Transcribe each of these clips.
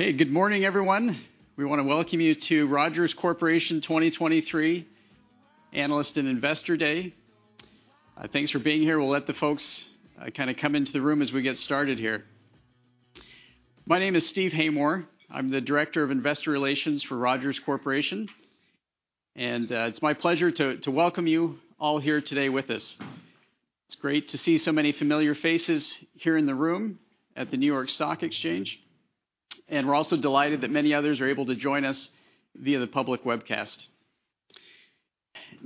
Okay. Good morning, everyone. We want to welcome you to Rogers Corporation 2023 Analyst and Investor Day. Thanks for being here. We'll let the folks kind of come into the room as we get started here. My name is Steve Haymore. I'm the Director of Investor Relations for Rogers Corporation. It's my pleasure to welcome you all here today with us. It's great to see so many familiar faces here in the room at the New York Stock Exchange, and we're also delighted that many others are able to join us via the public webcast.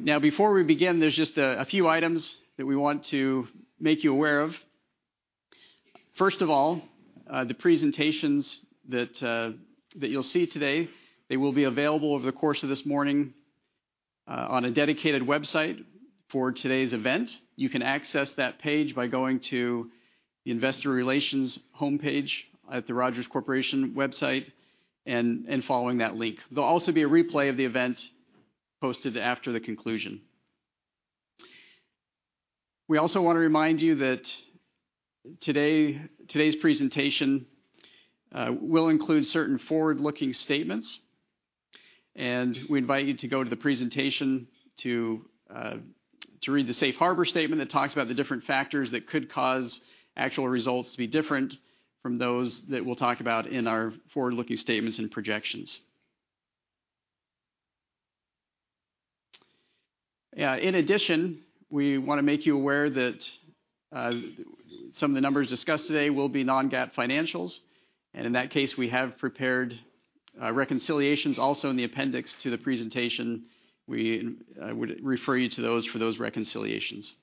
Before we begin, there's just a few items that we want to make you aware of. First of all, the presentations that you'll see today, they will be available over the course of this morning, on a dedicated website for today's event. You can access that page by going to the Investor Relations homepage at the Rogers Corporation website and following that link. There'll also be a replay of the event posted after the conclusion. We also want to remind you that today's presentation will include certain forward-looking statements, and we invite you to go to the presentation to read the safe harbor statement that talks about the different factors that could cause actual results to be different from those that we'll talk about in our forward-looking statements and projections. In addition, we wanna make you aware that some of the numbers discussed today will be non-GAAP financials. In that case, we have prepared reconciliations also in the appendix to the presentation. We would refer you to those for those reconciliations.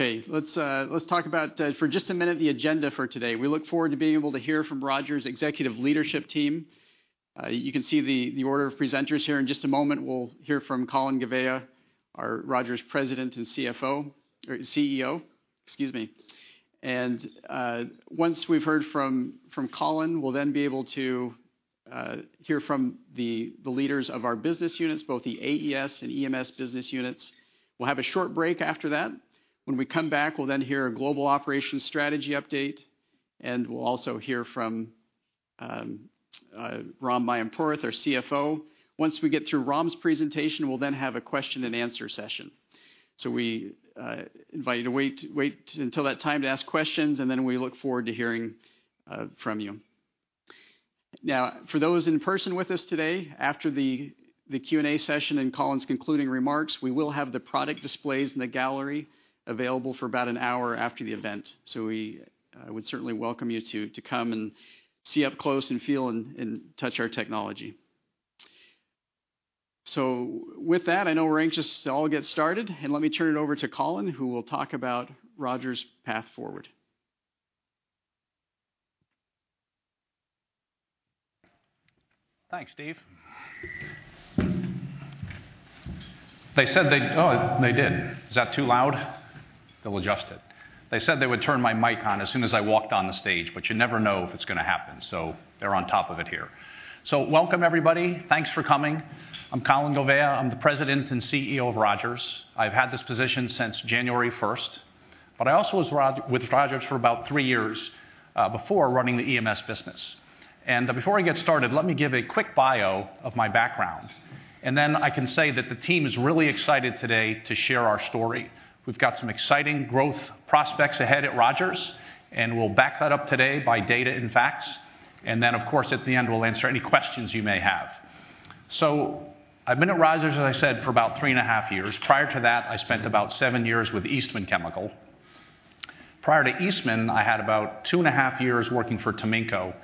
Okay. Let's talk about for just a minute the agenda for today. We look forward to being able to hear from Rogers' executive leadership team. You can see the order of presenters here. In just a moment, we'll hear from Colin Gouveia, our Rogers President and CFO, or CEO, excuse me. Once we've heard from Colin, we'll then be able to hear from the leaders of our business units, both the AES and EMS business units. We'll have a short break after that. When we come back, we'll then hear a global operations strategy update, and we'll also hear from Ram Mayampurath, our CFO. Once we get through Ram's presentation, we'll then have a question and answer session. We invite you to wait until that time to ask questions, and then we look forward to hearing from you. For those in person with us today, after the Q&A session and Colin's concluding remarks, we will have the product displays in the gallery available for about an hour after the event. We would certainly welcome you to come and see up close and feel and touch our technology. With that, I know we're anxious to all get started, and let me turn it over to Colin, who will talk about Rogers' path forward. Thanks, Steve. They said they'd. Oh, they did. Is that too loud? They'll adjust it. They said they would turn my mic on as soon as I walked on the stage, but you never know if it's gonna happen, so they're on top of it here. Welcome, everybody. Thanks for coming. I'm Colin Gouveia. I'm the President and CEO of Rogers. I've had this position since January first, but I also was with Rogers for about three years before running the EMS business. Before I get started, let me give a quick bio of my background. Then I can say that the team is really excited today to share our story. We've got some exciting growth prospects ahead at Rogers, and we'll back that up today by data and facts. Then, of course, at the end, we'll answer any questions you may have. I've been at Rogers, as I said, for about 3.5 years. Prior to that, I spent about seven years with Eastman Chemical. Prior to Eastman, I had about 2.5 years working for Taminco,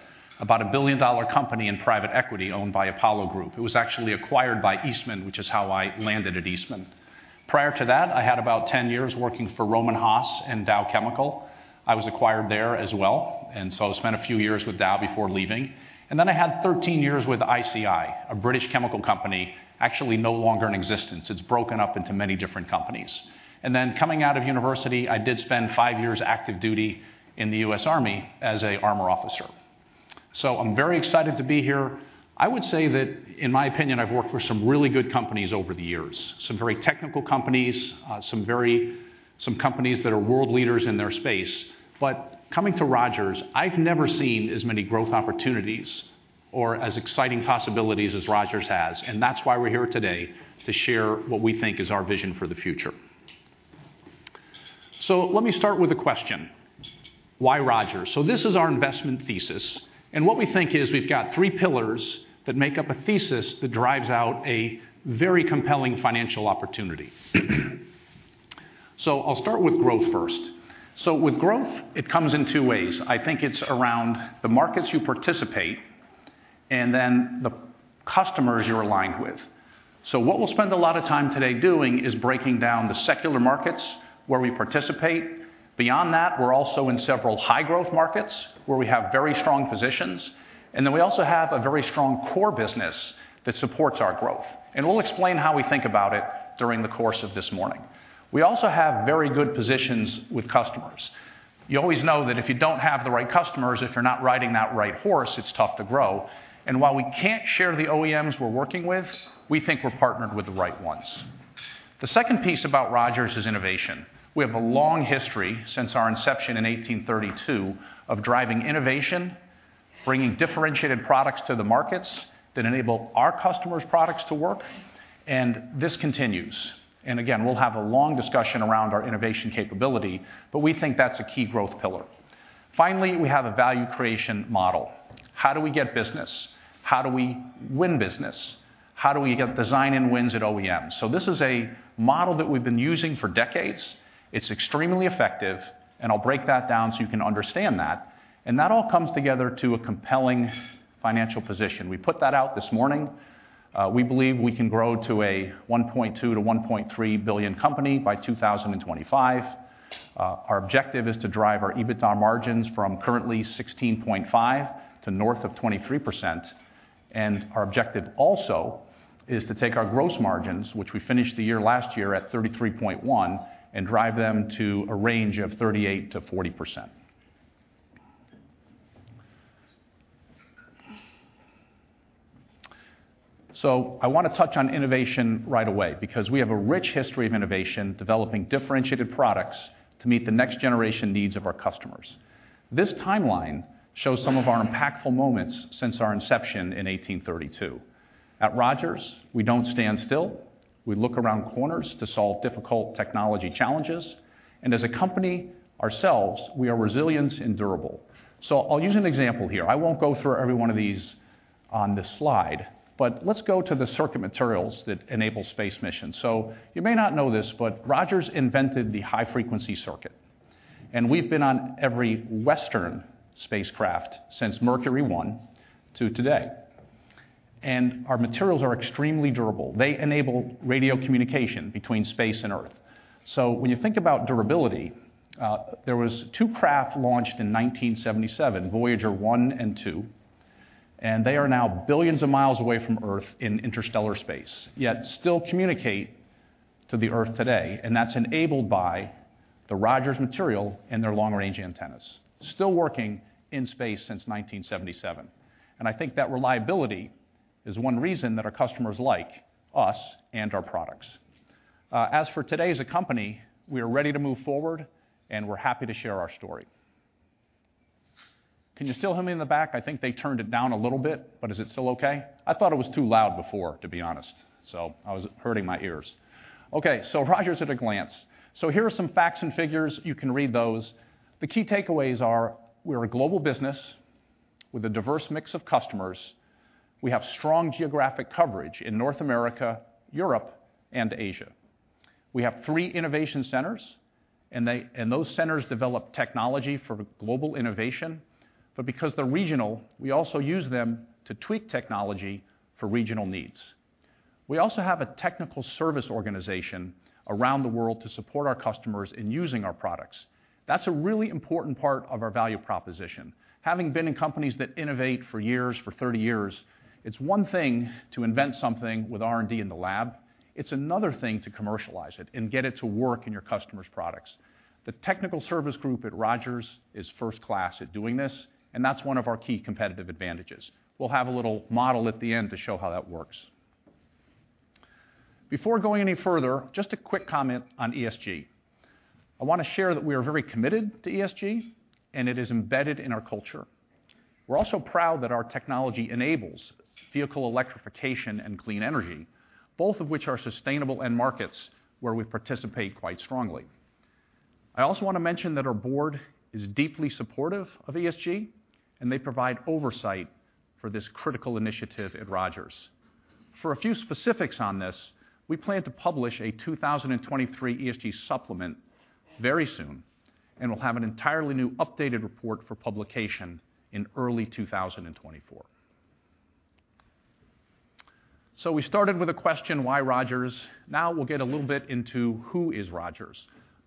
about a billion-dollar company in private equity owned by Apollo Group. It was actually acquired by Eastman, which is how I landed at Eastman. Prior to that, I had about 10 years working for Rohm and Haas and Dow Chemical. I was acquired there as well, and so I spent a few years with Dow before leaving. I had 13 years with ICI, a British chemical company, actually no longer in existence. It's broken up into many different companies. Coming out of university, I did spend five years active duty in the U.S. Army as an armor officer. I'm very excited to be here. I would say that, in my opinion, I've worked for some really good companies over the years, some very technical companies, some companies that are world leaders in their space. Coming to Rogers, I've never seen as many growth opportunities or as exciting possibilities as Rogers has. That's why we're here today, to share what we think is our vision for the future. Let me start with a question. Why Rogers? This is our investment thesis, and what we think is we've got three pillars that make up a thesis that drives out a very compelling financial opportunity. I'll start with growth first. With growth, it comes in two ways. I think it's around the markets you participate and then the customers you're aligned with. What we'll spend a lot of time today doing is breaking down the secular markets where we participate. Beyond that, we're also in several high-growth markets where we have very strong positions. We also have a very strong core business that supports our growth. We'll explain how we think about it during the course of this morning. We also have very good positions with customers. You always know that if you don't have the right customers, if you're not riding that right horse, it's tough to grow. While we can't share the OEMs we're working with, we think we're partnered with the right ones. The second piece about Rogers is innovation. We have a long history since our inception in 1832 of driving innovation, bringing differentiated products to the markets that enable our customers' products to work, and this continues. Again, we'll have a long discussion around our innovation capability, but we think that's a key growth pillar. Finally, we have a value creation model. How do we get business? How do we win business? How do we get design and wins at OEMs? This is a model that we've been using for decades. It's extremely effective, and I'll break that down so you can understand that. That all comes together to a compelling financial position. We put that out this morning. We believe we can grow to a $1.2 billion-$1.3 billion company by 2025. Our objective is to drive our EBITDA margins from currently 16.5% to north of 23%. Our objective also is to take our gross margins, which we finished the year last year at 33.1%, and drive them to a range of 38%-40%. I want to touch on innovation right away because we have a rich history of innovation, developing differentiated products to meet the next-generation needs of our customers. This timeline shows some of our impactful moments since our inception in 1832. At Rogers, we don't stand still. We look around corners to solve difficult technology challenges. As a company ourselves, we are resilient and durable. I'll use an example here. I won't go through every one of these on this slide, but let's go to the circuit materials that enable space missions. You may not know this, but Rogers invented the high-frequency circuit. We've been on every Western spacecraft since Mercury 1 to today. Our materials are extremely durable. They enable radio communication between space and Earth. When you think about durability, there was two craft launched in 1977, Voyager 1 and 2. They are now billions of miles away from Earth in interstellar space, yet still communicate to the Earth today. That's enabled by the Rogers material and their long-range antennas. Still working in space since 1977. I think that reliability is one reason that our customers like us and our products. As for today as a company, we are ready to move forward and we're happy to share our story. Can you still hear me in the back? I think they turned it down a little bit, but is it still okay? I thought it was too loud before, to be honest. I was hurting my ears. Okay. Rogers at a glance. Here are some facts and figures. You can read those. The key takeaways are we're a global business with a diverse mix of customers. We have strong geographic coverage in North America, Europe, and Asia. We have three innovation centers and those centers develop technology for global innovation. Because they're regional, we also use them to tweak technology for regional needs. We also have a technical service organization around the world to support our customers in using our products. That's a really important part of our value proposition. Having been in companies that innovate for years, for 30 years, it's one thing to invent something with R&D in the lab. It's another thing to commercialize it and get it to work in your customers' products. The technical service group at Rogers is first class at doing this, and that's one of our key competitive advantages. We'll have a little model at the end to show how that works. Before going any further, just a quick comment on ESG. I want to share that we are very committed to ESG. It is embedded in our culture. We're also proud that our technology enables vehicle electrification and clean energy, both of which are sustainable end markets where we participate quite strongly. I also want to mention that our board is deeply supportive of ESG. They provide oversight for this critical initiative at Rogers. For a few specifics on this, we plan to publish a 2023 ESG supplement very soon. We'll have an entirely new updated report for publication in early 2024. We started with a question, why Rogers? We'll get a little bit into who is Rogers.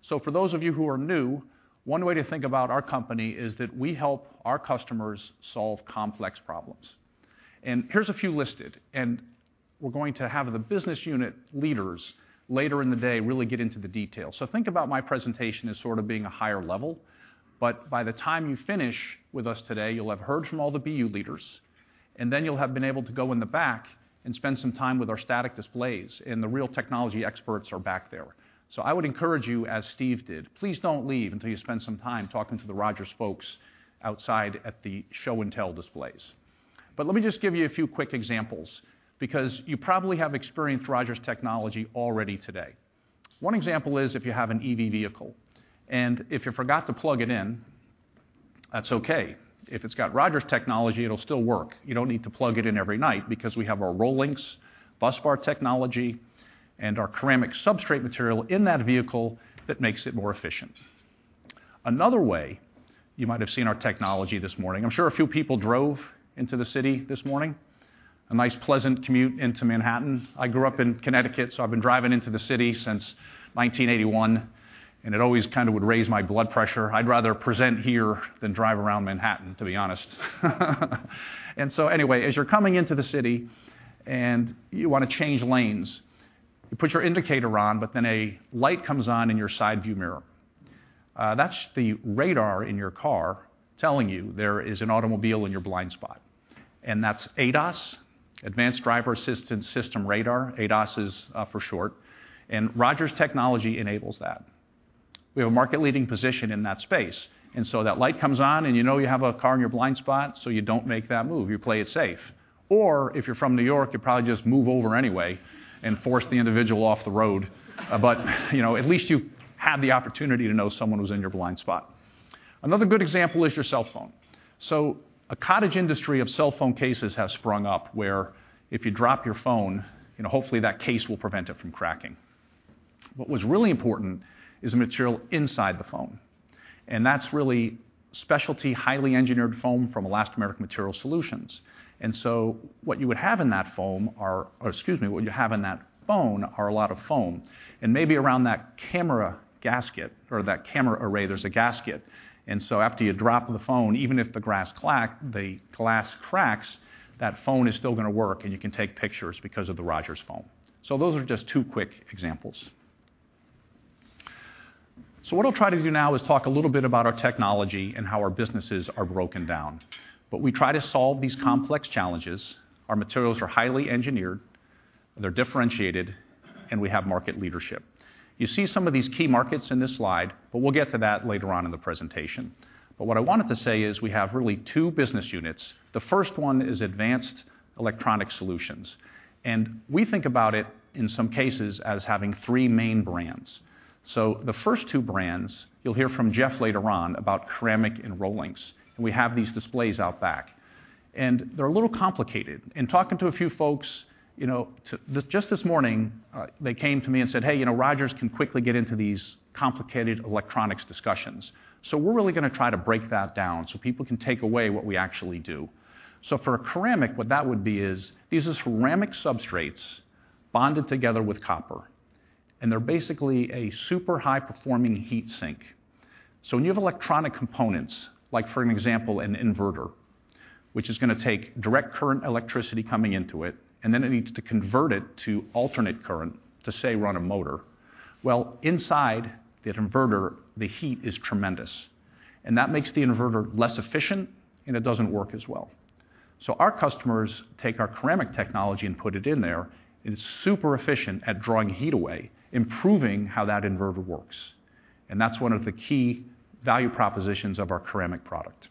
For those of you who are new, one way to think about our company is that we help our customers solve complex problems. Here's a few listed, and we're going to have the business unit leaders later in the day really get into the details. Think about my presentation as sort of being a higher level, but by the time you finish with us today, you'll have heard from all the BU leaders, and then you'll have been able to go in the back and spend some time with our static displays, and the real technology experts are back there. I would encourage you, as Steve did, please don't leave until you spend some time talking to the Rogers folks outside at the show-and-tell displays. Let me just give you a few quick examples, because you probably have experienced Rogers technology already today. One example is if you have an EV vehicle, and if you forgot to plug it in, that's okay. If it's got Rogers technology, it'll still work. You don't need to plug it in every night because we have our ROLINX busbar technology and our ceramic substrate material in that vehicle that makes it more efficient. Another way you might have seen our technology this morning, I'm sure a few people drove into the city this morning, a nice pleasant commute into Manhattan. I grew up in Connecticut, so I've been driving into the city since 1981, and it always kind of would raise my blood pressure. I'd rather present here than drive around Manhattan, to be honest. Anyway, as you're coming into the city and you want to change lanes. You put your indicator on, a light comes on in your side-view mirror. That's the radar in your car telling you there is an automobile in your blind spot, that's ADAS, Advanced Driver-Assistance System radar. ADAS is for short. Rogers' technology enables that. We have a market-leading position in that space. That light comes on, and you know you have a car in your blind spot, so you don't make that move. You play it safe. If you're from New York, you probably just move over anyway and force the individual off the road. You know, at least you have the opportunity to know someone was in your blind spot. Another good example is your cell phone. A cottage industry of cell phone cases has sprung up where if you drop your phone, you know, hopefully that case will prevent it from cracking. What was really important is the material inside the phone, and that's really specialty, highly engineered foam from Elastomeric Material Solutions. What you would have in that foam or excuse me, what you have in that phone are a lot of foam, and maybe around that camera gasket or that camera array, there's a gasket. After you drop the phone, even if the glass cracks, that phone is still gonna work, and you can take pictures because of the Rogers foam. Those are just two quick examples. What I'll try to do now is talk a little bit about our technology and how our businesses are broken down. We try to solve these complex challenges. Our materials are highly engineered, they're differentiated, and we have market leadership. You see some of these key markets in this slide, we'll get to that later on in the presentation. What I wanted to say is we have really two business units. The first one is Advanced Electronics Solutions, and we think about it, in some cases, as having three main brands. The first two brands, you'll hear from Jeff later on about ceramic and ROLINX, and we have these displays out back, and they're a little complicated. In talking to a few folks, you know, just this morning, they came to me and said, "Hey, you know, Rogers can quickly get into these complicated electronics discussions." We're really gonna try to break that down so people can take away what we actually do. For a ceramic, what that would be is, these are ceramic substrates bonded together with copper, and they're basically a super high-performing heat sink. When you have electronic components, like for an example, an inverter, which is gonna take direct current electricity coming into it, and then it needs to convert it to alternate current to, say, run a motor. Well, inside the inverter, the heat is tremendous, and that makes the inverter less efficient, and it doesn't work as well. Our customers take our ceramic technology and put it in there. It is super efficient at drawing heat away, improving how that inverter works, and that's one of the key value propositions of our ceramic product.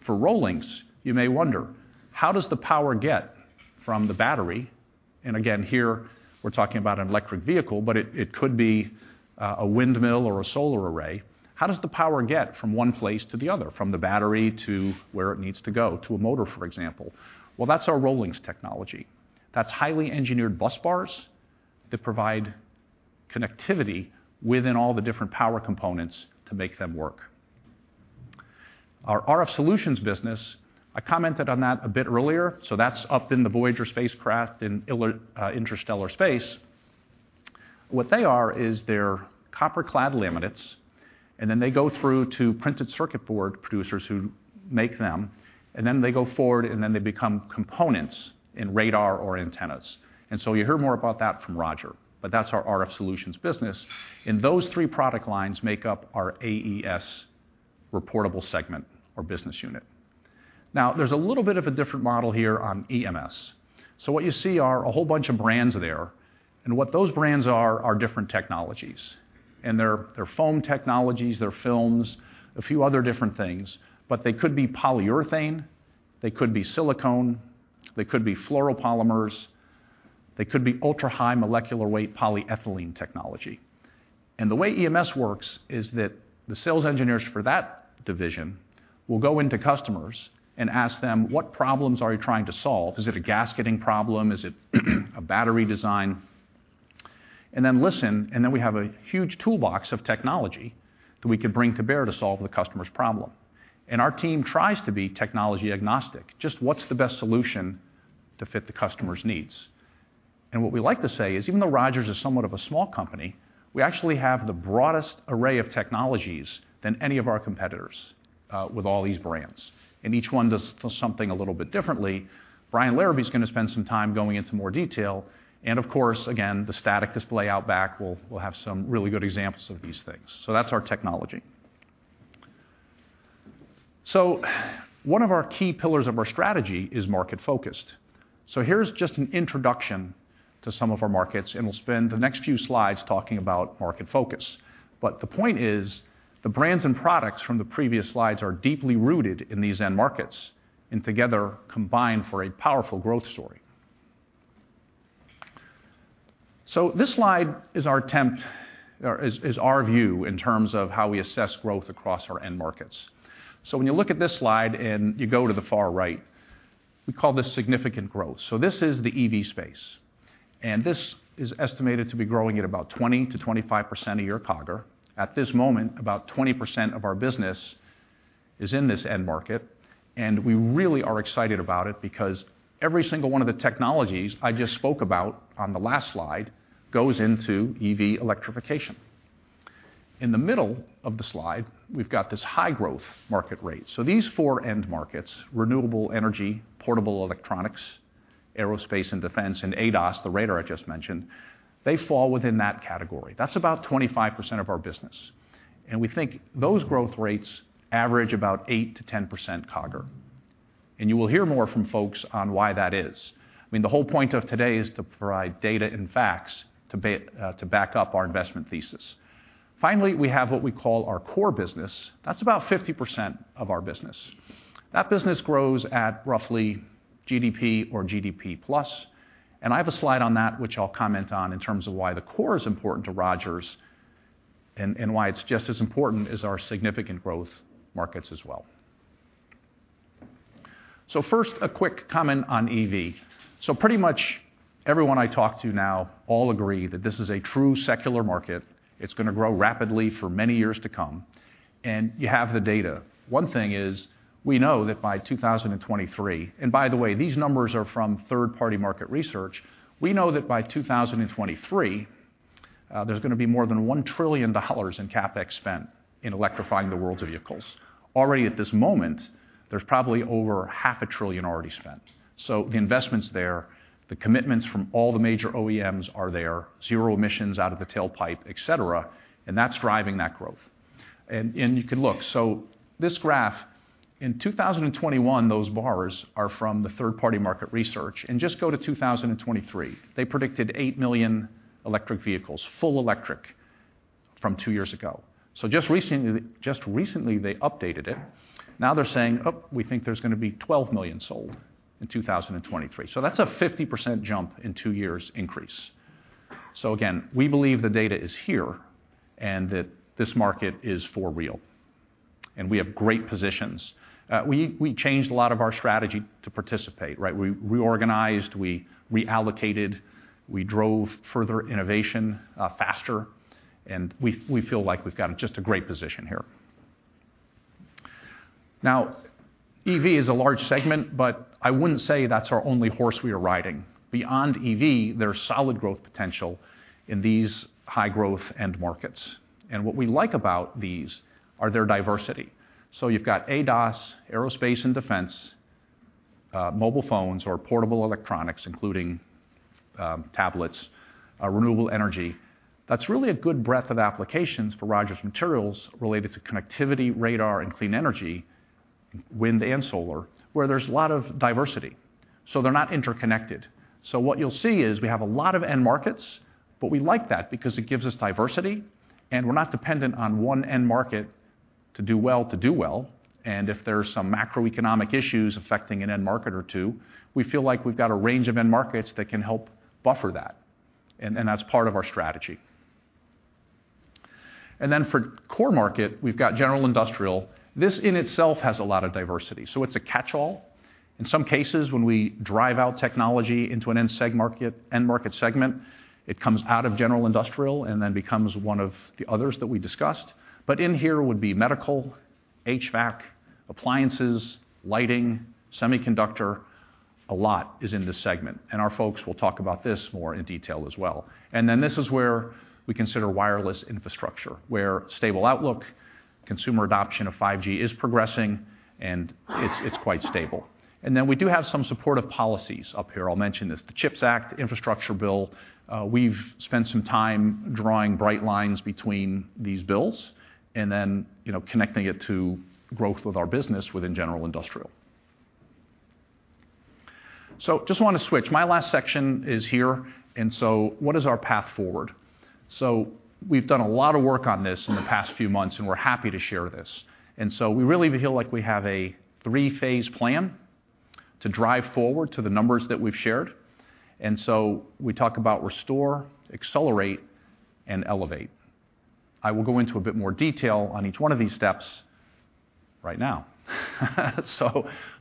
For ROLINX, you may wonder, how does the power get from the battery? Again, here we're talking about an electric vehicle, but it could be a windmill or a solar array. How does the power get from one place to the other, from the battery to where it needs to go to a motor, for example? That's our ROLINX technology. That's highly engineered bus bars that provide connectivity within all the different power components to make them work. Our RF Solutions business, I commented on that a bit earlier, that's up in the Voyager spacecraft in interstellar space. What they are is they're copper-clad laminates, they go through to printed circuit board producers who make them, they go forward, they become components in radar or antennas. You'll hear more about that from Roger, but that's our RF Solutions business. Those three product lines make up our AES reportable segment or business unit. There's a little bit of a different model here on EMS. What you see are a whole bunch of brands there. What those brands are different technologies. They're foam technologies, they're films, a few other different things, but they could be polyurethane, they could be silicone, they could be fluoropolymers, they could be ultra-high molecular weight polyethylene technology. The way EMS works is that the sales engineers for that division will go into customers and ask them, "What problems are you trying to solve? Is it a gasketing problem? Is it a battery design?" Then listen, then we have a huge toolbox of technology that we could bring to bear to solve the customer's problem. Our team tries to be technology agnostic, just what's the best solution to fit the customer's needs. What we like to say is, even though Rogers is somewhat of a small company, we actually have the broadest array of technologies than any of our competitors, with all these brands. Each one does something a little bit differently. Brian Larabee is gonna spend some time going into more detail. Of course, again, the static display out back will have some really good examples of these things. That's our technology. One of our key pillars of our strategy is market-focused. Here's just an introduction to some of our markets, and we'll spend the next few slides talking about market focus. The point is, the brands and products from the previous slides are deeply rooted in these end markets and together combine for a powerful growth story. This slide is our attempt or is our view in terms of how we assess growth across our end markets. When you look at this slide and you go to the far right, we call this significant growth. This is the EV space, and this is estimated to be growing at about 20%-25% a year CAGR. At this moment, about 20% of our business is in this end market, and we really are excited about it because every single one of the technologies I just spoke about on the last slide goes into EV electrification. In the middle of the slide, we've got this high growth market rate. These four end markets, renewable energy, portable electronics, aerospace and defense, and ADAS, the radar I just mentioned, they fall within that category. That's about 25% of our business. We think those growth rates average about 8%-10% CAGR. You will hear more from folks on why that is. I mean, the whole point of today is to provide data and facts to back up our investment thesis. Finally, we have what we call our core business. That's about 50% of our business. That business grows at roughly GDP or GDP+, and I have a slide on that which I'll comment on in terms of why the core is important to Rogers and why it's just as important as our significant growth markets as well. First, a quick comment on EV. Pretty much everyone I talk to now all agree that this is a true secular market. It's gonna grow rapidly for many years to come, and you have the data. One thing is we know that by 2023, and by the way, these numbers are from third-party market research. We know that by 2023, there's gonna be more than $1 trillion in CapEx spend in electrifying the world's vehicles. Already at this moment, there's probably over half a trillion already spent. The investment's there, the commitments from all the major OEMs are there, zero emissions out of the tailpipe, et cetera, and that's driving that growth. You can look. This graph, in 2021, those bars are from the third-party market research. Just go to 2023. They predicted 8 million electric vehicles, full electric from two years ago. Just recently they updated it. Now they're saying, we think there's gonna be 12 million sold in 2023. That's a 50% jump in two years increase. Again, we believe the data is here and that this market is for real, and we have great positions. We changed a lot of our strategy to participate, right? We reorganized, we reallocated, we drove further innovation, faster, and we feel like we've got just a great position here. Now, EV is a large segment, but I wouldn't say that's our only horse we are riding. Beyond EV, there's solid growth potential in these high-growth end markets. What we like about these are their diversity. You've got ADAS, aerospace and defense, mobile phones or portable electronics, including tablets, renewable energy. That's really a good breadth of applications for Rogers Materials related to connectivity, radar, and clean energy, wind and solar, where there's a lot of diversity, so they're not interconnected. What you'll see is we have a lot of end markets, but we like that because it gives us diversity, and we're not dependent on one end market to do well, to do well. If there's some macroeconomic issues affecting an end market or two, we feel like we've got a range of end markets that can help buffer that. That's part of our strategy. Then for core market, we've got general industrial. This in itself has a lot of diversity, so it's a catch-all. In some cases, when we drive out technology into an end market segment, it comes out of general industrial and becomes one of the others that we discussed. In here would be medical, HVAC, appliances, lighting, semiconductor. A lot is in this segment, our folks will talk about this more in detail as well. This is where we consider wireless infrastructure, where stable outlook, consumer adoption of 5G is progressing and it's quite stable. We do have some supportive policies up here. I'll mention this. The CHIPS Act, infrastructure bill, we've spent some time drawing bright lines between these bills, you know, connecting it to growth with our business within general industrial. Just wanna switch. My last section is here, what is our path forward? We've done a lot of work on this in the past few months, and we're happy to share this. We really feel like we have a three-phase plan to drive forward to the numbers that we've shared. We talk about restore, accelerate, and elevate. I will go into a bit more detail on each one of these steps right now.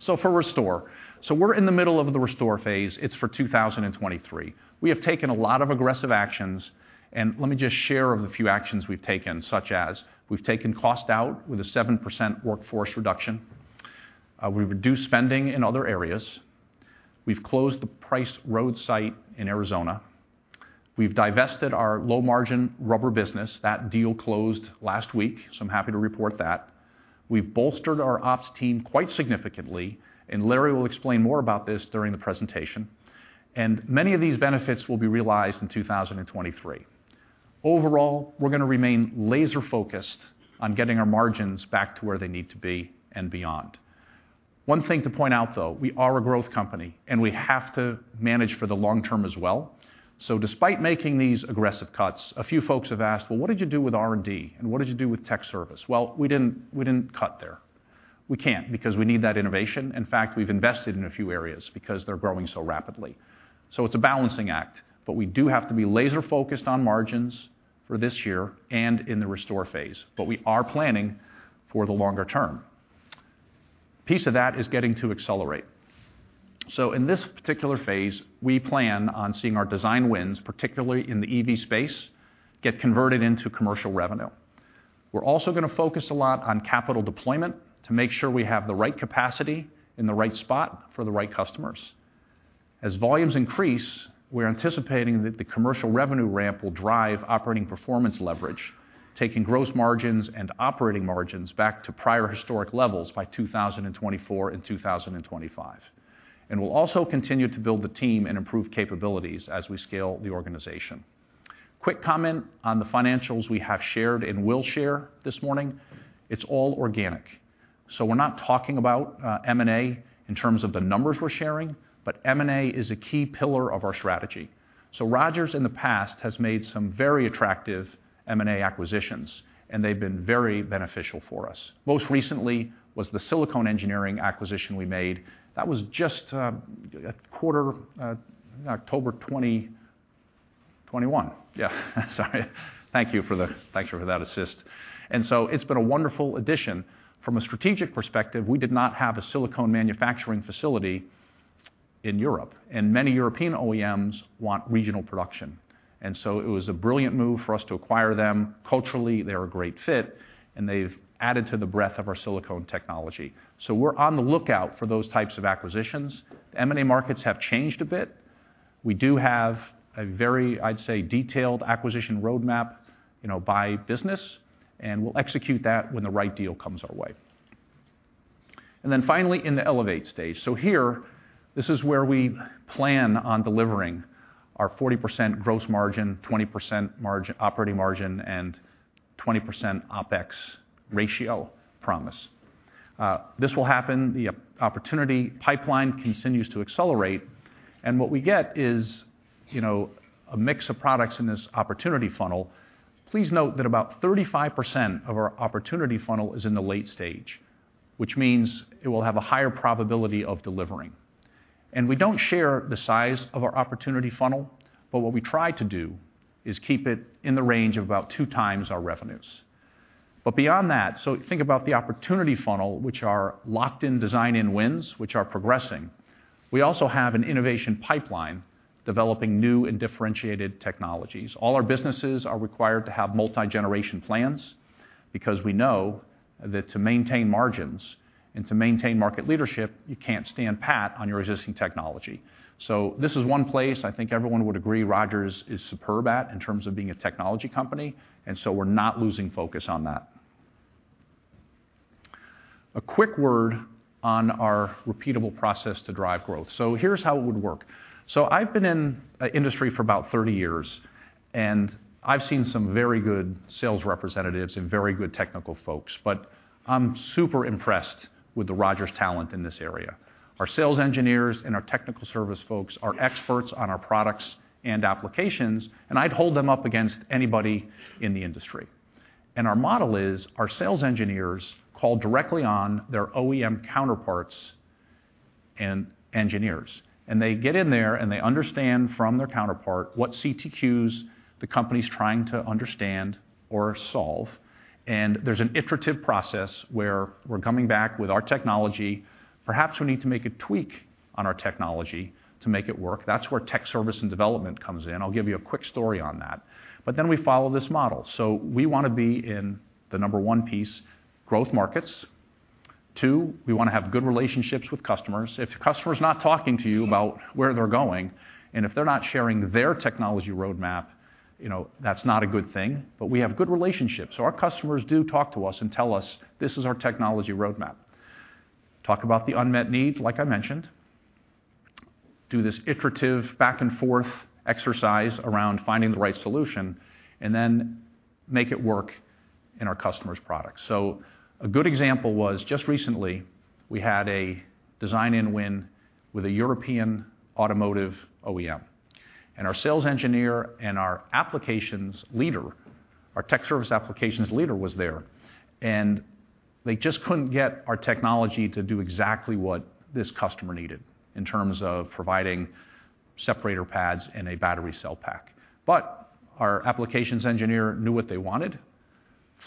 For restore. We're in the middle of the restore phase. It's for 2023. We have taken a lot of aggressive actions, and let me just share a few actions we've taken, such as we've taken cost out with a 7% workforce reduction. We've reduced spending in other areas. We've closed the Price Road site in Arizona. We've divested our low-margin rubber business. That deal closed last week, so I'm happy to report that. We've bolstered our ops team quite significantly, Larry will explain more about this during the presentation. Many of these benefits will be realized in 2023. Overall, we're gonna remain laser-focused on getting our margins back to where they need to be and beyond. One thing to point out, though, we are a growth company, and we have to manage for the long term as well. Despite making these aggressive cuts, a few folks have asked, "Well, what did you do with R&D, and what did you do with tech service?" Well, we didn't, we didn't cut there. We can't because we need that innovation. In fact, we've invested in a few areas because they're growing so rapidly. It's a balancing act, but we do have to be laser-focused on margins for this year and in the restore phase. We are planning for the longer term. Piece of that is getting to accelerate. In this particular phase, we plan on seeing our design wins, particularly in the EV space, get converted into commercial revenue. We're also gonna focus a lot on capital deployment to make sure we have the right capacity in the right spot for the right customers. As volumes increase, we're anticipating that the commercial revenue ramp will drive operating performance leverage, taking gross margins and operating margins back to prior historic levels by 2024 and 2025. We'll also continue to build the team and improve capabilities as we scale the organization. Quick comment on the financials we have shared and will share this morning. It's all organic. We're not talking about M&A in terms of the numbers we're sharing, but M&A is a key pillar of our strategy. Rogers in the past has made some very attractive M&A acquisitions, and they've been very beneficial for us. Most recently was the Silicone Engineering acquisition we made. That was just a quarter, October 2021. Yeah. Sorry. Thank you for that assist. It's been a wonderful addition. From a strategic perspective, we did not have a silicone manufacturing facility in Europe, and many European OEMs want regional production, and so it was a brilliant move for us to acquire them. Culturally, they're a great fit, and they've added to the breadth of our silicone technology. We're on the lookout for those types of acquisitions. M&A markets have changed a bit. We do have a very, I'd say, detailed acquisition roadmap, you know, by business, and we'll execute that when the right deal comes our way. Finally, in the elevate stage. Here, this is where we plan on delivering our 40% gross margin, 20% margin, operating margin and 20% OpEx ratio promise. This will happen. The opportunity pipeline continues to accelerate, and what we get is, you know, a mix of products in this opportunity funnel. Please note that about 35% of our opportunity funnel is in the late stage, which means it will have a higher probability of delivering. We don't share the size of our opportunity funnel, but what we try to do is keep it in the range of about 2x our revenues. Beyond that, think about the opportunity funnel, which are locked-in design-in wins, which are progressing. We also have an innovation pipeline developing new and differentiated technologies. All our businesses are required to have multi-generation plans because we know that to maintain margins and to maintain market leadership, you can't stand pat on your existing technology. This is one place I think everyone would agree Rogers is superb at in terms of being a technology company, we're not losing focus on that. A quick word on our repeatable process to drive growth. Here's how it would work. I've been in industry for about 30 years, and I've seen some very good sales representatives and very good technical folks, but I'm super impressed with the Rogers talent in this area. Our sales engineers and our technical service folks are experts on our products and applications, and I'd hold them up against anybody in the industry. Our model is our sales engineers call directly on their OEM counterparts and engineers, and they get in there, and they understand from their counterpart what CTQs the company's trying to understand or solve. There's an iterative process where we're coming back with our technology. Perhaps we need to make a tweak on our technology to make it work. That's where tech service and development comes in. I'll give you a quick story on that. We follow this model. We wanna be in the number one piece, growth markets. Two, we wanna have good relationships with customers. If the customer's not talking to you about where they're going, and if they're not sharing their technology roadmap, you know, that's not a good thing. We have good relationships. Our customers do talk to us and tell us, "This is our technology roadmap." Talk about the unmet needs, like I mentioned. Do this iterative back and forth exercise around finding the right solution, and then make it work in our customer's products. A good example was just recently we had a design-in win with a European automotive OEM. Our sales engineer and our applications leader, our tech service applications leader was there, and they just couldn't get our technology to do exactly what this customer needed in terms of providing separator pads in a battery cell pack. Our applications engineer knew what they wanted,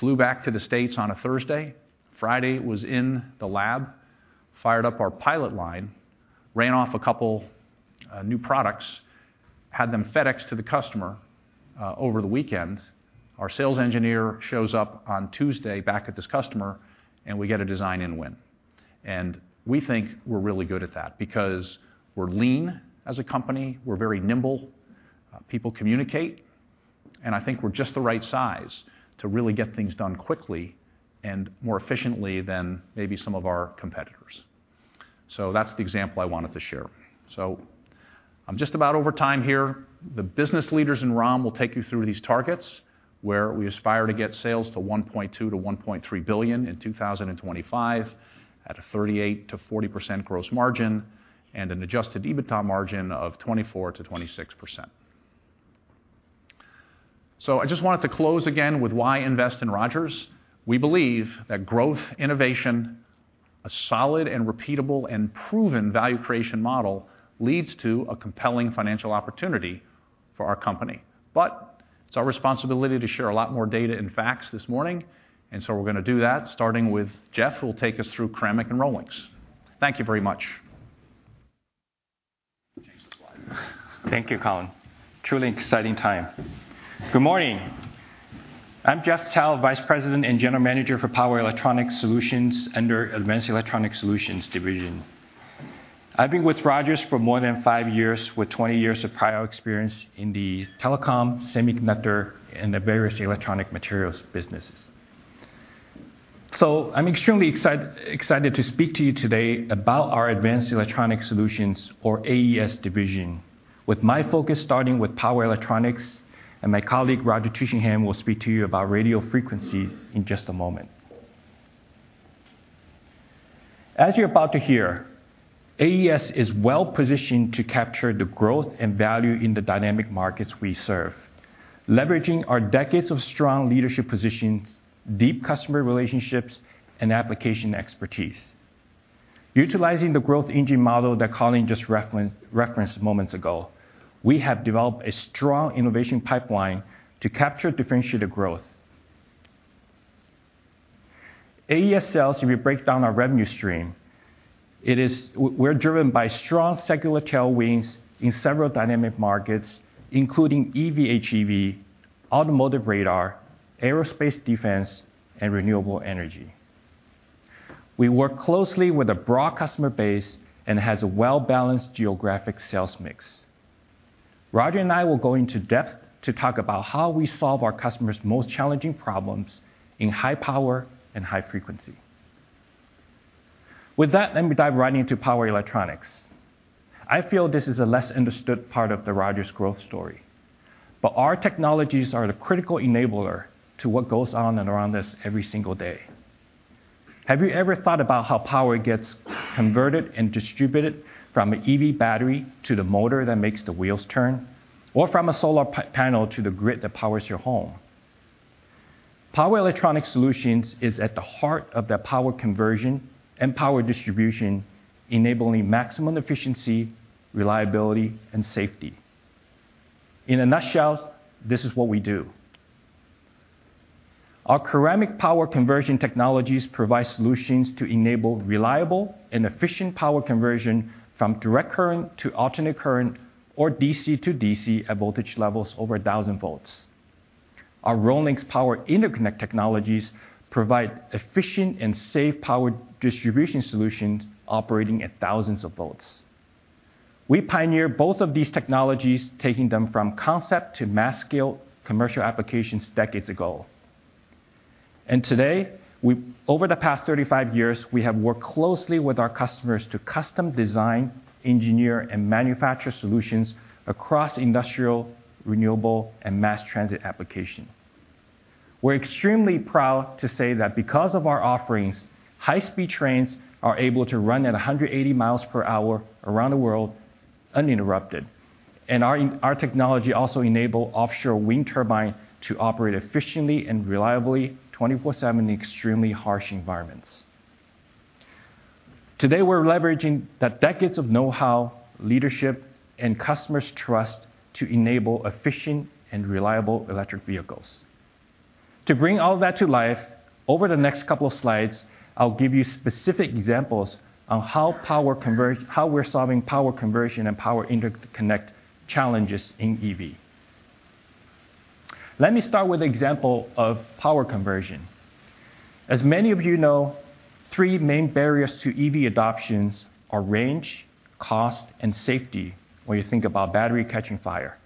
flew back to the States on a Thursday. Friday, was in the lab, fired up our pilot line, ran off a couple new products, had them FedExed to the customer over the weekend. Our sales engineer shows up on Tuesday back at this customer, we get a design-in win. We think we're really good at that because we're lean as a company. We're very nimble. People communicate. I think we're just the right size to really get things done quickly and more efficiently than maybe some of our competitors. That's the example I wanted to share. I'm just about over time here. The business leaders in Ram will take you through these targets, where we aspire to get sales to $1.2 billion-$1.3 billion in 2025 at a 38%-40% gross margin and an Adjusted EBITDA margin of 24%-26%. I just wanted to close again with why invest in Rogers. We believe that growth, innovation, a solid and repeatable and proven value creation model leads to a compelling financial opportunity for our company. It's our responsibility to share a lot more data and facts this morning. We're going to do that starting with Jeff, who will take us through ceramic and ROLINX. Thank you very much. Change the slide. Thank you, Colin. Truly exciting time. Good morning. I'm Jeff Tsao, Vice President and General Manager for Power Electronics Solutions under Advanced Electronics Solutions division. I've been with Rogers for more than five years, with 20 years of prior experience in the telecom, semiconductor, and the various electronic materials businesses. I'm extremely excited to speak to you today about our Advanced Electronics Solutions, or AES division, with my focus starting with power electronics, and my colleague, Roger Tushingham, will speak to you about radio frequencies in just a moment. As you're about to hear, AES is well-positioned to capture the growth and value in the dynamic markets we serve, leveraging our decades of strong leadership positions, deep customer relationships, and application expertise. Utilizing the growth engine model that Colin just referenced moments ago, we have developed a strong innovation pipeline to capture differentiated growth. AES sells, if we break down our revenue stream, we're driven by strong secular tailwinds in several dynamic markets, including EV, HEV, automotive radar, aerospace defense, and renewable energy. We work closely with a broad customer base and has a well-balanced geographic sales mix. Roger and I will go into depth to talk about how we solve our customers' most challenging problems in high power and high frequency. With that, let me dive right into power electronics. I feel this is a less understood part of the Rogers growth story, our technologies are the critical enabler to what goes on and around us every single day. Have you ever thought about how power gets converted and distributed from an EV battery to the motor that makes the wheels turn, or from a solar panel to the grid that powers your home? Power Electronics Solutions is at the heart of that power conversion and power distribution, enabling maximum efficiency, reliability, and safety. In a nutshell, this is what we do. Our ceramic power conversion technologies provide solutions to enable reliable and efficient power conversion from direct current to alternate current or DC-to-DC at voltage levels over 1,000 volts. Our ROLINX power interconnect technologies provide efficient and safe power distribution solutions operating at thousands of volts. We pioneered both of these technologies, taking them from concept to mass scale commercial applications decades ago. Over the past 35 years, we have worked closely with our customers to custom design, engineer, and manufacture solutions across industrial, renewable, and mass transit application. We're extremely proud to say that because of our offerings, high-speed trains are able to run at 180 mi per hour around the world uninterrupted. Our technology also enable offshore wind turbine to operate efficiently and reliably 24/7 in extremely harsh environments. Today, we're leveraging the decades of know-how, leadership, and customers' trust to enable efficient and reliable electric vehicles. To bring all that to life, over the next couple of slides, I'll give you specific examples on how we're solving power conversion and power interconnect challenges in EV. Let me start with the example of power conversion. As many of you know, three main barriers to EV adoptions are range, cost, and safety, when you think about battery catching fire.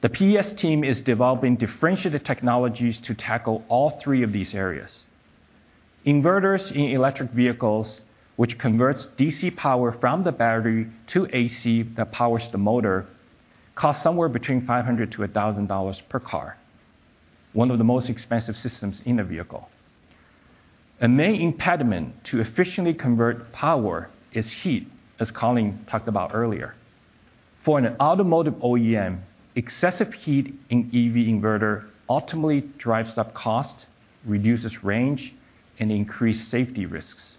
The PES team is developing differentiated technologies to tackle all three of these areas. Inverters in electric vehicles, which converts DC power from the battery to AC that powers the motor, cost somewhere between $500-$1,000 per car, one of the most expensive systems in the vehicle. A main impediment to efficiently convert power is heat, as Colin talked about earlier. For an automotive OEM, excessive heat in EV inverter ultimately drives up cost, reduces range, and increase safety risks.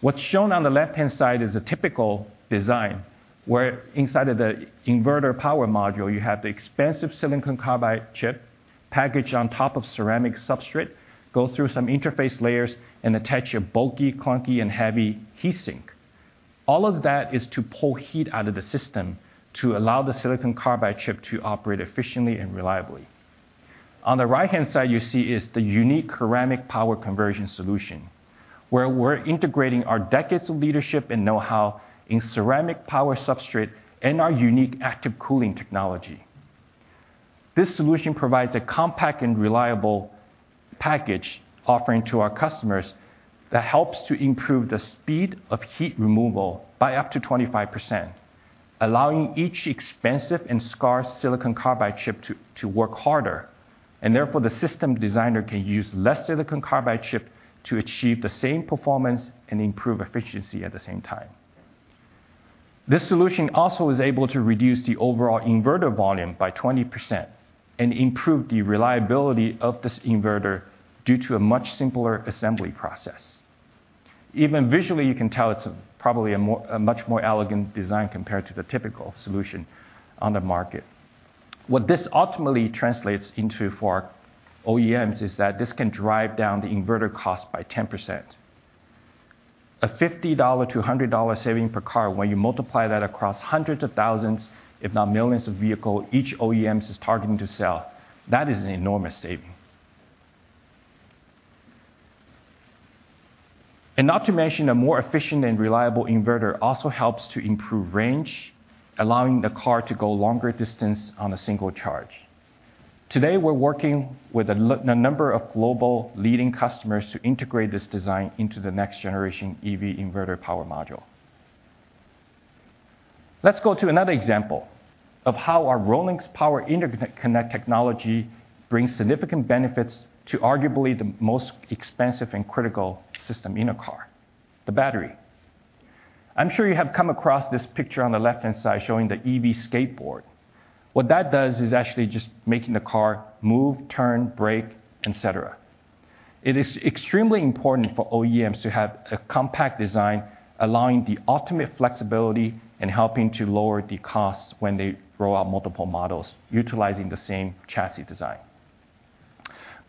What's shown on the left-hand side is a typical design, where inside of the inverter power module, you have the expensive silicon carbide chip packaged on top of ceramic substrate, go through some interface layers, and attach a bulky, clunky, and heavy heat sink. All of that is to pull heat out of the system to allow the silicon carbide chip to operate efficiently and reliably. On the right-hand side, you see is the unique ceramic power conversion solution, where we're integrating our decades of leadership and know-how in ceramic power substrate and our unique active cooling technology. This solution provides a compact and reliable package offering to our customers that helps to improve the speed of heat removal by up to 25%, allowing each expensive and scarce silicon carbide chip to work harder. Therefore, the system designer can use less silicon carbide chip to achieve the same performance and improve efficiency at the same time. This solution also is able to reduce the overall inverter volume by 20% and improve the reliability of this inverter due to a much simpler assembly process. Even visually, you can tell it's probably a much more elegant design compared to the typical solution on the market. What this ultimately translates into for OEMs is that this can drive down the inverter cost by 10%. A $50-$100 saving per car, when you multiply that across hundreds of thousands, if not millions of vehicle each OEMs is targeting to sell, that is an enormous saving. Not to mention, a more efficient and reliable inverter also helps to improve range, allowing the car to go longer distance on a single charge. Today, we're working with a number of global leading customers to integrate this design into the next generation EV inverter power module. Let's go to another example of how our ROLINX power interconnect technology brings significant benefits to arguably the most expensive and critical system in a car, the battery. I'm sure you have come across this picture on the left-hand side showing the EV skateboard. What that does is actually just making the car move, turn, brake, et cetera. It is extremely important for OEMs to have a compact design, allowing the ultimate flexibility and helping to lower the costs when they roll out multiple models utilizing the same chassis design.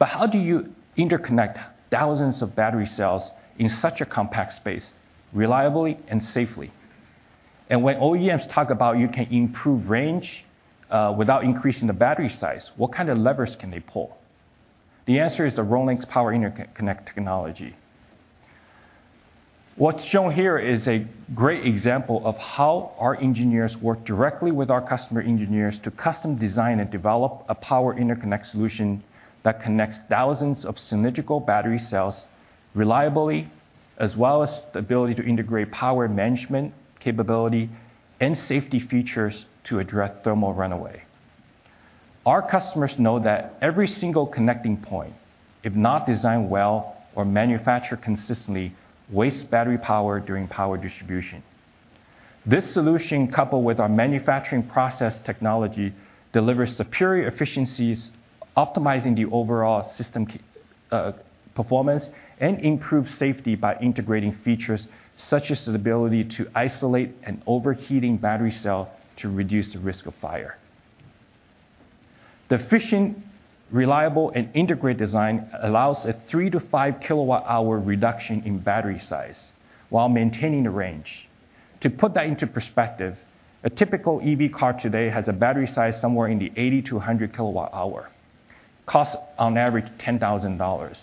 How do you interconnect thousands of battery cells in such a compact space reliably and safely? When OEMs talk about you can improve range, without increasing the battery size, what kind of levers can they pull? The answer is the ROLINX power interconnect technology. What's shown here is a great example of how our engineers work directly with our customer engineers to custom design and develop a power interconnect solution that connects thousands of symmetrical battery cells reliably, as well as the ability to integrate power management capability and safety features to address thermal runaway. Our customers know that every single connecting point, if not designed well or manufactured consistently, wastes battery power during power distribution. This solution, coupled with our manufacturing process technology, delivers superior efficiencies, optimizing the overall system performance and improves safety by integrating features such as the ability to isolate an overheating battery cell to reduce the risk of fire. The efficient, reliable, and integrated design allows a 3kWh-5kWh reduction in battery size while maintaining the range. To put that into perspective, a typical EV car today has a battery size somewhere in the 80kWh-100kWh. Costs on average $10,000.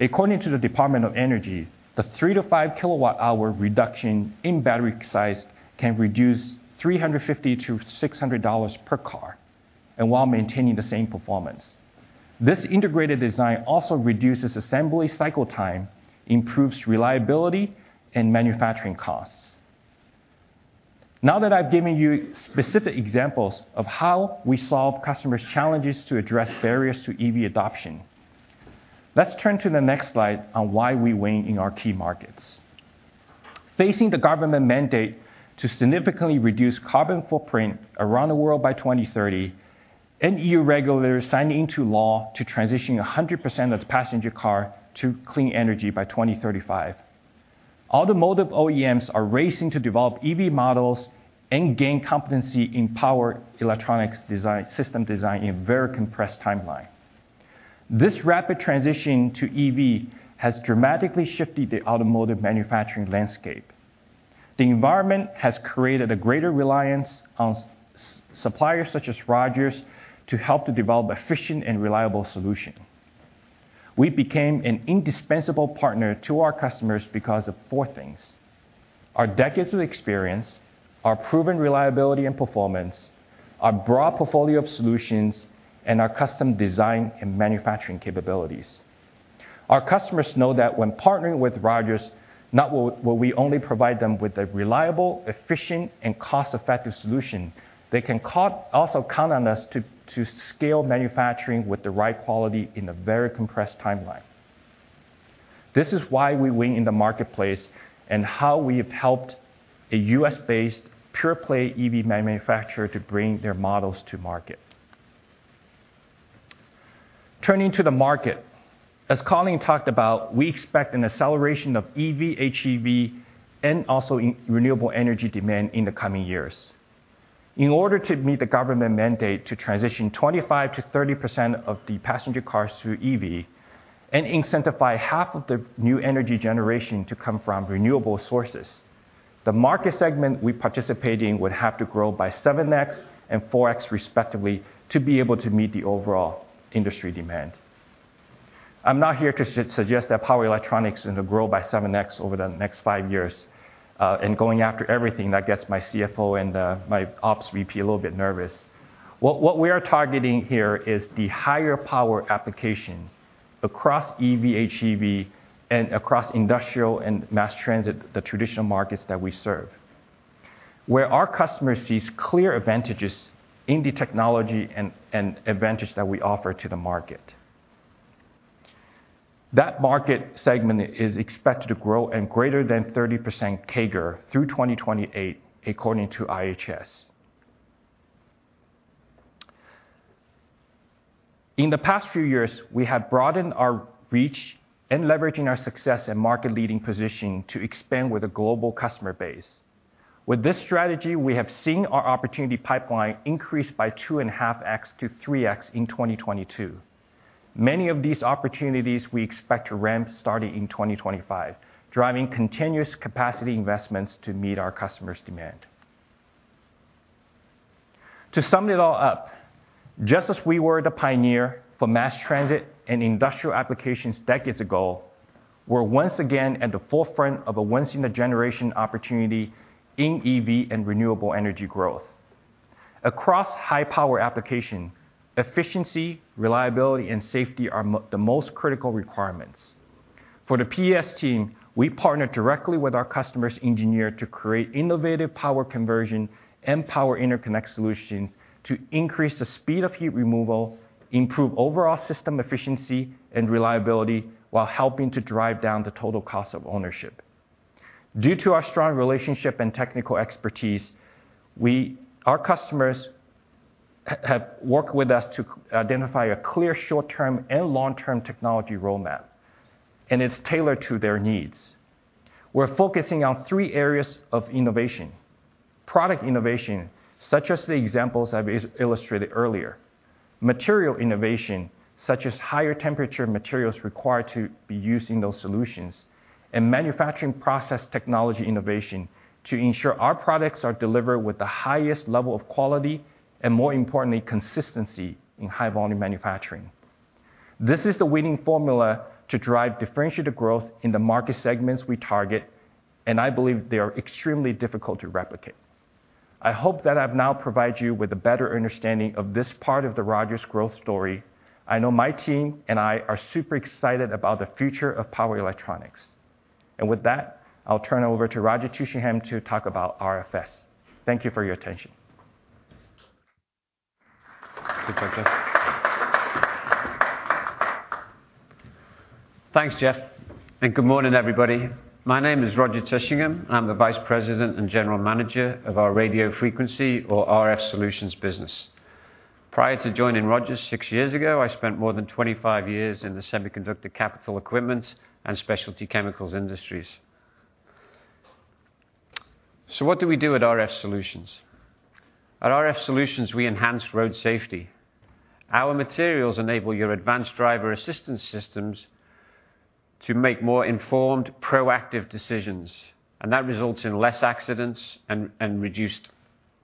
According to the Department of Energy, the 3kWh-5kWh reduction in battery size can reduce $350-$600 per car, and while maintaining the same performance. This integrated design also reduces assembly cycle time, improves reliability and manufacturing costs. Now that I've given you specific examples of how we solve customers' challenges to address barriers to EV adoption, let's turn to the next slide on why we win in our key markets. Facing the government mandate to significantly reduce carbon footprint around the world by 2030, and EU regulators signing into law to transition 100% of the passenger car to clean energy by 2035, Automotive OEMs are racing to develop EV models and gain competency in power electronics design, system design in a very compressed timeline. This rapid transition to EV has dramatically shifted the automotive manufacturing landscape. The environment has created a greater reliance on suppliers such as Rogers to help to develop efficient and reliable solution. We became an indispensable partner to our customers because of four things: our decades of experience, our proven reliability and performance, our broad portfolio of solutions, and our custom design and manufacturing capabilities. Our customers know that when partnering with Rogers, will we only provide them with a reliable, efficient, and cost-effective solution, they can also count on us to scale manufacturing with the right quality in a very compressed timeline. This is why we win in the marketplace and how we have helped a U.S.-based pure play EV manufacturer to bring their models to market. Turning to the market, as Colin talked about, we expect an acceleration of EV, HEV, and also in renewable energy demand in the coming years. In order to meet the government mandate to transition 25%-30% of the passenger cars to EV and incentivize half of the new energy generation to come from renewable sources, the market segment we participate in would have to grow by 7x and 4x respectively to be able to meet the overall industry demand. I'm not here to suggest that power electronics is gonna grow by 7x over the next 5 years, and going after everything that gets my CFO and my ops VP a little bit nervous. What we are targeting here is the higher power application across EV, HEV and across industrial and mass transit, the traditional markets that we serve, where our customer sees clear advantages in the technology and advantage that we offer to the market. That market segment is expected to grow in greater than 30% CAGR through 2028, according to IHS. In the past few years, we have broadened our reach and leveraging our success and market leading position to expand with a global customer base. With this strategy, we have seen our opportunity pipeline increase by 2.5x-3x in 2022. Many of these opportunities we expect to ramp starting in 2025, driving continuous capacity investments to meet our customers' demand. To sum it all up, just as we were the pioneer for mass transit and industrial applications decades ago, we're once again at the forefront of a once in a generation opportunity in EV and renewable energy growth. Across high power application, efficiency, reliability, and safety are the most critical requirements. For the PES team, we partner directly with our customers' engineer to create innovative power conversion and power interconnect solutions to increase the speed of heat removal, improve overall system efficiency and reliability, while helping to drive down the total cost of ownership. Due to our strong relationship and technical expertise, our customers have worked with us to identify a clear short-term and long-term technology roadmap, and it's tailored to their needs. We're focusing on three areas of innovation. Product innovation, such as the examples I've illustrated earlier. Material innovation, such as higher temperature materials required to be used in those solutions, and manufacturing process technology innovation to ensure our products are delivered with the highest level of quality, and more importantly, consistency in high-volume manufacturing. This is the winning formula to drive differentiated growth in the market segments we target, I believe they are extremely difficult to replicate. I hope that I've now provided you with a better understanding of this part of the Rogers' growth story. I know my team and I are super excited about the future of power electronics. With that, I'll turn it over to Roger Tushingham to talk about RFS. Thank you for your attention. Thanks, Jeff. Good morning, everybody. My name is Roger Tushingham. I'm the Vice President and General Manager of our Radio Frequency or RF Solutions business. Prior to joining Rogers six years ago, I spent more than 25 years in the semiconductor capital equipment and specialty chemicals industries. What do we do at RF Solutions? At RF Solutions, we enhance road safety. Our materials enable your Advanced Driver-Assistance Systems to make more informed, proactive decisions, and that results in less accidents and reduced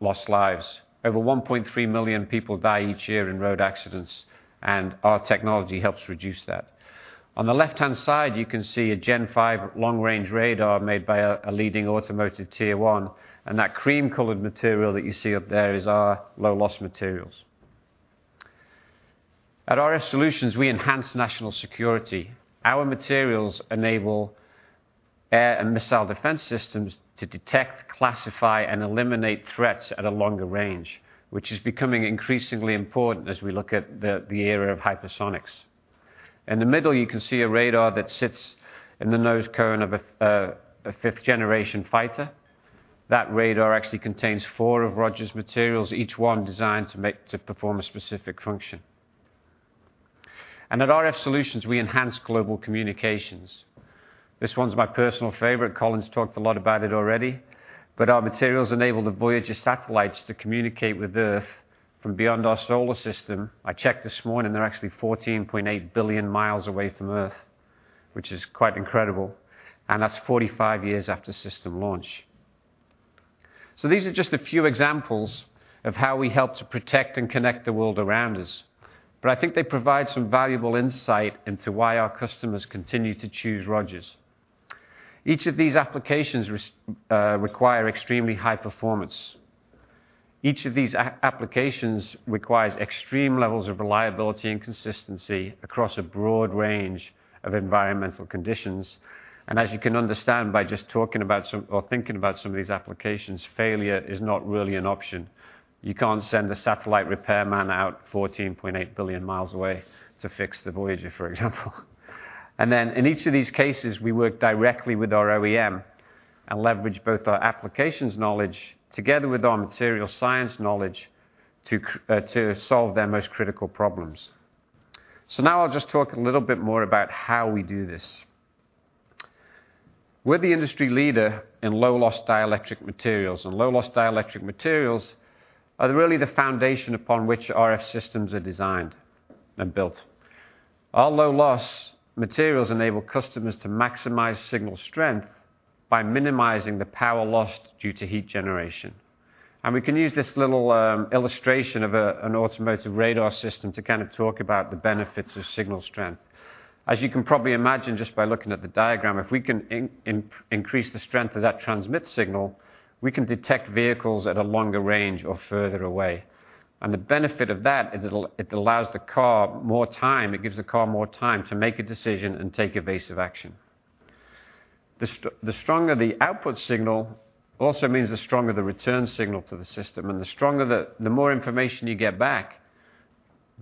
lost lives. Over 1.3 million people die each year in road accidents, and our technology helps reduce that. On the left-hand side, you can see a Gen Five long-range radar made by a leading automotive Tier 1, and that cream-colored material that you see up there is our low loss materials. At RF Solutions, we enhance national security. Our materials enable air and missile defense systems to detect, classify, and eliminate threats at a longer range, which is becoming increasingly important as we look at the era of hypersonics. In the middle, you can see a radar that sits in the nose cone of a fifth-generation fighter. That radar actually contains four of Rogers' materials, each one designed to perform a specific function. At RF Solutions, we enhance global communications. This one's my personal favorite. Colin's talked a lot about it already, our materials enable the Voyager satellites to communicate with Earth from beyond our solar system. I checked this morning, they're actually 14.8 billion mi away from Earth, which is quite incredible, and that's 45 years after system launch. These are just a few examples of how we help to protect and connect the world around us, but I think they provide some valuable insight into why our customers continue to choose Rogers. Each of these applications require extremely high performance. Each of these applications requires extreme levels of reliability and consistency across a broad range of environmental conditions. As you can understand by just talking about some or thinking about some of these applications, failure is not really an option. You can't send a satellite repairman out 14.8 billion mi away to fix the Voyager, for example. In each of these cases, we work directly with our OEM and leverage both our applications knowledge together with our material science knowledge to solve their most critical problems. Now I'll just talk a little bit more about how we do this. We're the industry leader in low-loss dielectric materials, and low-loss dielectric materials are really the foundation upon which RF systems are designed and built. Our low-loss materials enable customers to maximize signal strength by minimizing the power lost due to heat generation. We can use this little illustration of an automotive radar system to kind of talk about the benefits of signal strength. As you can probably imagine just by looking at the diagram, if we can increase the strength of that transmit signal, we can detect vehicles at a longer range or further away. The benefit of that is it allows the car more time, it gives the car more time to make a decision and take evasive action. The stronger the output signal also means the stronger the return signal to the system, and the stronger the more information you get back,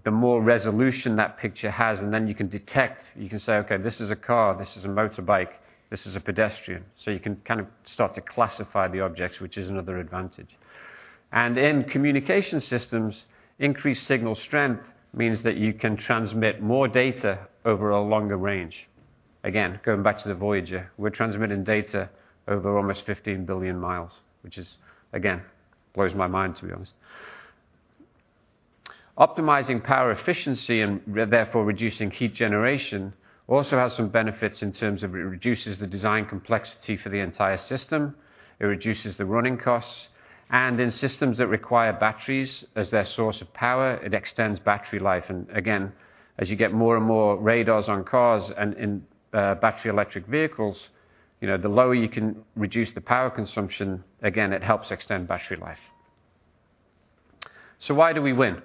the more resolution that picture has, and then you can detect. You can say, "Okay, this is a car. This is a motorbike. This is a pedestrian." You can kind of start to classify the objects, which is another advantage. In communication systems, increased signal strength means that you can transmit more data over a longer range. Again, going back to the Voyager, we're transmitting data over almost 15 billion mi, which is, again, blows my mind, to be honest. Optimizing power efficiency and therefore reducing heat generation also has some benefits in terms of it reduces the design complexity for the entire system, it reduces the running costs, and in systems that require batteries as their source of power, it extends battery life. Again, as you get more and more radars on cars and in battery electric vehicles, you know, the lower you can reduce the power consumption, again, it helps extend battery life. Why do we win?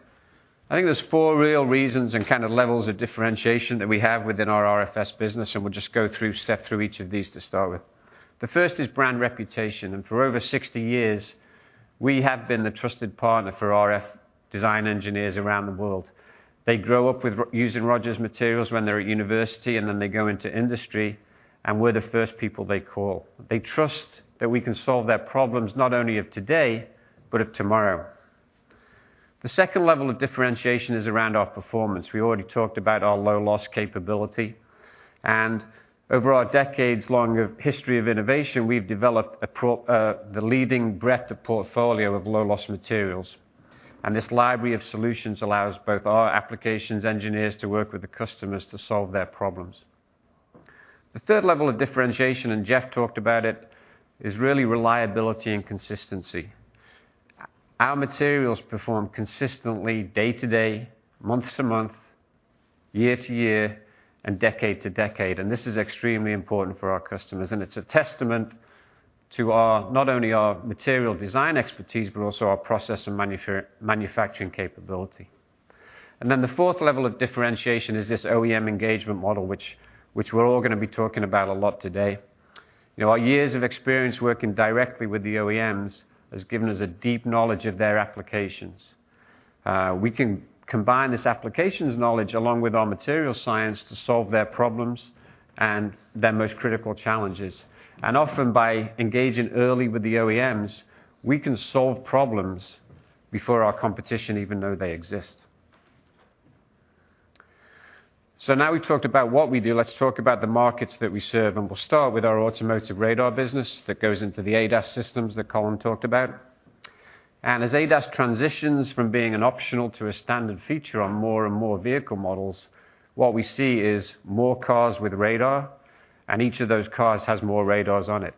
I think there's four real reasons and kind of levels of differentiation that we have within our RFS business, and we'll just step through each of these to start with. The first is brand reputation. For over 60 years, we have been the trusted partner for RF design engineers around the world. They grow up using Rogers materials when they're at university, and then they go into industry, and we're the first people they call. They trust that we can solve their problems not only of today, but of tomorrow. The second level of differentiation is around our performance. We already talked about our low-loss capability. Over our decades long of history of innovation, we've developed the leading breadth of portfolio of low-loss materials. This library of solutions allows both our applications engineers to work with the customers to solve their problems. The third level of differentiation, and Jeff talked about it, is really reliability and consistency. Our materials perform consistently day to day, month to month, year-to-year, and decade-to-decade. This is extremely important for our customers. It's a testament to our... not only our material design expertise, but also our process and manufacturing capability. The fourth level of differentiation is this OEM engagement model, which we're all gonna be talking about a lot today. You know, our years of experience working directly with the OEMs has given us a deep knowledge of their applications. We can combine this applications knowledge along with our material science to solve their problems and their most critical challenges. Often by engaging early with the OEMs, we can solve problems before our competition even know they exist. Now we've talked about what we do. Let's talk about the markets that we serve, and we'll start with our automotive radar business that goes into the ADAS systems that Colin talked about. As ADAS transitions from being an optional to a standard feature on more and more vehicle models, what we see is more cars with radar, and each of those cars has more radars on it.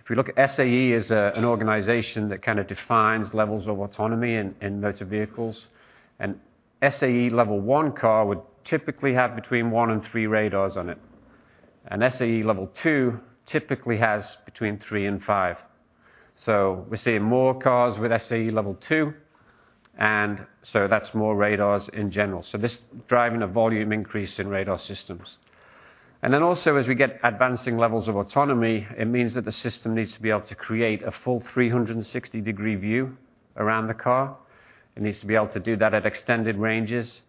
If we look at SAE as an organization that kind of defines levels of autonomy in motor vehicles. An SAE Level 1 car would typically have between one and three radars on it. An SAE Level 2 typically has between three and five. We're seeing more cars with SAE Level 2, that's more radars in general. This is driving a volume increase in radar systems. Also as we get advancing levels of autonomy, it means that the system needs to be able to create a full 360-degree view around the car. It needs to be able to do that at extended ranges,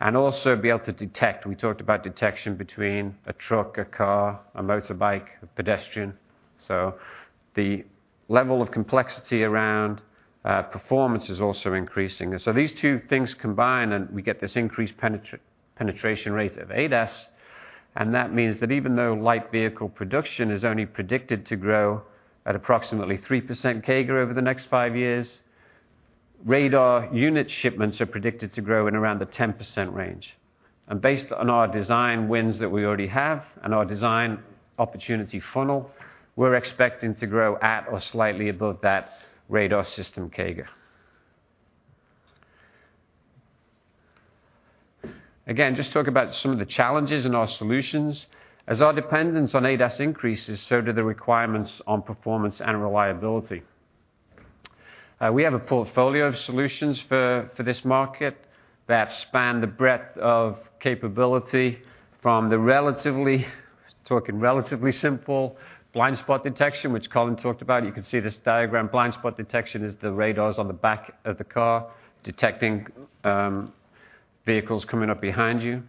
and also be able to detect. We talked about detection between a truck, a car, a motorbike, a pedestrian. The level of complexity around performance is also increasing. These two things combine, and we get this increased penetration rate of ADAS, and that means that even though light vehicle production is only predicted to grow at approximately 3% CAGR over the next five years, radar unit shipments are predicted to grow in around the 10% range. Based on our design wins that we already have and our design opportunity funnel, we're expecting to grow at or slightly above that radar system CAGR. Again, just talk about some of the challenges in our solutions. As our dependence on ADAS increases, so do the requirements on performance and reliability. We have a portfolio of solutions for this market that span the breadth of capability from the relatively, talking relatively simple blind spot detection, which Colin talked about. You can see this diagram. Blind spot detection is the radars on the back of the car detecting vehicles coming up behind you.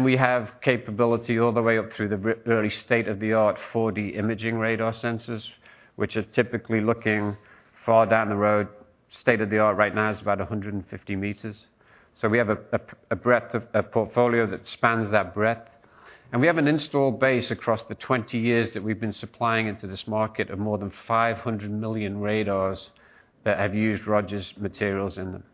We have capability all the way up through the really state-of-the-art 4D imaging radar sensors, which are typically looking far down the road. State of the art right now is about 150 m. We have a breadth of a portfolio that spans that breadth. We have an install base across the 20 years that we've been supplying into this market of more than 500 million radars that have used Rogers materials in them.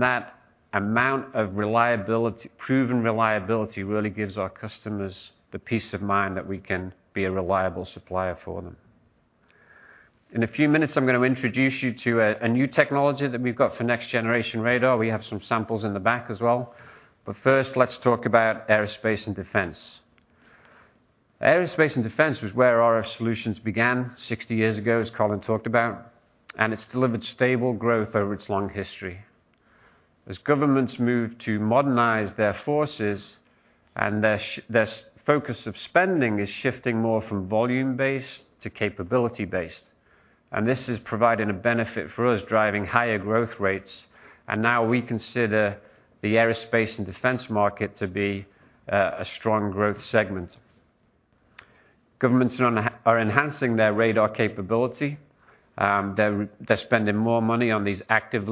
That amount of reliability, proven reliability really gives our customers the peace of mind that we can be a reliable supplier for them. In a few minutes, I'm gonna introduce you to a new technology that we've got for next-generation radar. We have some samples in the back as well. First, let's talk about aerospace and defense. Aerospace and defense was where RF Solutions began 60 years ago, as Colin talked about, and it's delivered stable growth over its long history. As governments move to modernize their forces and their focus of spending is shifting more from volume-based to capability-based. This is providing a benefit for us, driving higher growth rates. Now we consider the aerospace and defense market to be a strong growth segment. Governments are enhancing their radar capability. They're spending more money on these active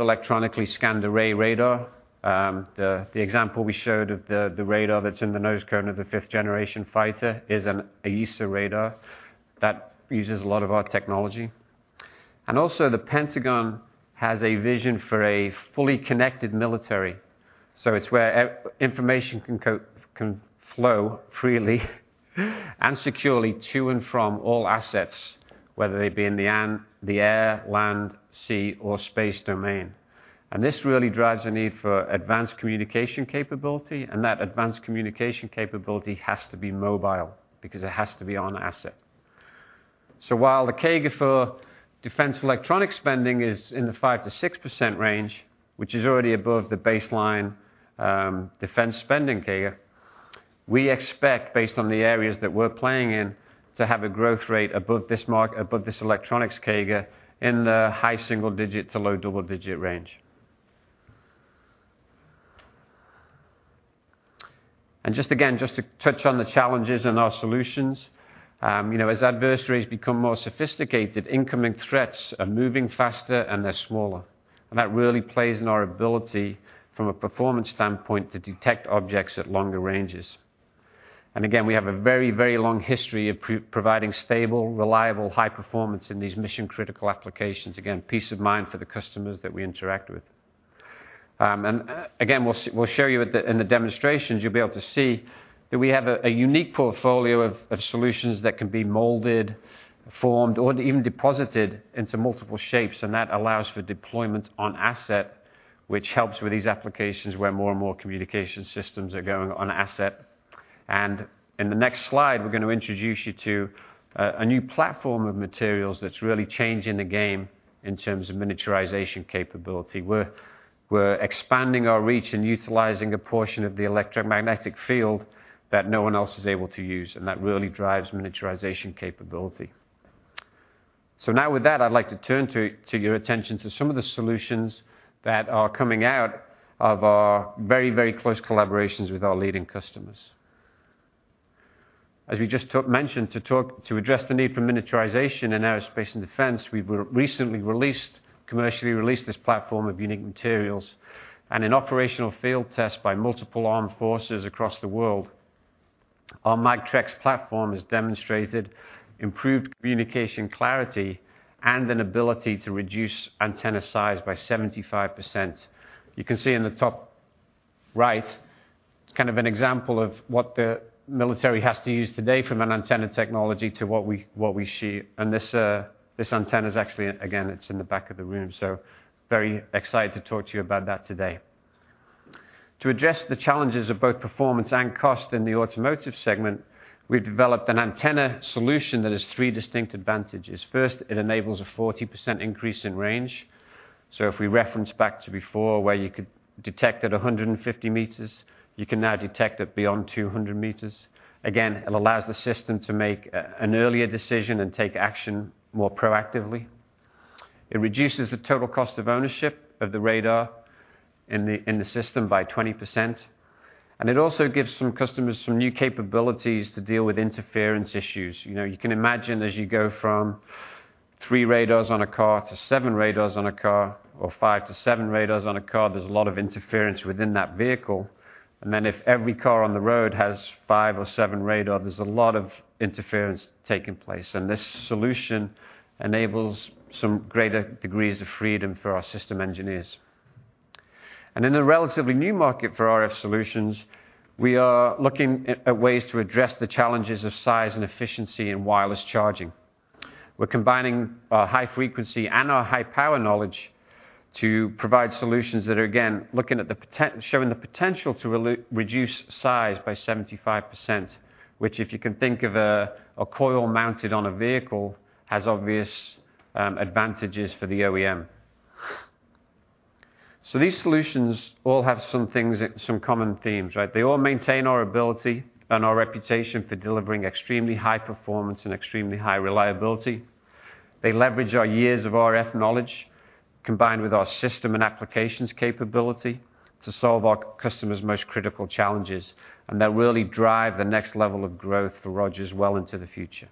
electronically scanned array radar. The example we showed of the radar that's in the nose cone of the fifth-generation fighter is an AESA radar that uses a lot of our technology. Also, The Pentagon has a vision for a fully connected military. It's where e-information can flow freely and securely to and from all assets, whether they be in the air, land, sea, or space domain. This really drives a need for advanced communication capability, and that advanced communication capability has to be mobile because it has to be on asset. While the CAGR for defense electronics spending is in the 5%-6% range, which is already above the baseline, defense spending CAGR, we expect, based on the areas that we're playing in, to have a growth rate above this mark, above this electronics CAGR in the high single-digit to low double-digit range. Just again, to touch on the challenges and our solutions, you know, as adversaries become more sophisticated, incoming threats are moving faster and they're smaller. That really plays in our ability from a performance standpoint to detect objects at longer ranges. Again, we have a very long history of providing stable, reliable, high performance in these mission-critical applications. Again, peace of mind for the customers that we interact with. Again, we'll show you in the demonstrations, you'll be able to see that we have a unique portfolio of solutions that can be molded, formed, or even deposited into multiple shapes, and that allows for deployment on asset, which helps with these applications where more and more communication systems are going on asset. In the next slide, we're gonna introduce you to a new platform of materials that's really changing the game in terms of miniaturization capability. We're expanding our reach and utilizing a portion of the electromagnetic field that no one else is able to use, and that really drives miniaturization capability. Now with that, I'd like to turn to your attention to some of the solutions that are coming out of our very, very close collaborations with our leading customers. As we just mentioned, to address the need for miniaturization in aerospace and defense, we've recently released, commercially released this platform of unique materials. In operational field tests by multiple armed forces across the world, our MAGTREX platform has demonstrated improved communication clarity and an ability to reduce antenna size by 75%. You can see in the top right kind of an example of what the military has to use today from an antenna technology to what we see. This antenna is actually, again, it's in the back of the room, so very excited to talk to you about that today. To address the challenges of both performance and cost in the automotive segment, we've developed an antenna solution that has three distinct advantages. First, it enables a 40% increase in range. If we reference back to before where you could detect at 150 m, you can now detect it beyond 200 m. Again, it allows the system to make an earlier decision and take action more proactively. It reduces the total cost of ownership of the radar in the system by 20%. It also gives some customers some new capabilities to deal with interference issues. You know, you can imagine as you go from three radars on a car to seven radars on a car, or five-seven radars on a car, there's a lot of interference within that vehicle. Then if every car on the road has five or seven radar, there's a lot of interference taking place. This solution enables some greater degrees of freedom for our system engineers. In a relatively new market for RF Solutions, we are looking at ways to address the challenges of size and efficiency in wireless charging. We're combining our high frequency and our high power knowledge to provide solutions that are again, showing the potential to reduce size by 75%, which if you can think of a coil mounted on a vehicle, has obvious advantages for the OEM. These solutions all have some things, some common themes, right? They all maintain our ability and our reputation for delivering extremely high performance and extremely high reliability. They leverage our years of RF knowledge combined with our system and applications capability to solve our customers' most critical challenges, and they really drive the next level of growth for Rogers well into the future.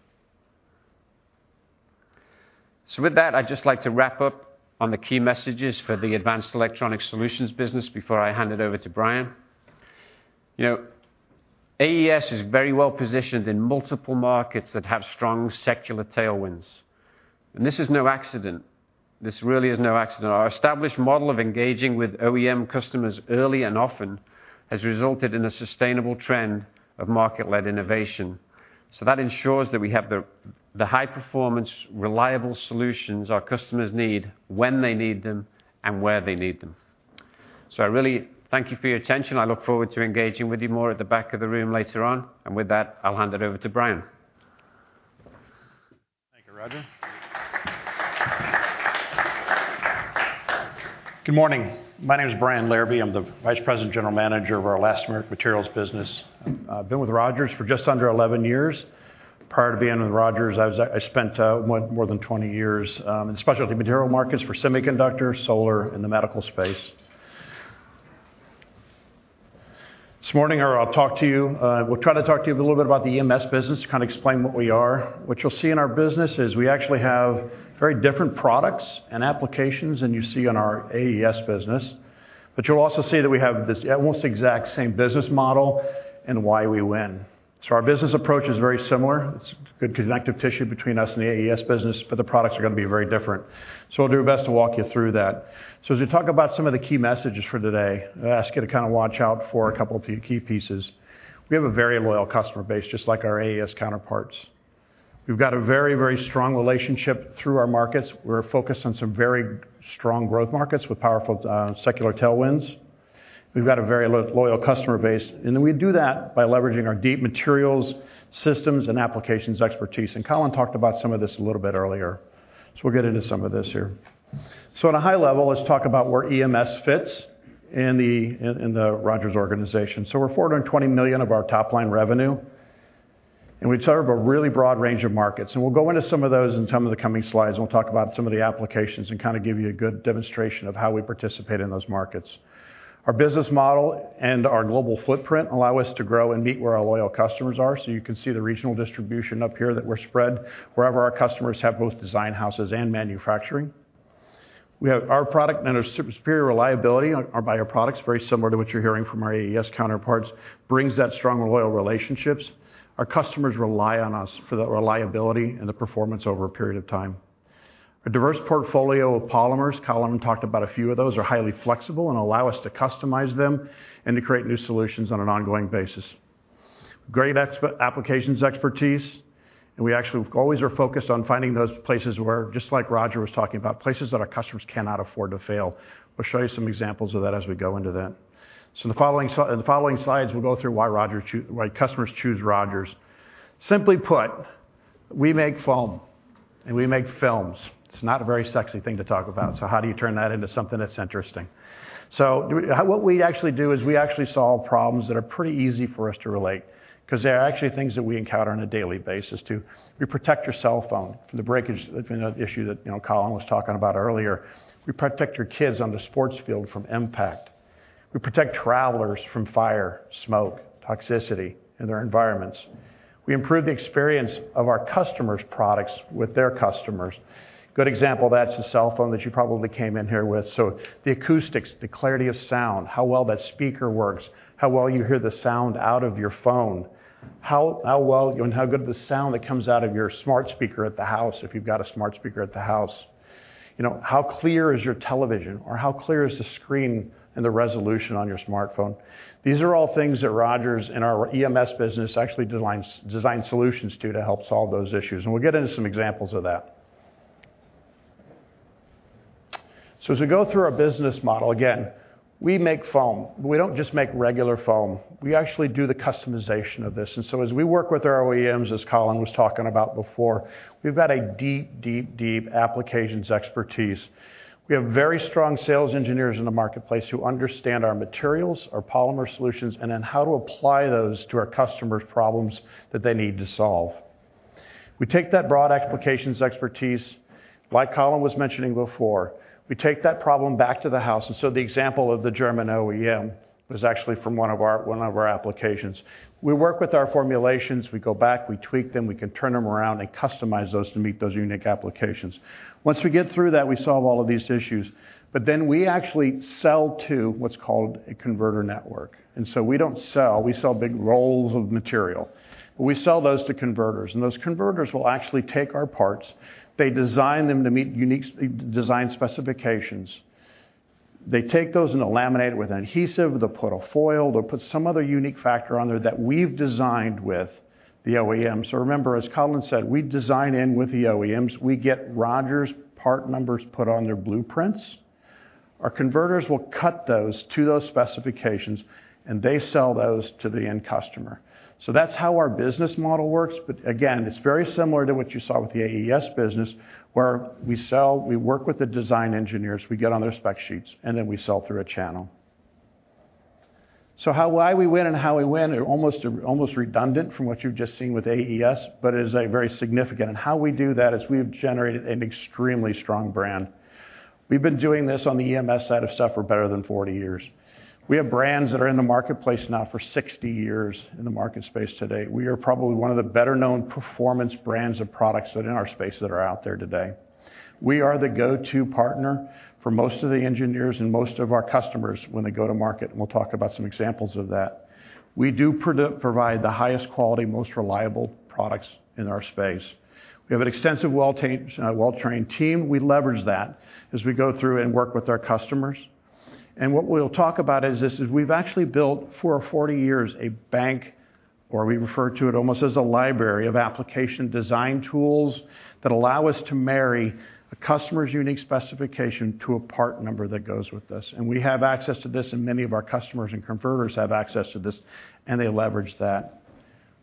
With that, I'd just like to wrap up on the key messages for the Advanced Electronics Solutions business before I hand it over to Brian. You know, AES is very well positioned in multiple markets that have strong secular tailwinds. This is no accident. This really is no accident. Our established model of engaging with OEM customers early and often has resulted in a sustainable trend of market-led innovation. That ensures that we have the high performance, reliable solutions our customers need when they need them and where they need them. I really thank you for your attention. I look forward to engaging with you more at the back of the room later on. With that, I'll hand it over to Brian. Thank you, Roger. Good morning. My name is Brian Larabee. I'm the Vice President, General Manager of our Elastomeric Materials business. I've been with Rogers for just under 11 years. Prior to being with Rogers, I spent more than 20 years in specialty material markets for semiconductors, solar, and the medical space. This morning, I'll talk to you, we'll try to talk to you a little bit about the EMS business to kinda explain what we are. What you'll see in our business is we actually have very different products and applications than you see on our AES business. You'll also see that we have this almost exact same business model and why we win. Our business approach is very similar. It's good connective tissue between us and the AES business, but the products are gonna be very different. We'll do our best to walk you through that. As we talk about some of the key messages for today, I ask you to kinda watch out for a couple of key pieces. We have a very loyal customer base, just like our AES counterparts. We've got a very strong relationship through our markets. We're focused on some very strong growth markets with powerful secular tailwinds. We've got a very loyal customer base, and then we do that by leveraging our deep materials, systems, and applications expertise. Colin talked about some of this a little bit earlier. We'll get into some of this here. On a high level, let's talk about where EMS fits in the Rogers organization. We're $420 million of our top-line revenue, and we serve a really broad range of markets. We'll go into some of those in some of the coming slides. We'll talk about some of the applications and kinda give you a good demonstration of how we participate in those markets. Our business model and our global footprint allow us to grow and meet where our loyal customers are. You can see the regional distribution up here that we're spread wherever our customers have both design houses and manufacturing. We have our product and our superior reliability by our products, very similar to what you're hearing from our AES counterparts, brings that strong, loyal relationships. Our customers rely on us for the reliability and the performance over a period of time. A diverse portfolio of polymers, Colin talked about a few of those, are highly flexible and allow us to customize them and to create new solutions on an ongoing basis. Great applications expertise. We actually always are focused on finding those places where, just like Roger was talking about, places that our customers cannot afford to fail. We'll show you some examples of that as we go into that. The following slides, we'll go through why customers choose Rogers. Simply put, we make foam and we make films. It's not a very sexy thing to talk about. How do you turn that into something that's interesting? What we actually do is we actually solve problems that are pretty easy for us to relate 'cause they are actually things that we encounter on a daily basis too. We protect your cell phone from the breakage, you know, issue that, you know, Colin was talking about earlier. We protect your kids on the sports field from impact. We protect travelers from fire, smoke, toxicity in their environments. We improve the experience of our customers' products with their customers. Good example, that's the cell phone that you probably came in here with. The acoustics, the clarity of sound, how well that speaker works, how well you hear the sound out of your phone, how well and how good the sound that comes out of your smart speaker at the house, if you've got a smart speaker at the house. You know, how clear is your television or how clear is the screen and the resolution on your smartphone? These are all things that Rogers and our EMS business actually design solutions to help solve those issues, and we'll get into some examples of that. As we go through our business model, again, we make foam. We don't just make regular foam. We actually do the customization of this. As we work with our OEMs, as Colin was talking about before, we've got a deep, deep, deep applications expertise. We have very strong sales engineers in the marketplace who understand our materials, our polymer solutions, and then how to apply those to our customers' problems that they need to solve. We take that broad applications expertise, like Colin was mentioning before, we take that problem back to the house. The example of the German OEM was actually from one of our applications. We work with our formulations, we go back, we tweak them, we can turn them around and customize those to meet those unique applications. Once we get through that, we solve all of these issues. We actually sell to what's called a converter network. We don't sell, we sell big rolls of material. We sell those to converters, and those converters will actually take our parts. They design them to meet unique design specifications. They take those and they'll laminate with an adhesive. They'll put a foil. They'll put some other unique factor on there that we've designed with the OEM. Remember, as Colin said, we design in with the OEMs. We get Rogers part numbers put on their blueprints. Our converters will cut those to those specifications, and they sell those to the end customer. That's how our business model works. It's very similar to what you saw with the AES business, where we sell, we work with the design engineers, we get on their spec sheets, and then we sell through a channel. Why we win and how we win are almost redundant from what you've just seen with AES. It is, like, very significant. How we do that is we've generated an extremely strong brand. We've been doing this on the EMS side of stuff for better than 40 years. We have brands that are in the marketplace now for 60 years in the market space today. We are probably one of the better-known performance brands of products that are in our space that are out there today. We are the go-to partner for most of the engineers and most of our customers when they go to market, and we'll talk about some examples of that. We do provide the highest quality, most reliable products in our space. We have an extensive well-trained team. We leverage that as we go through and work with our customers. What we'll talk about is this, is we've actually built for 40 years a bank, or we refer to it almost as a library of application design tools that allow us to marry a customer's unique specification to a part number that goes with this. We have access to this, and many of our customers and converters have access to this, and they leverage that.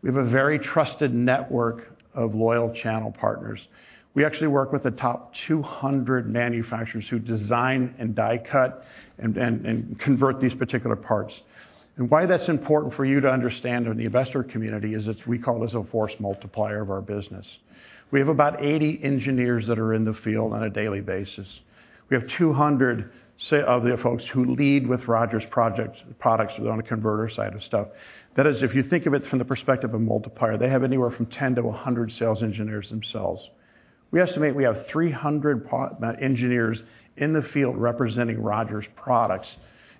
We have a very trusted network of loyal channel partners. We actually work with the top 200 manufacturers who design and die cut and convert these particular parts. Why that's important for you to understand in the investor community is it's we call this a force multiplier of our business. We have about 80 engineers that are in the field on a daily basis. We have 200 the folks who lead with Rogers products on the converter side of stuff. That is, if you think of it from the perspective of multiplier, they have anywhere from 10 to 100 sales engineers themselves. We estimate we have 300 engineers in the field representing Rogers products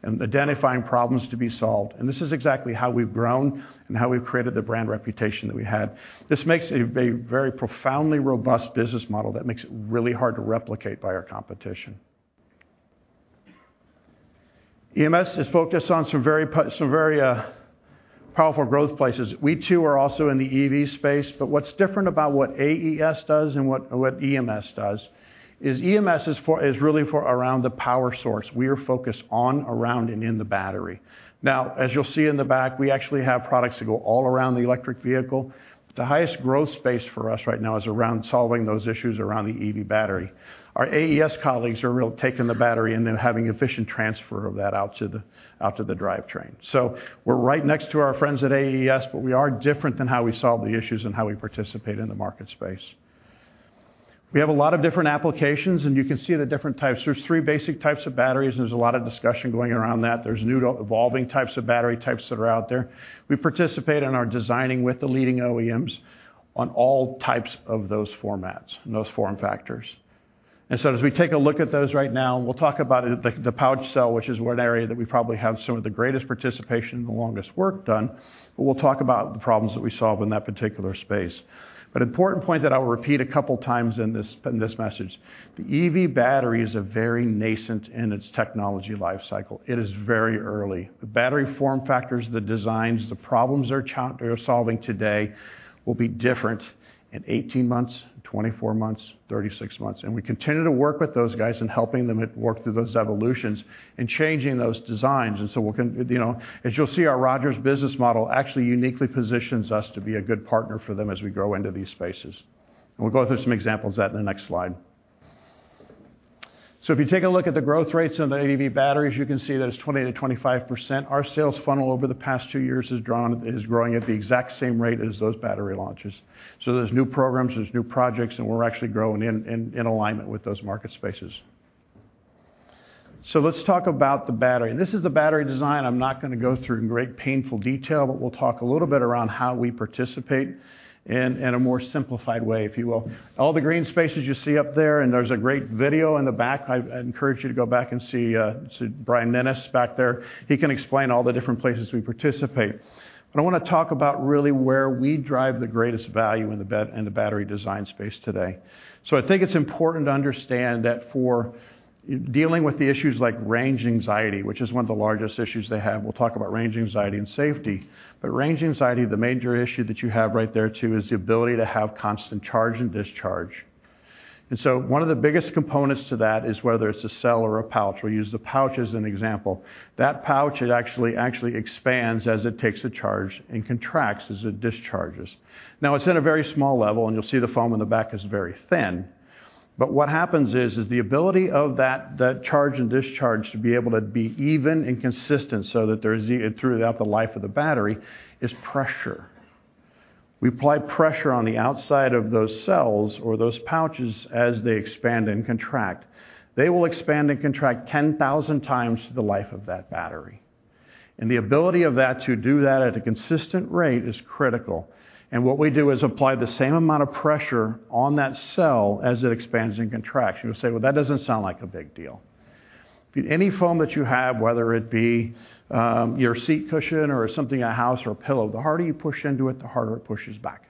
and identifying problems to be solved. This is exactly how we've grown and how we've created the brand reputation that we have. This makes a very profoundly robust business model that makes it really hard to replicate by our competition. EMS is focused on some very, very powerful growth places. We too are also in the EV space, but what's different about what AES does and what EMS does is EMS is really for around the power source. We are focused on, around, and in the battery. As you'll see in the back, we actually have products that go all around the electric vehicle. The highest growth space for us right now is around solving those issues around the EV battery. Our AES colleagues are taking the battery and then having efficient transfer of that out to the drivetrain. We're right next to our friends at AES, but we are different in how we solve the issues and how we participate in the market space. We have a lot of different applications, and you can see the different types. There's three basic types of batteries, and there's a lot of discussion going around that. There's new evolving types of battery types that are out there. We participate in our designing with the leading OEMs on all types of those formats and those form factors. As we take a look at those right now, and we'll talk about it, the pouch cell, which is one area that we probably have some of the greatest participation and the longest work done, but we'll talk about the problems that we solve in that particular space. Important point that I'll repeat a couple times in this message, the EV battery is very nascent in its technology life cycle. It is very early. The battery form factors, the designs, the problems they're solving today will be different in 18 months, 24 months, 36 months. We continue to work with those guys in helping them work through those evolutions and changing those designs. We can, you know, as you'll see, our Rogers business model actually uniquely positions us to be a good partner for them as we grow into these spaces. We'll go through some examples of that in the next slide. If you take a look at the growth rates of the EV batteries, you can see that it's 20%-25%. Our sales funnel over the past two years is growing at the exact same rate as those battery launches. There's new programs, there's new projects, and we're actually growing in alignment with those market spaces. Let's talk about the battery. This is the battery design. I'm not gonna go through in great, painful detail, but we'll talk a little bit around how we participate in a more simplified way, if you will. All the green spaces you see up there, and there's a great video in the back. I encourage you to go back and see Brian Menis back there. He can explain all the different places we participate. I wanna talk about really where we drive the greatest value in the battery design space today. I think it's important to understand that for dealing with the issues like range anxiety, which is one of the largest issues they have, we'll talk about range anxiety and safety. Range anxiety, the major issue that you have right there too, is the ability to have constant charge and discharge. One of the biggest components to that is whether it's a cell or a pouch. We'll use the pouch as an example. That pouch, it actually expands as it takes a charge and contracts as it discharges. It's in a very small level, and you'll see the foam in the back is very thin. What happens is the ability of that charge and discharge to be able to be even and consistent so that there's throughout the life of the battery is pressure. We apply pressure on the outside of those cells or those pouches as they expand and contract. They will expand and contract 10,000x the life of that battery. The ability of that to do that at a consistent rate is critical. What we do is apply the same amount of pressure on that cell as it expands and contracts. You'll say, "Well, that doesn't sound like a big deal." Any foam that you have, whether it be, your seat cushion or something in a house or a pillow, the harder you push into it, the harder it pushes back.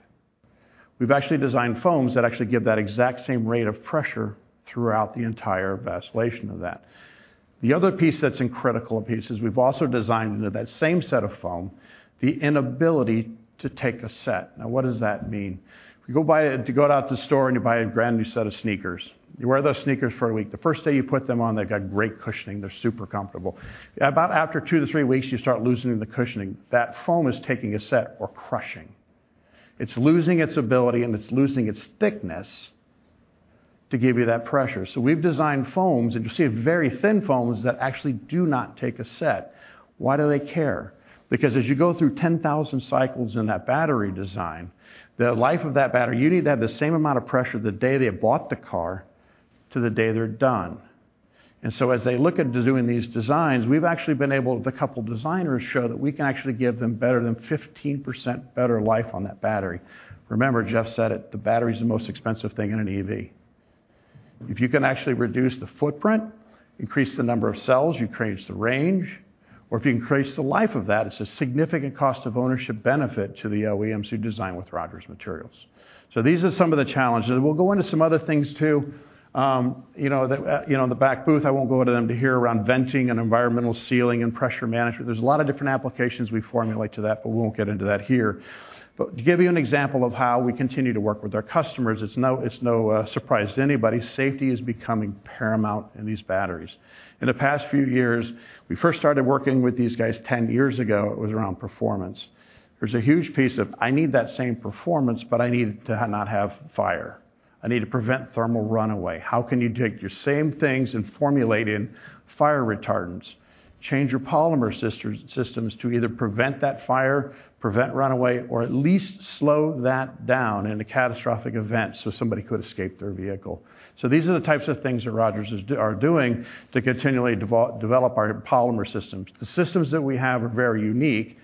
We've actually designed foams that actually give that exact same rate of pressure throughout the entire vacillation of that. The other piece that's in critical pieces, we've also designed into that same set of foam, the inability to take a set. Now, what does that mean? If you go out to the store and you buy a brand-new set of sneakers, you wear those sneakers for a week. The first day you put them on, they've got great cushioning. They're super comfortable. About after two to three weeks, you start losing the cushioning. That foam is taking a set or crushing. It's losing its ability, it's losing its thickness to give you that pressure. We've designed foams, and you see very thin foams that actually do not take a set. Why do they care? As you go through 10,000 cycles in that battery design, the life of that battery, you need to have the same amount of pressure the day they bought the car to the day they're done. As they look into doing these designs, we've actually been able, with a couple designers, show that we can actually give them better than 15% better life on that battery. Remember, Jeff said it, the battery is the most expensive thing in an EV. If you can actually reduce the footprint, increase the number of cells, you increase the range. If you increase the life of that, it's a significant cost of ownership benefit to the OEMs who design with Rogers materials. These are some of the challenges. We'll go into some other things too. In the back booth, I won't go into them to hear around venting and environmental sealing and pressure management. There's a lot of different applications we formulate to that, but we won't get into that here. To give you an example of how we continue to work with our customers, it's no surprise to anybody, safety is becoming paramount in these batteries. In the past few years, we first started working with these guys 10 years ago. It was around performance. There's a huge piece of, I need that same performance, but I need to not have fire. I need to prevent thermal runaway. How can you take your same things and formulate in fire retardants, change your polymer systems to either prevent that fire, prevent runaway, or at least slow that down in a catastrophic event so somebody could escape their vehicle? These are the types of things that Rogers are doing to continually develop our polymer systems. The systems that we have are very unique.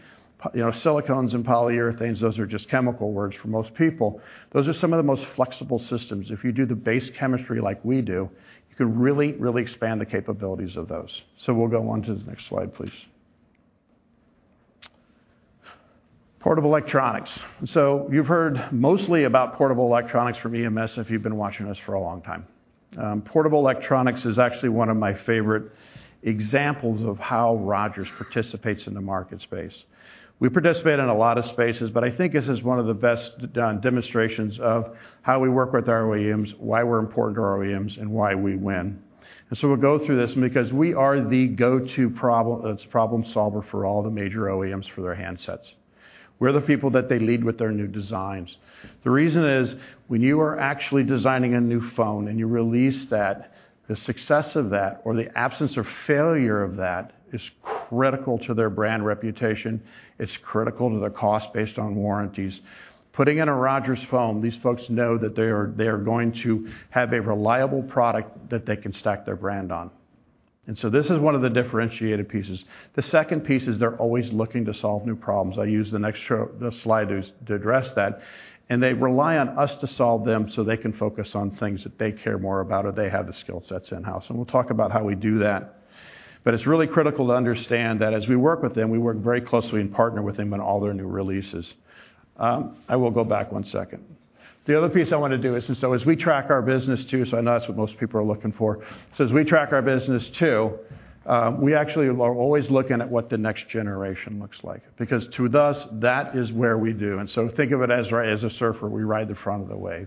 You know, silicones and polyurethanes, those are just chemical words for most people. Those are some of the most flexible systems. If you do the base chemistry like we do, you can really expand the capabilities of those. We'll go on to the next slide, please. Portable electronics. You've heard mostly about portable electronics from EMS if you've been watching us for a long time. Portable electronics is actually one of my favorite examples of how Rogers participates in the market space. We participate in a lot of spaces, but I think this is one of the best demonstrations of how we work with our OEMs, why we're important to our OEMs, and why we win. We'll go through this because we are the go-to problem solver for all the major OEMs for their handsets. We're the people that they lead with their new designs. The reason is, when you are actually designing a new phone and you release that, the success of that or the absence of failure of that is critical to their brand reputation. It's critical to their cost based on warranties. Putting in a Rogers foam, these folks know that they are going to have a reliable product that they can stack their brand on. This is one of the differentiated pieces. The second piece is they're always looking to solve new problems. I use the next slide to address that. They rely on us to solve them so they can focus on things that they care more about or they have the skill sets in-house, and we'll talk about how we do that. It's really critical to understand that as we work with them, we work very closely and partner with them on all their new releases. I will go back one second. The other piece I wanna do is, as we track our business too, I know that's what most people are looking for. As we track our business too, we actually are always looking at what the next generation looks like, because to us, that is where we do. Think of it as a surfer, we ride the front of the wave.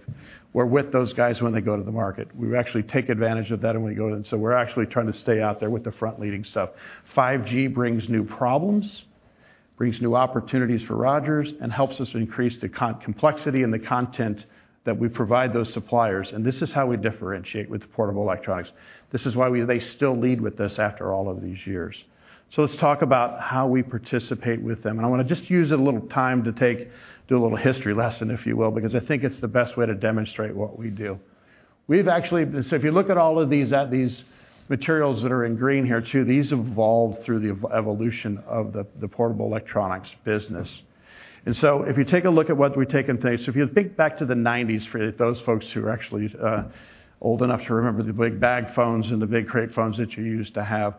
We're with those guys when they go to the market. We actually take advantage of that and we go to it, and so we're actually trying to stay out there with the front leading stuff. 5G brings new problems, brings new opportunities for Rogers, and helps us increase the complexity and the content that we provide those suppliers, and this is how we differentiate with portable electronics. This is why they still lead with us after all of these years. Let's talk about how we participate with them, and I wanna just use a little time to do a little history lesson, if you will, because I think it's the best way to demonstrate what we do. If you look at all of these materials that are in green here too, these evolved through the evolution of the portable electronics business. If you take a look at what we take. If you think back to the 1990s, for those folks who are actually old enough to remember the big bag phones and the big crate phones that you used to have,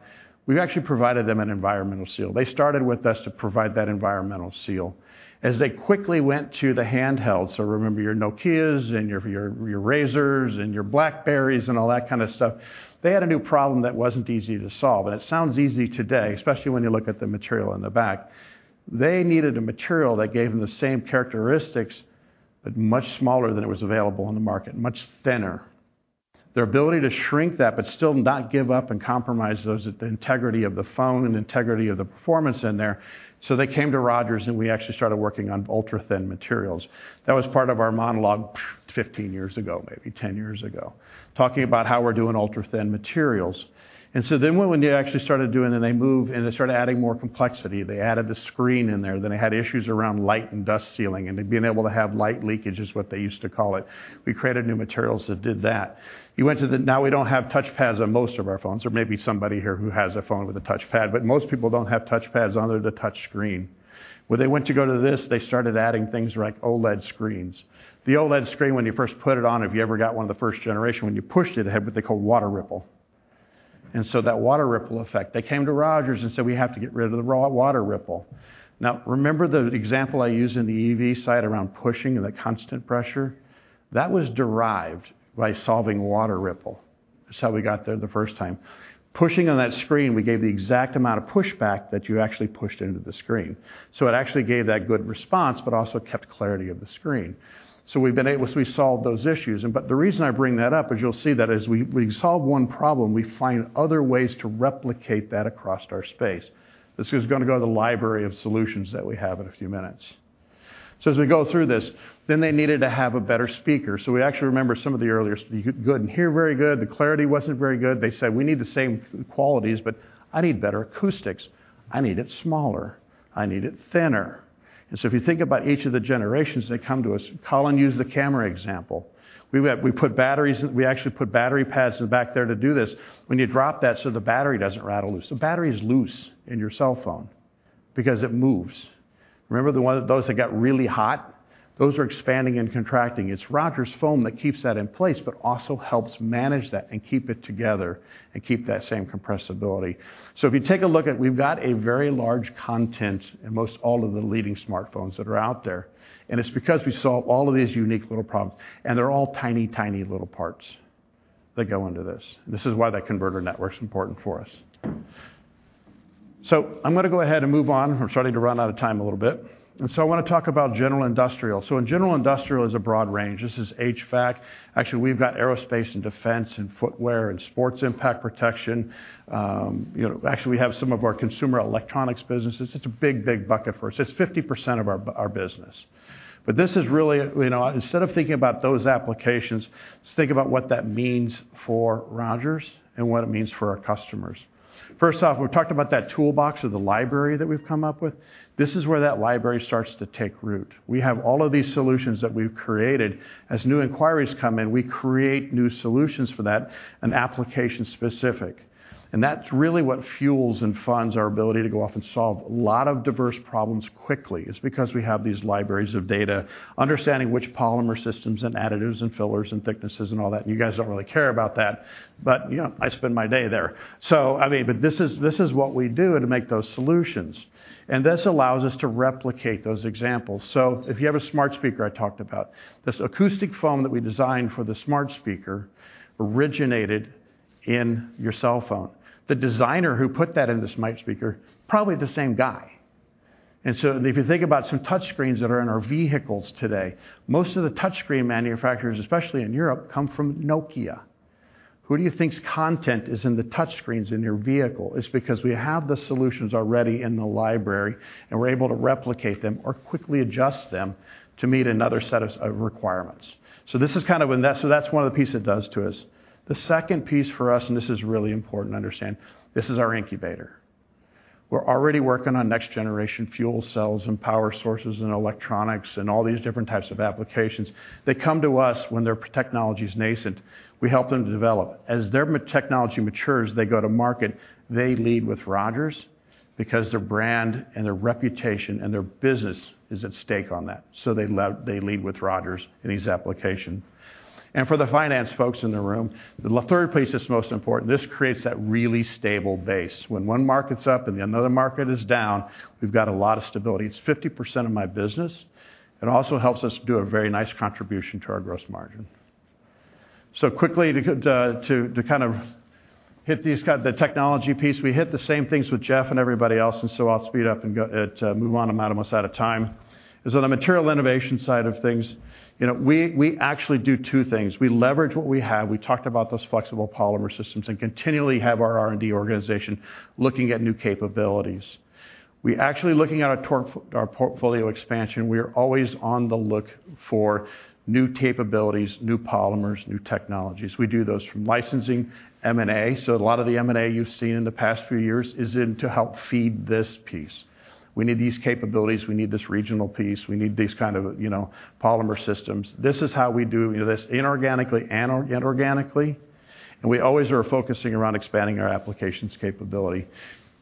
we've actually provided them an environmental seal. They started with us to provide that environmental seal. As they quickly went to the handheld, remember your Nokias and your Razrs and your BlackBerries and all that kind of stuff, they had a new problem that wasn't easy to solve, and it sounds easy today, especially when you look at the material in the back. They needed a material that gave them the same characteristics, but much smaller than it was available on the market, much thinner. Their ability to shrink that but still not give up and compromise those, the integrity of the phone and integrity of the performance in there. They came to Rogers, and we actually started working on ultra-thin materials. That was part of our monologue 15 years ago, maybe 10 years ago, talking about how we're doing ultra-thin materials. What we actually started doing and they moved, and they started adding more complexity. They added the screen in there. They had issues around light and dust sealing, being able to have light leakage is what they used to call it. We created new materials that did that. You went to Now we don't have touchpads on most of our phones. There may be somebody here who has a phone with a touchpad, but most people don't have touchpads other than the touchscreen. When they went to go to this, they started adding things like OLED screens. The OLED screen, when you first put it on, if you ever got one of the first generation, when you pushed it had what they call water ripple. That water ripple effect, they came to Rogers and said, "We have to get rid of the raw water ripple." Now, remember the example I used in the EV side around pushing and the constant pressure? That was derived by solving water ripple. That's how we got there the first time. Pushing on that screen, we gave the exact amount of pushback that you actually pushed into the screen. It actually gave that good response, but also kept clarity of the screen. We solved those issues and, but the reason I bring that up is you'll see that as we solve one problem, we find other ways to replicate that across our space. This is gonna go to the library of solutions that we have in a few minutes. As we go through this, they needed to have a better speaker. We actually remember some of the earlier. You couldn't hear very good. The clarity wasn't very good. They said, "We need the same qualities, but I need better acoustics. I need it smaller. I need it thinner." If you think about each of the generations, they come to us. Colin used the camera example. We put batteries, we actually put battery pads in the back there to do this. When you drop that, the battery doesn't rattle loose. The battery is loose in your cell phone because it moves. Remember those that got really hot? Those are expanding and contracting. It's Rogers foam that keeps that in place, but also helps manage that and keep it together and keep that same compressibility. If you take a look at, we've got a very large content in most all of the leading smartphones that are out there, and it's because we solve all of these unique little problems, and they're all tiny little parts that go into this. This is why that converter network's important for us. I'm gonna go ahead and move on. We're starting to run out of time a little bit. I wanna talk about general industrial. In general, industrial is a broad range. This is HVAC. Actually, we've got aerospace and defense and footwear and sports impact protection. you know, actually we have some of our consumer electronics businesses. It's a big, big bucket for us. It's 50% of our business. This is really, you know, instead of thinking about those applications, let's think about what that means for Rogers and what it means for our customers. First off, we've talked about that toolbox or the library that we've come up with. This is where that library starts to take root. We have all of these solutions that we've created. As new inquiries come in, we create new solutions for that and application specific. That's really what fuels and funds our ability to go off and solve a lot of diverse problems quickly, is because we have these libraries of data, understanding which polymer systems and additives and fillers and thicknesses and all that. You guys don't really care about that, but, you know, I spend my day there. I mean, this is what we do to make those solutions. This allows us to replicate those examples. If you have a smart speaker I talked about. This acoustic foam that we designed for the smart speaker originated in your cell phone. The designer who put that in the smart speaker, probably the same guy. If you think about some touchscreens that are in our vehicles today, most of the touchscreen manufacturers, especially in Europe, come from Nokia. Who do you think's content is in the touchscreens in your vehicle? It's because we have the solutions already in the library, and we're able to replicate them or quickly adjust them to meet another set of requirements. That's one of the piece it does to us. The second piece for us, and this is really important to understand, this is our incubator. We're already working on next generation fuel cells and power sources and electronics and all these different types of applications. They come to us when their technology is nascent. We help them to develop. As their technology matures, they go to market, they lead with Rogers because their brand and their reputation and their business is at stake on that. They lead with Rogers in each application. For the finance folks in the room, the third place that's most important, this creates that really stable base. When one market's up and another market is down, we've got a lot of stability. It's 50% of my business. It also helps us do a very nice contribution to our gross margin. Quickly to kind of hit the technology piece, we hit the same things with Jeff and everybody else. I'll speed up and move on. I'm almost out of time. Is on the material innovation side of things, you know, we actually do two things. We leverage what we have. We talked about those flexible polymer systems and continually have our R&D organization looking at new capabilities. We actually looking at our portfolio expansion. We are always on the look for new capabilities, new polymers, new technologies. We do those from licensing, M&A. A lot of the M&A you've seen in the past few years is in to help feed this piece. We need these capabilities, we need this regional piece. We need these kind of, you know, polymer systems. This is how we do this inorganically and organically. We always are focusing around expanding our applications capability.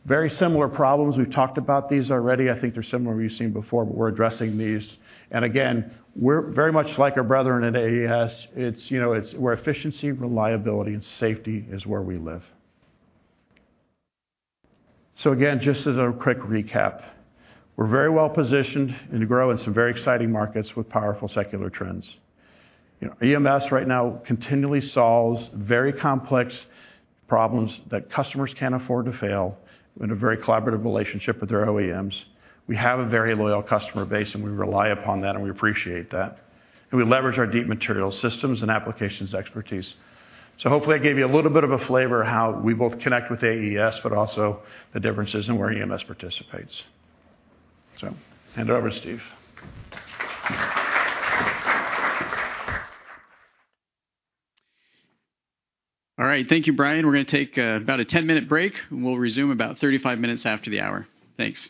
Very similar problems. We've talked about these already. I think they're similar what you've seen before, but we're addressing these. Again, we're very much like our brethren at AES. It's, you know, it's where efficiency, reliability, and safety is where we live. Again, just as a quick recap, we're very well positioned and to grow in some very exciting markets with powerful secular trends. You know, EMS right now continually solves very complex problems that customers can't afford to fail in a very collaborative relationship with their OEMs. We have a very loyal customer base, and we rely upon that, and we appreciate that. We leverage our deep material systems and applications expertise. Hopefully, I gave you a little bit of a flavor how we both connect with AES, but also the differences in where EMS participates. Hand over, Steve. All right. Thank you, Brian. We're gonna take about a 10-minute break, and we'll resume about 35 minutes after the hour. Thanks.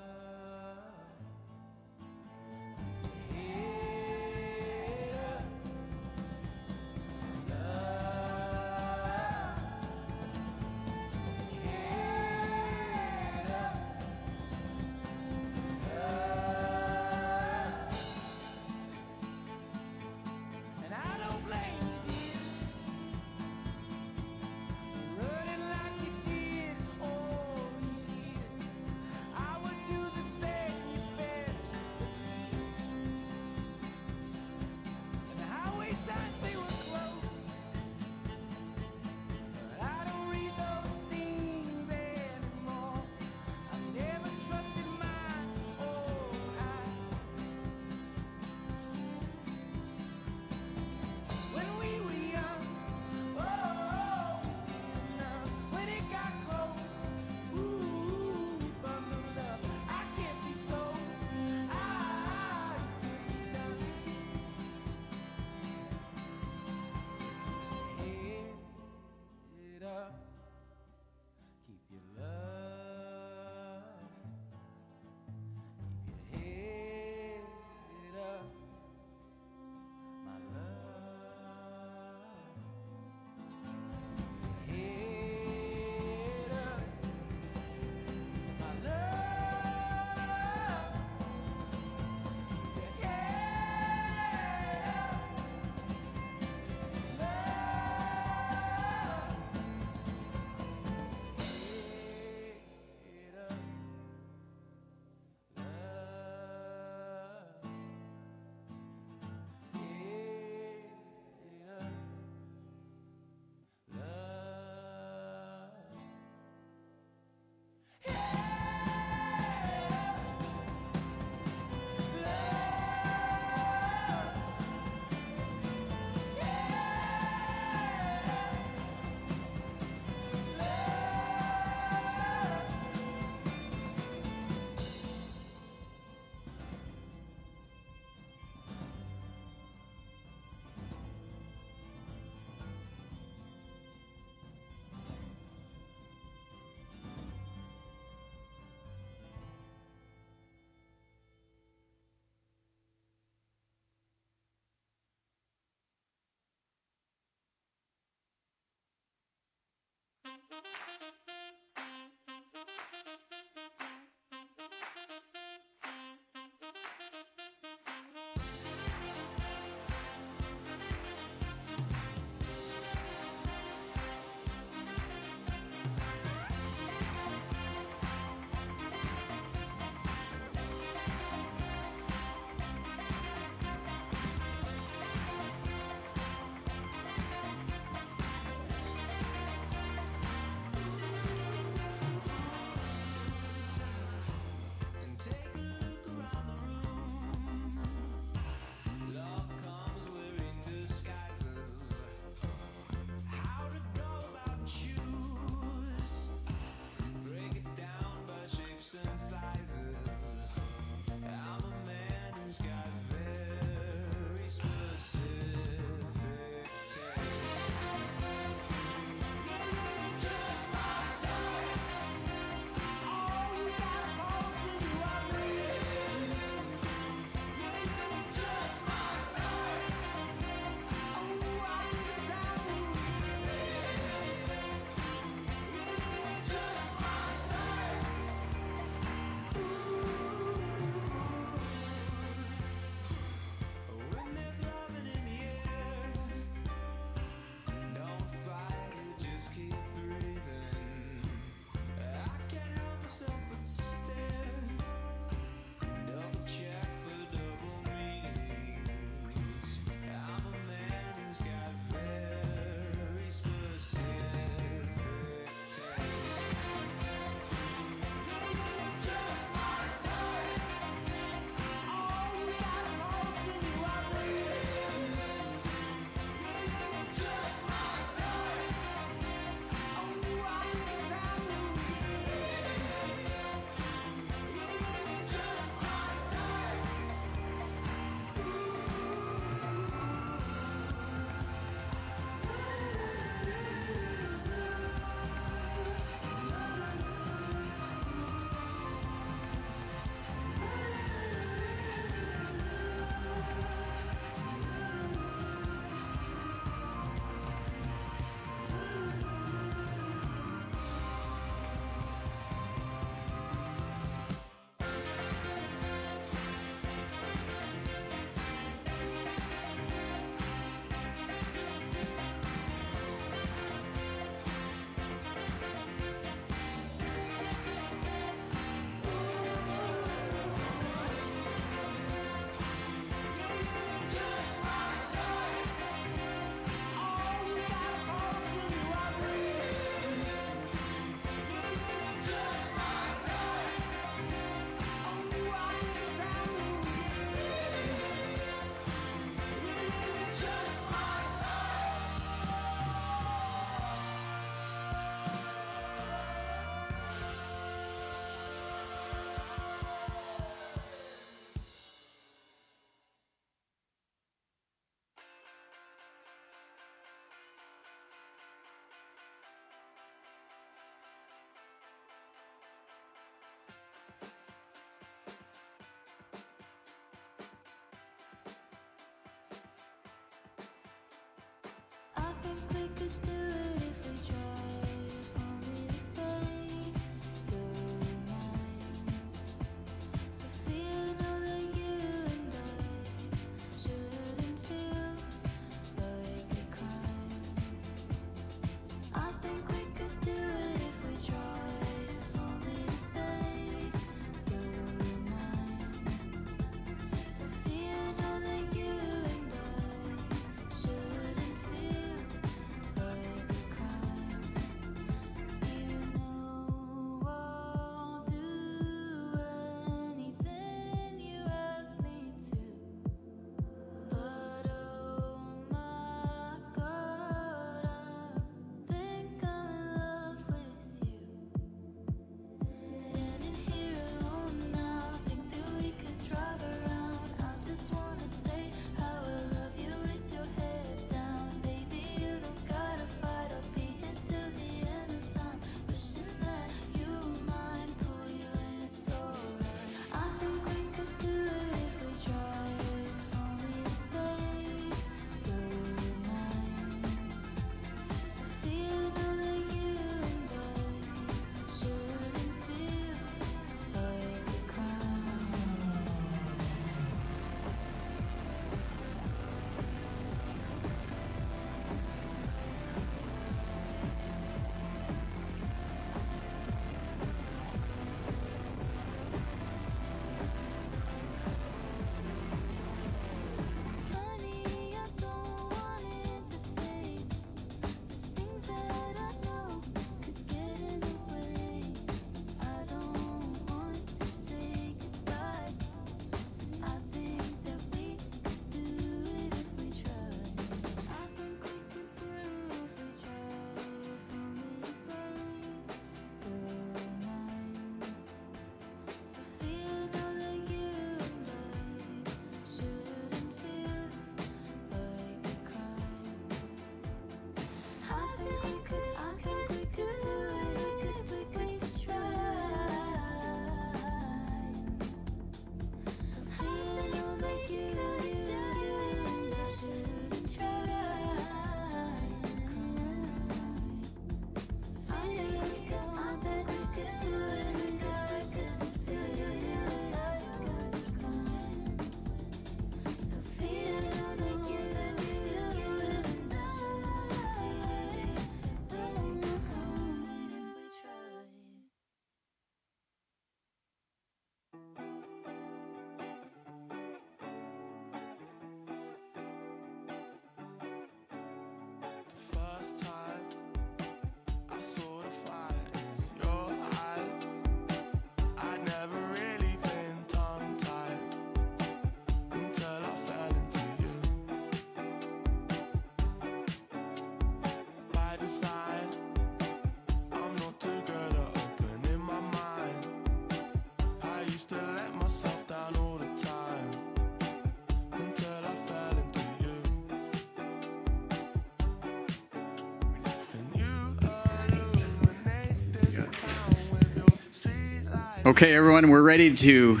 Okay, everyone, we're ready to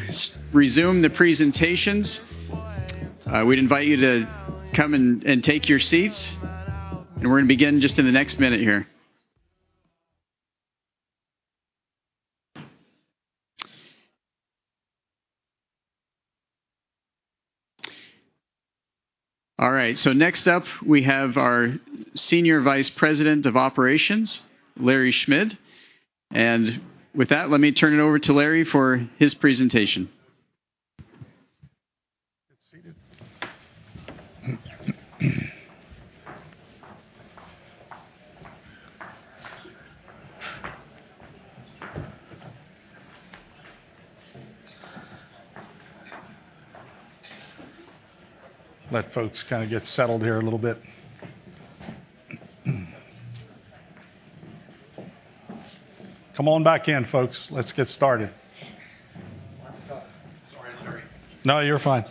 resume the presentations. We'd invite you to come and take your seats, and we're gonna begin just in the next minute here. All right, next up, we have our Senior Vice President of Operations, Larry Schmid. With that, let me turn it over to Larry for his presentation. Get seated. Let folks kinda get settled here a little bit. Come on back in, folks. Let's get started. Sorry I'm late. No, you're fine.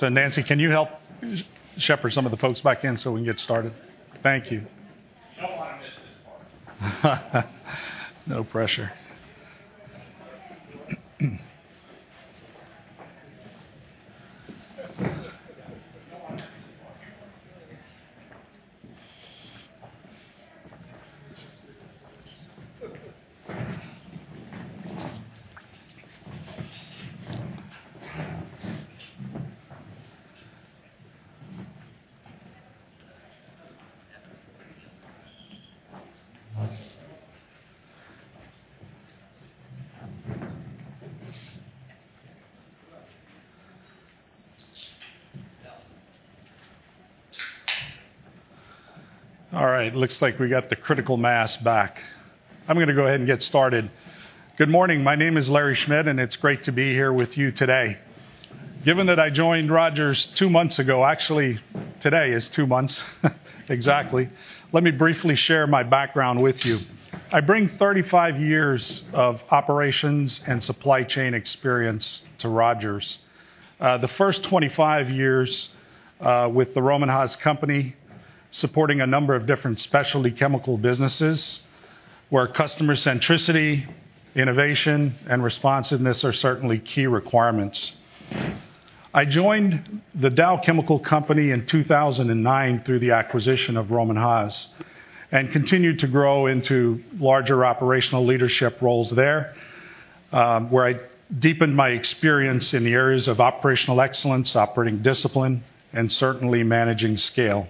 Yeah. Nancy, can you help shepherd some of the folks back in so we can get started? Thank you. No pressure. All right, looks like we got the critical mass back. I'm gonna go ahead and get started. Good morning. My name is Larry Schmid, and it's great to be here with you today. Given that I joined Rogers two months ago, actually, today is two months exactly, let me briefly share my background with you. I bring 35 years of operations and supply chain experience to Rogers. The first 25 years with the Rohm and Haas company supporting a number of different specialty chemical businesses where customer centricity, innovation, and responsiveness are certainly key requirements. I joined The Dow Chemical Company in 2009 through the acquisition of Rohm and Haas and continued to grow into larger operational leadership roles there, where I deepened my experience in the areas of operational excellence, operating discipline, and certainly managing scale.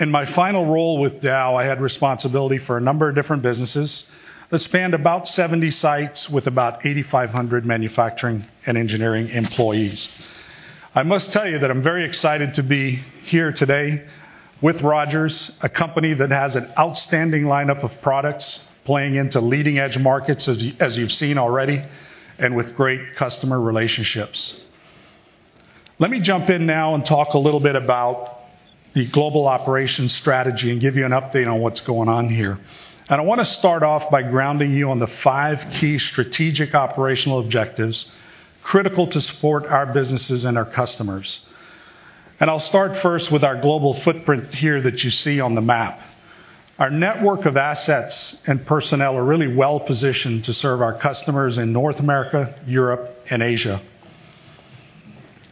In my final role with Dow, I had responsibility for a number of different businesses that spanned about 70 sites with about 8,500 manufacturing and engineering employees. I must tell you that I'm very excited to be here today with Rogers, a company that has an outstanding lineup of products playing into leading-edge markets as you've seen already, and with great customer relationships. Let me jump in now and talk a little bit about the global operations strategy and give you an update on what's going on here. I wanna start off by grounding you on the five key strategic operational objectives critical to support our businesses and our customers. I'll start first with our global footprint here that you see on the map. Our network of assets and personnel are really well-positioned to serve our customers in North America, Europe, and Asia.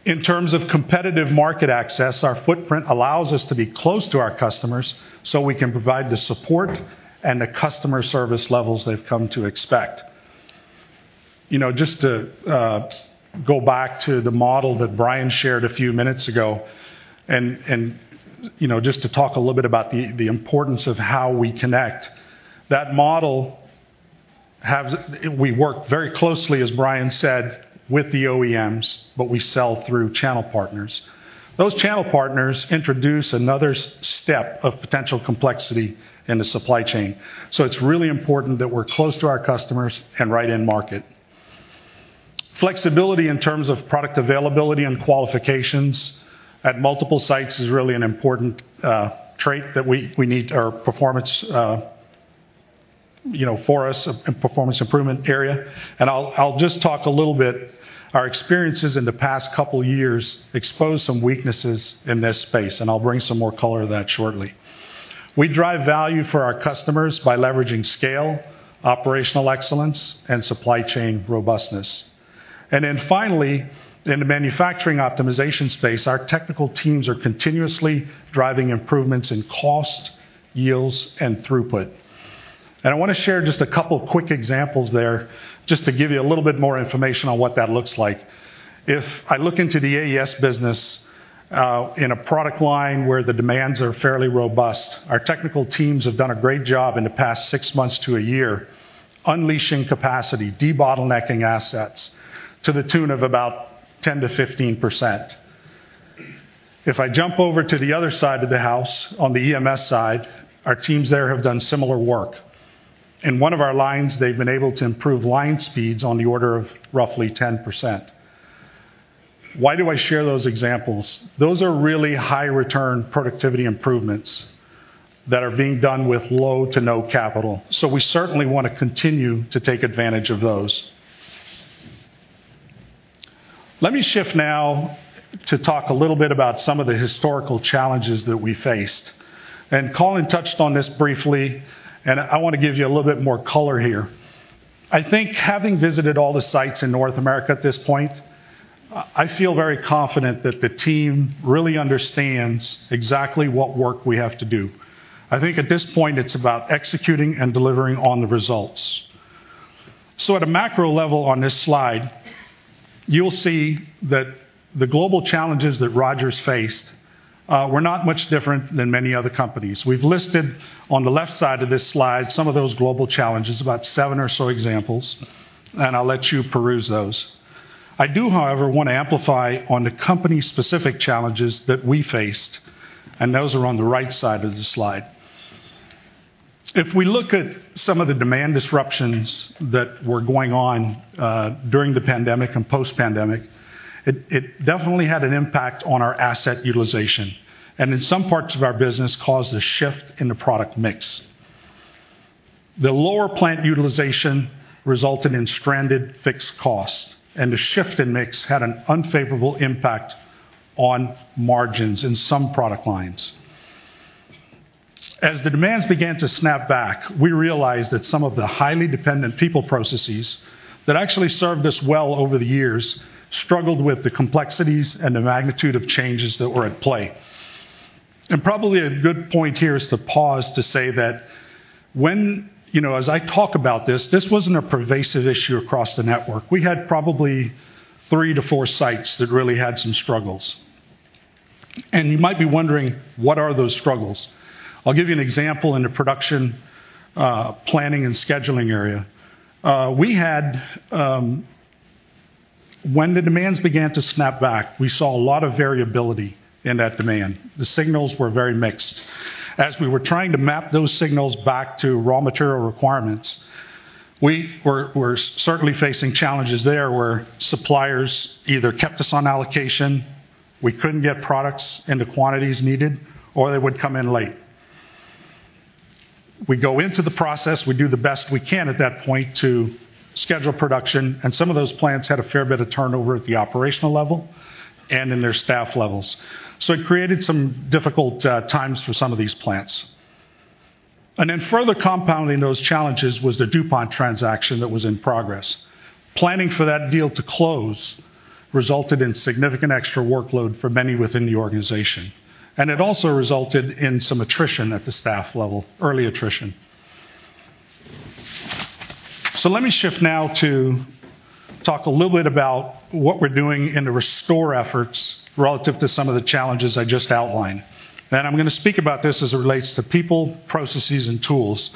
In terms of competitive market access, our footprint allows us to be close to our customers so we can provide the support and the customer service levels they've come to expect. You know, just to go back to the model that Brian shared a few minutes ago and, you know, just to talk a little bit about the importance of how we connect. We work very closely, as Brian said, with the OEMs, but we sell through channel partners. Those channel partners introduce another step of potential complexity in the supply chain. It's really important that we're close to our customers and right in market. Flexibility in terms of product availability and qualifications at multiple sites is really an important trait that we need our performance, you know, for us, a performance improvement area. I'll just talk a little bit. Our experiences in the past couple years exposed some weaknesses in this space, and I'll bring some more color to that shortly. We drive value for our customers by leveraging scale, operational excellence, and supply chain robustness. Finally, in the manufacturing optimization space, our technical teams are continuously driving improvements in cost, yields, and throughput. I wanna share just a couple quick examples there just to give you a little bit more information on what that looks like. If I look into the AES business, in a product line where the demands are fairly robust, our technical teams have done a great job in the past six months to a year unleashing capacity, de-bottlenecking assets to the tune of about 10%-15%. If I jump over to the other side of the house, on the EMS side, our teams there have done similar work. In one of our lines, they've been able to improve line speeds on the order of roughly 10%. Why do I share those examples? Those are really high return productivity improvements that are being done with low to no capital, we certainly wanna continue to take advantage of those. Let me shift now to talk a little bit about some of the historical challenges that we faced. Colin touched on this briefly, and I want to give you a little bit more color here. I think having visited all the sites in North America at this point, I feel very confident that the team really understands exactly what work we have to do. I think at this point it's about executing and delivering on the results. At a macro level on this slide, you'll see that the global challenges that Rogers faced, were not much different than many other companies. We've listed on the left side of this slide some of those global challenges, about seven or so examples. I'll let you peruse those. I do, however, want to amplify on the company's specific challenges that we faced, and those are on the right side of the slide. If we look at some of the demand disruptions that were going on, during the pandemic and post-pandemic, it definitely had an impact on our asset utilization and in some parts of our business caused a shift in the product mix. The lower plant utilization resulted in stranded fixed cost. The shift in mix had an unfavorable impact on margins in some product lines. As the demands began to snap back, we realized that some of the highly dependent people processes that actually served us well over the years struggled with the complexities and the magnitude of changes that were at play. Probably a good point here is to pause to say that, you know, as I talk about this wasn't a pervasive issue across the network. We had probably three to four sites that really had some struggles. You might be wondering, what are those struggles? I'll give you an example in the production planning and scheduling area. When the demands began to snap back, we saw a lot of variability in that demand. The signals were very mixed. As we were trying to map those signals back to raw material requirements, we were certainly facing challenges there where suppliers either kept us on allocation, we couldn't get products in the quantities needed, or they would come in late. We go into the process, we do the best we can at that point to schedule production. Some of those plants had a fair bit of turnover at the operational level and in their staff levels. It created some difficult times for some of these plants. Further compounding those challenges was the DuPont transaction that was in progress. Planning for that deal to close resulted in significant extra workload for many within the organization. It also resulted in some attrition at the staff level, early attrition. Let me shift now to talk a little bit about what we're doing in the restore efforts relative to some of the challenges I just outlined. I'm gonna speak about this as it relates to people, processes, and tools.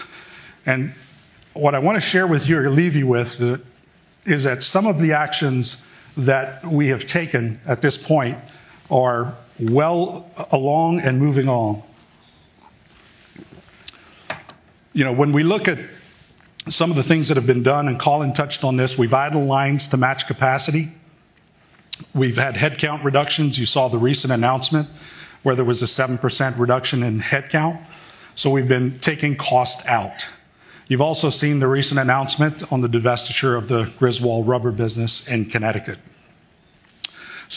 What I wanna share with you or leave you with is that some of the actions that we have taken at this point are well along and moving on. You know, when we look at some of the things that have been done, and Colin touched on this, we've idled lines to match capacity. We've had headcount reductions. You saw the recent announcement where there was a 7% reduction in headcount. We've been taking cost out. You've also seen the recent announcement on the divestiture of the Griswold Rubber business in Connecticut.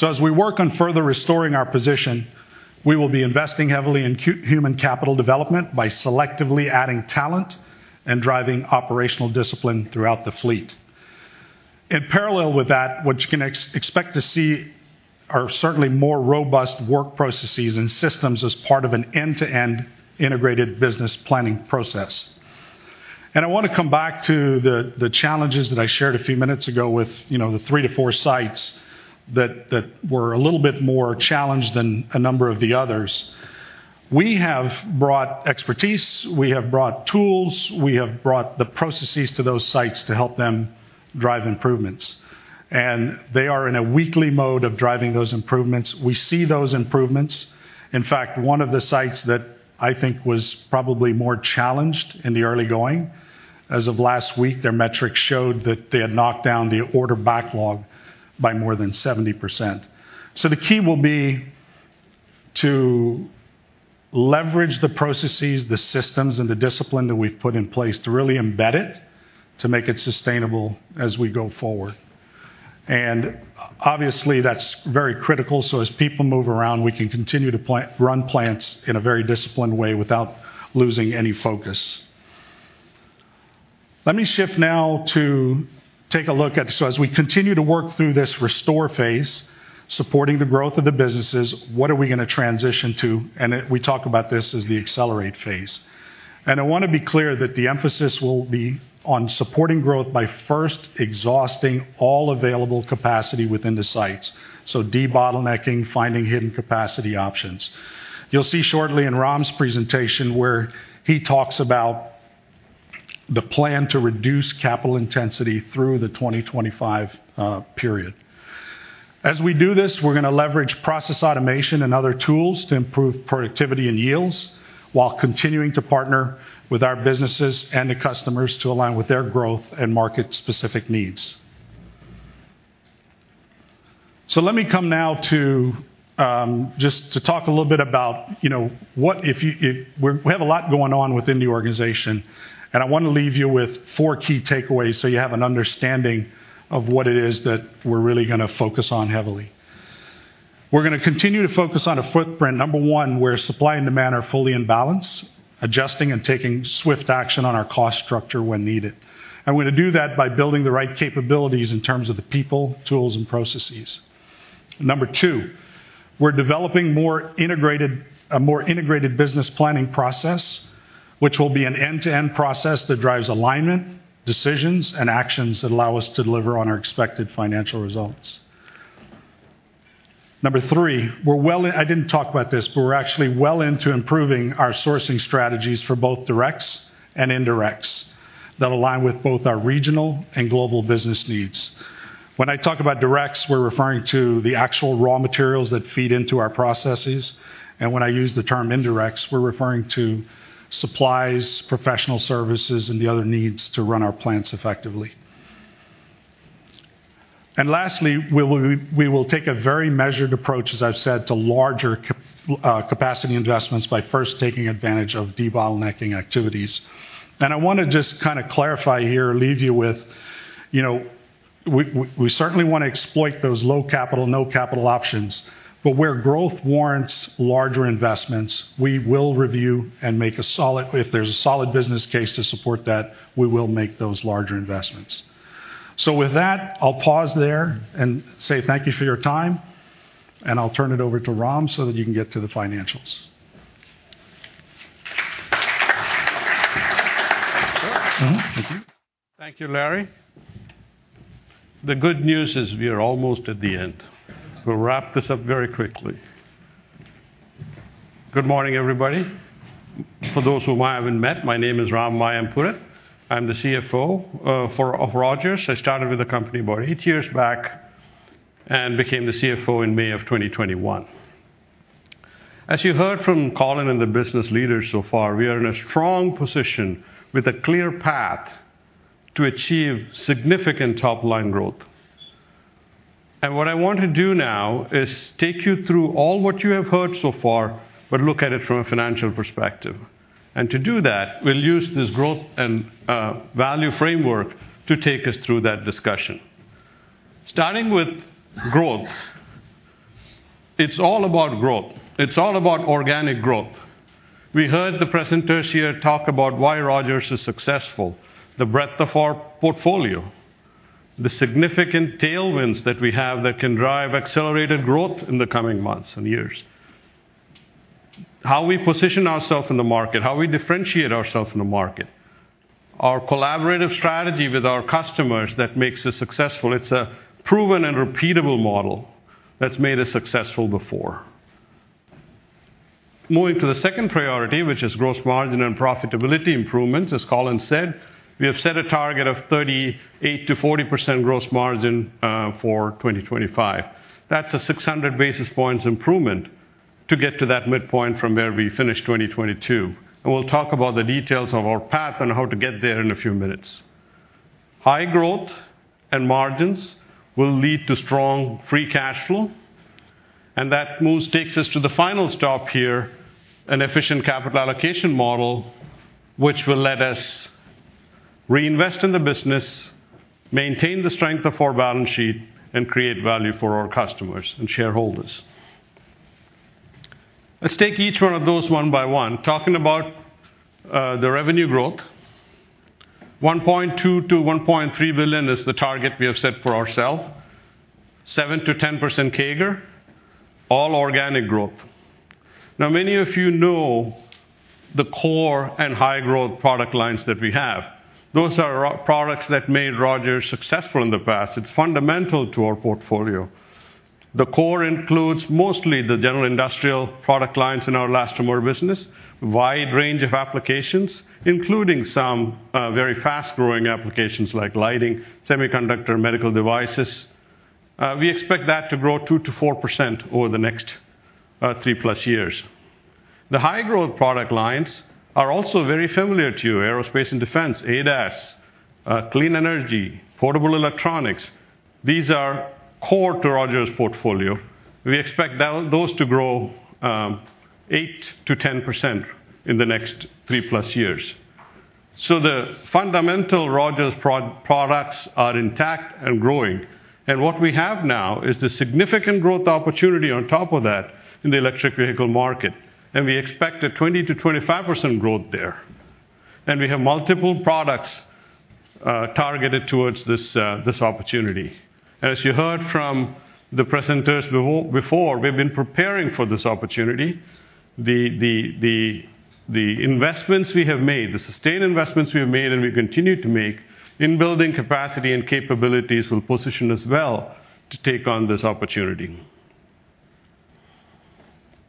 As we work on further restoring our position, we will be investing heavily in human capital development by selectively adding talent and driving operational discipline throughout the fleet. In parallel with that, what you can expect to see are certainly more robust work processes and systems as part of an end-to-end integrated business planning process. I wanna come back to the challenges that I shared a few minutes ago with, you know, the three to four sites that were a little bit more challenged than a number of the others. We have brought expertise, we have brought tools, we have brought the processes to those sites to help them drive improvements. They are in a weekly mode of driving those improvements. We see those improvements. In fact, one of the sites that I think was probably more challenged in the early going, as of last week, their metrics showed that they had knocked down the order backlog by more than 70%. The key will be to leverage the processes, the systems, and the discipline that we've put in place to really embed it, to make it sustainable as we go forward. Obviously, that's very critical, so as people move around, we can continue to run plants in a very disciplined way without losing any focus. Let me shift now to take a look at... as we continue to work through this restore phase, supporting the growth of the businesses, what are we gonna transition to? We talk about this as the accelerate phase. I wanna be clear that the emphasis will be on supporting growth by first exhausting all available capacity within the sites. De-bottlenecking, finding hidden capacity options. You'll see shortly in Ram's presentation where he talks about the plan to reduce capital intensity through the 2025 period. As we do this, we're gonna leverage process automation and other tools to improve productivity and yields while continuing to partner with our businesses and the customers to align with their growth and market-specific needs. Let me come now to just to talk a little bit about, you know, what if we have a lot going on within the organization, and I wanna leave you with four key takeaways so you have an understanding of what it is that we're really gonna focus on heavily. We're gonna continue to focus on a footprint, number one, where supply and demand are fully in balance, adjusting and taking swift action on our cost structure when needed. We're gonna do that by building the right capabilities in terms of the people, tools, and processes. Number two, we're developing a more integrated business planning process, which will be an end-to-end process that drives alignment, decisions, and actions that allow us to deliver on our expected financial results. Number three, we're actually well into improving our sourcing strategies for both directs and indirects that align with both our regional and global business needs. When I talk about directs, we're referring to the actual raw materials that feed into our processes. When I use the term indirects, we're referring to supplies, professional services, and the other needs to run our plants effectively. Lastly, we will take a very measured approach, as I've said, to larger capacity investments by first taking advantage of de-bottlenecking activities. I wanna just kinda clarify here or leave you with. You know, we certainly want to exploit those low capital, no capital options. Where growth warrants larger investments, we will review. If there's a solid business case to support that, we will make those larger investments. With that, I'll pause there and say thank you for your time, and I'll turn it over to Ram so that you can get to the financials. Thank you. Thank you, Larry. The good news is we are almost at the end. We'll wrap this up very quickly. Good morning, everybody. For those who I haven't met, my name is Ram Mayampurath. I'm the CFO of Rogers. I started with the company about eight years back and became the CFO in May of 2021. As you heard from Colin and the business leaders so far, we are in a strong position with a clear path to achieve significant top-line growth. What I want to do now is take you through all what you have heard so far, but look at it from a financial perspective. To do that, we'll use this growth and value framework to take us through that discussion. Starting with growth. It's all about growth. It's all about organic growth. We heard the presenters here talk about why Rogers is successful, the breadth of our portfolio, the significant tailwinds that we have that can drive accelerated growth in the coming months and years, how we position ourself in the market, how we differentiate ourself in the market, our collaborative strategy with our customers that makes us successful. It's a proven and repeatable model that's made us successful before. Moving to the second priority, which is gross margin and profitability improvements, as Colin said, we have set a target of 38%-40% gross margin for 2025. That's a 600 basis points improvement to get to that midpoint from where we finished 2022. We'll talk about the details of our path and how to get there in a few minutes. High growth and margins will lead to strong free cash flow, that takes us to the final stop here, an efficient capital allocation model, which will let us reinvest in the business, maintain the strength of our balance sheet, and create value for our customers and shareholders. Let's take each one of those one by one. Talking about the revenue growth, $1.2 billion-$1.3 billion is the target we have set for ourselves. 7%-10% CAGR, all organic growth. Many of you know the core and high-growth product lines that we have. Those are our products that made Rogers successful in the past. It's fundamental to our portfolio. The core includes mostly the general industrial product lines in our elastomer business, wide range of applications, including some very fast-growing applications like lighting, semiconductor, medical devices. We expect that to grow 2%-4% over the next three plus years. The high-growth product lines are also very familiar to you, aerospace and defense, ADAS, clean energy, portable electronics. These are core to Rogers' portfolio. We expect those to grow 8%-10% in the next three plus years. The fundamental Rogers products are intact and growing. What we have now is the significant growth opportunity on top of that in the electric vehicle market, and we expect a 20%-25% growth there. We have multiple products targeted towards this opportunity. As you heard from the presenters before, we've been preparing for this opportunity. The investments we have made, the sustained investments we have made and we continue to make in building capacity and capabilities will position us well to take on this opportunity.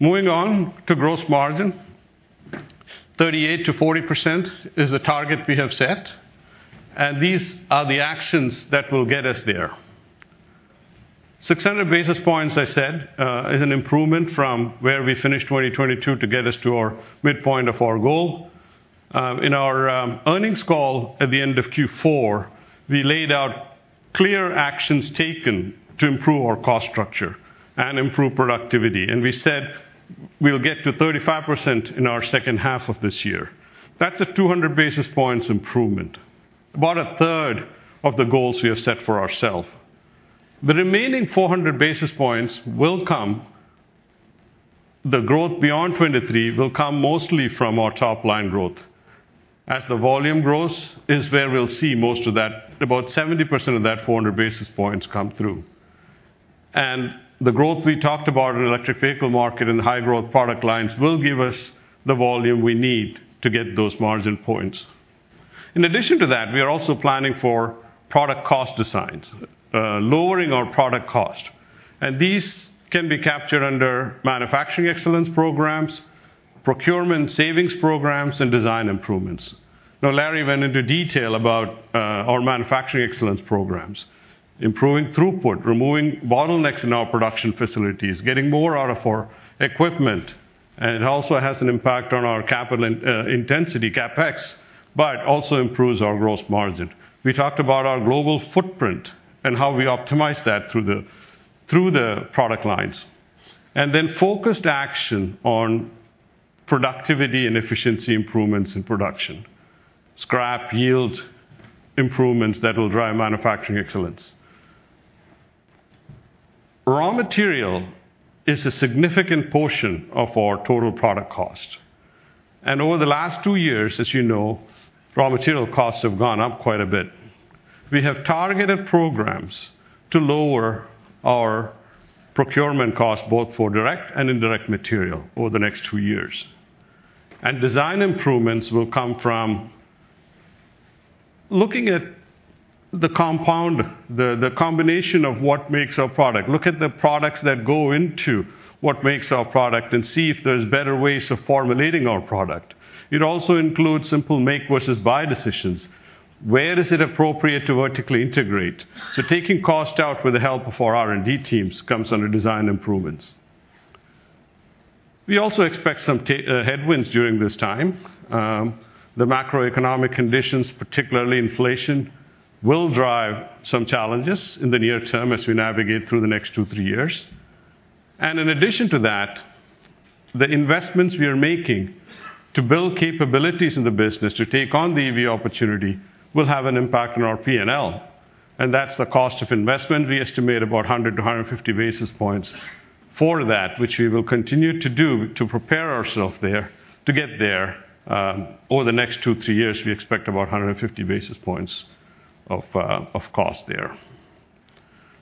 Moving on to gross margin. 38%-40% is the target we have set, and these are the actions that will get us there. 600 basis points, I said, is an improvement from where we finished 2022 to get us to our midpoint of our goal. In our earnings call at the end of Q4, we laid out clear actions taken to improve our cost structure and improve productivity. We said we'll get to 35% in our second half of this year. That's a 200 basis points improvement, about a third of the goals we have set for ourselves. The remaining 400 basis points will come. The growth beyond 2023 will come mostly from our top-line growth, as the volume growth is where we'll see most of that, about 70% of that 400 basis points come through. The growth we talked about in electric vehicle market and high-growth product lines will give us the volume we need to get those margin points. In addition to that, we are also planning for product cost designs, lowering our product cost. These can be captured under manufacturing excellence programs, procurement savings programs, and design improvements. Now, Larry Schmid went into detail about our manufacturing excellence programs, improving throughput, removing bottlenecks in our production facilities, getting more out of our equipment, and it also has an impact on our capital intensity, CapEx, but also improves our gross margin. We talked about our global footprint and how we optimize that through the product lines. Then focused action on productivity and efficiency improvements in production. Scrap yield improvements that will drive manufacturing excellence. Raw material is a significant portion of our total product cost. Over the last two years, as you know, raw material costs have gone up quite a bit. We have targeted programs to lower our procurement costs, both for direct and indirect material over the next two years. Design improvements will come from looking at the compound, the combination of what makes our product. Look at the products that go into what makes our product and see if there's better ways of formulating our product. It also includes simple make versus buy decisions. Where is it appropriate to vertically integrate? Taking cost out with the help of our R&D teams comes under design improvements. We also expect some headwinds during this time. The macroeconomic conditions, particularly inflation, will drive some challenges in the near term as we navigate through the next two, three years. In addition to that, the investments we are making to build capabilities in the business to take on the EV opportunity will have an impact on our P&L, and that's the cost of investment. We estimate about 100 to 150 basis points for that, which we will continue to do to prepare ourself there. To get there, over the next two, three years, we expect about 150 basis points of cost there.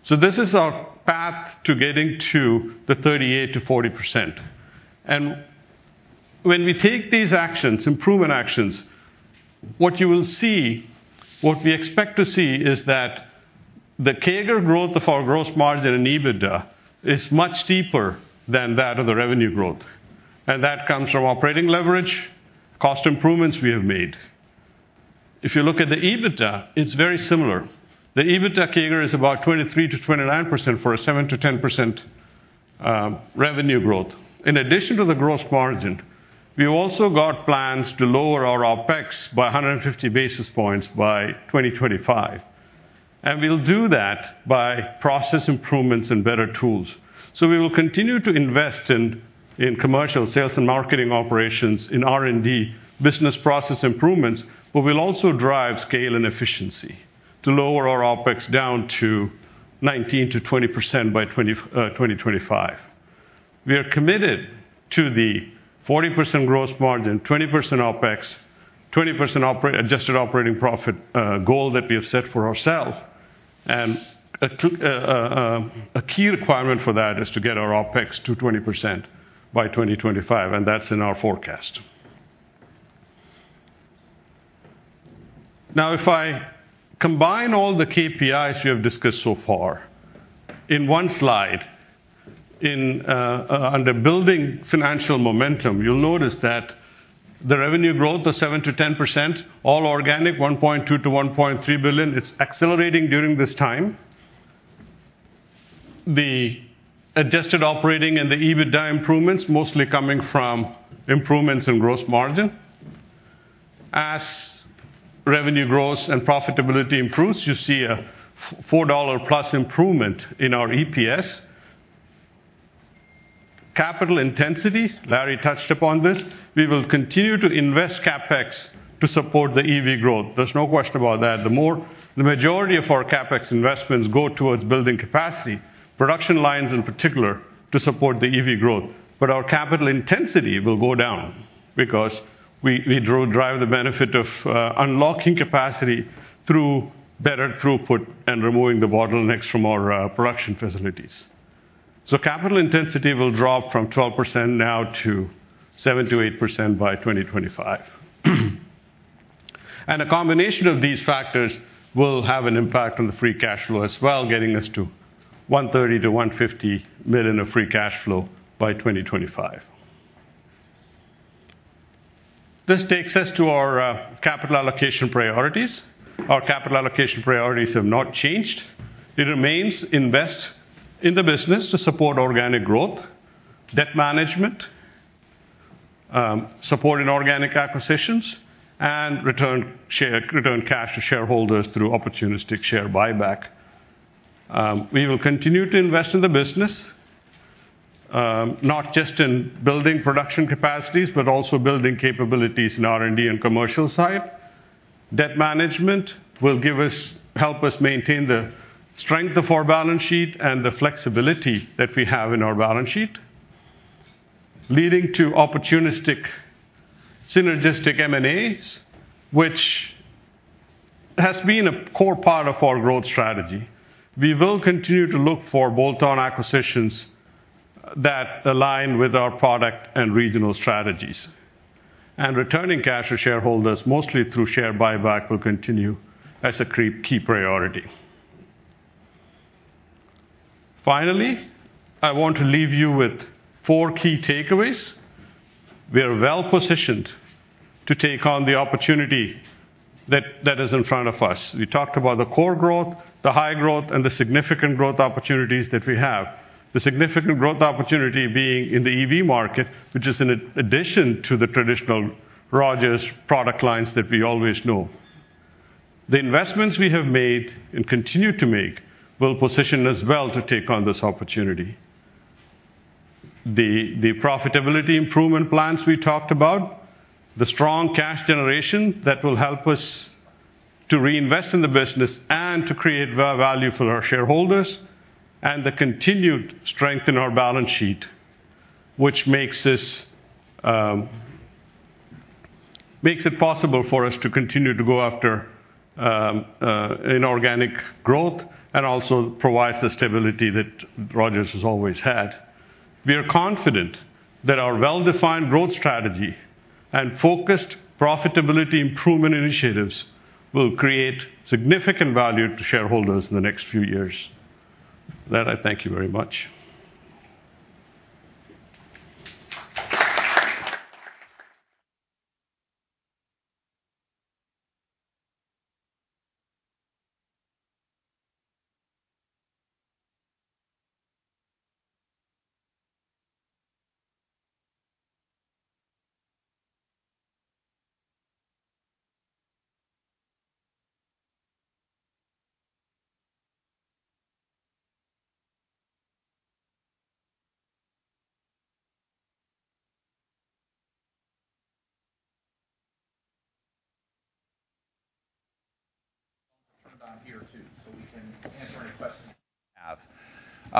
This is our path to getting to the 38%-40%. When we take these actions, improvement actions, what you will see, what we expect to see is that the CAGR growth of our gross margin in EBITDA is much steeper than that of the revenue growth. That comes from operating leverage, cost improvements we have made. If you look at the EBITDA, it's very similar. The EBITDA CAGR is about 23%-29% for a 7%-10% revenue growth. In addition to the gross margin, we also got plans to lower our OpEx by 150 basis points by 2025, and we'll do that by process improvements and better tools. We will continue to invest in commercial sales and marketing operations in R&D business process improvements, but we'll also drive scale and efficiency to lower our OpEx down to 19%-20% by 2025. We are committed to the 40% gross margin, 20% OpEx, 20% adjusted operating profit goal that we have set for ourselves. A key requirement for that is to get our OpEx to 20% by 2025, and that's in our forecast. If I combine all the KPIs we have discussed so far in one slide, in under building financial momentum, you'll notice that the revenue growth of 7%-10%, all organic, $1.2 billion-$1.3 billion, it's accelerating during this time. The adjusted operating and the EBITDA improvements mostly coming from improvements in gross margin. As revenue growth and profitability improves, you see a $4+ improvement in our EPS. Capital intensity, Larry touched upon this. We will continue to invest CapEx to support the EV growth. There's no question about that. The majority of our CapEx investments go towards building capacity, production lines in particular, to support the EV growth. Our capital intensity will go down because we drive the benefit of unlocking capacity through better throughput and removing the bottlenecks from our production facilities. Capital intensity will drop from 12% now to 7%-8% by 2025. A combination of these factors will have an impact on the free cash flow as well, getting us to $130 million-$150 million of free cash flow by 2025. This takes us to our capital allocation priorities. Our capital allocation priorities have not changed. It remains invest in the business to support organic growth, debt management, supporting organic acquisitions, and return cash to shareholders through opportunistic share buyback. We will continue to invest in the business, not just in building production capacities, but also building capabilities in R&D and commercial side. Debt management will help us maintain the strength of our balance sheet and the flexibility that we have in our balance sheet, leading to opportunistic, synergistic M&As, which has been a core part of our growth strategy. We will continue to look for bolt-on acquisitions that align with our product and regional strategies. Returning cash to shareholders, mostly through share buyback, will continue as a key priority. Finally, I want to leave you with four key takeaways. We are well-positioned to take on the opportunity that is in front of us. We talked about the core growth, the high growth, and the significant growth opportunities that we have. The significant growth opportunity being in the EV market, which is in addition to the traditional Rogers product lines that we always know. The investments we have made and continue to make will position us well to take on this opportunity. The profitability improvement plans we talked about, the strong cash generation that will help us to reinvest in the business and to create value for our shareholders, and the continued strength in our balance sheet, which makes this makes it possible for us to continue to go after inorganic growth and also provides the stability that Rogers has always had. We are confident that our well-defined growth strategy and focused profitability improvement initiatives will create significant value to shareholders in the next few years. With that, I thank you very much.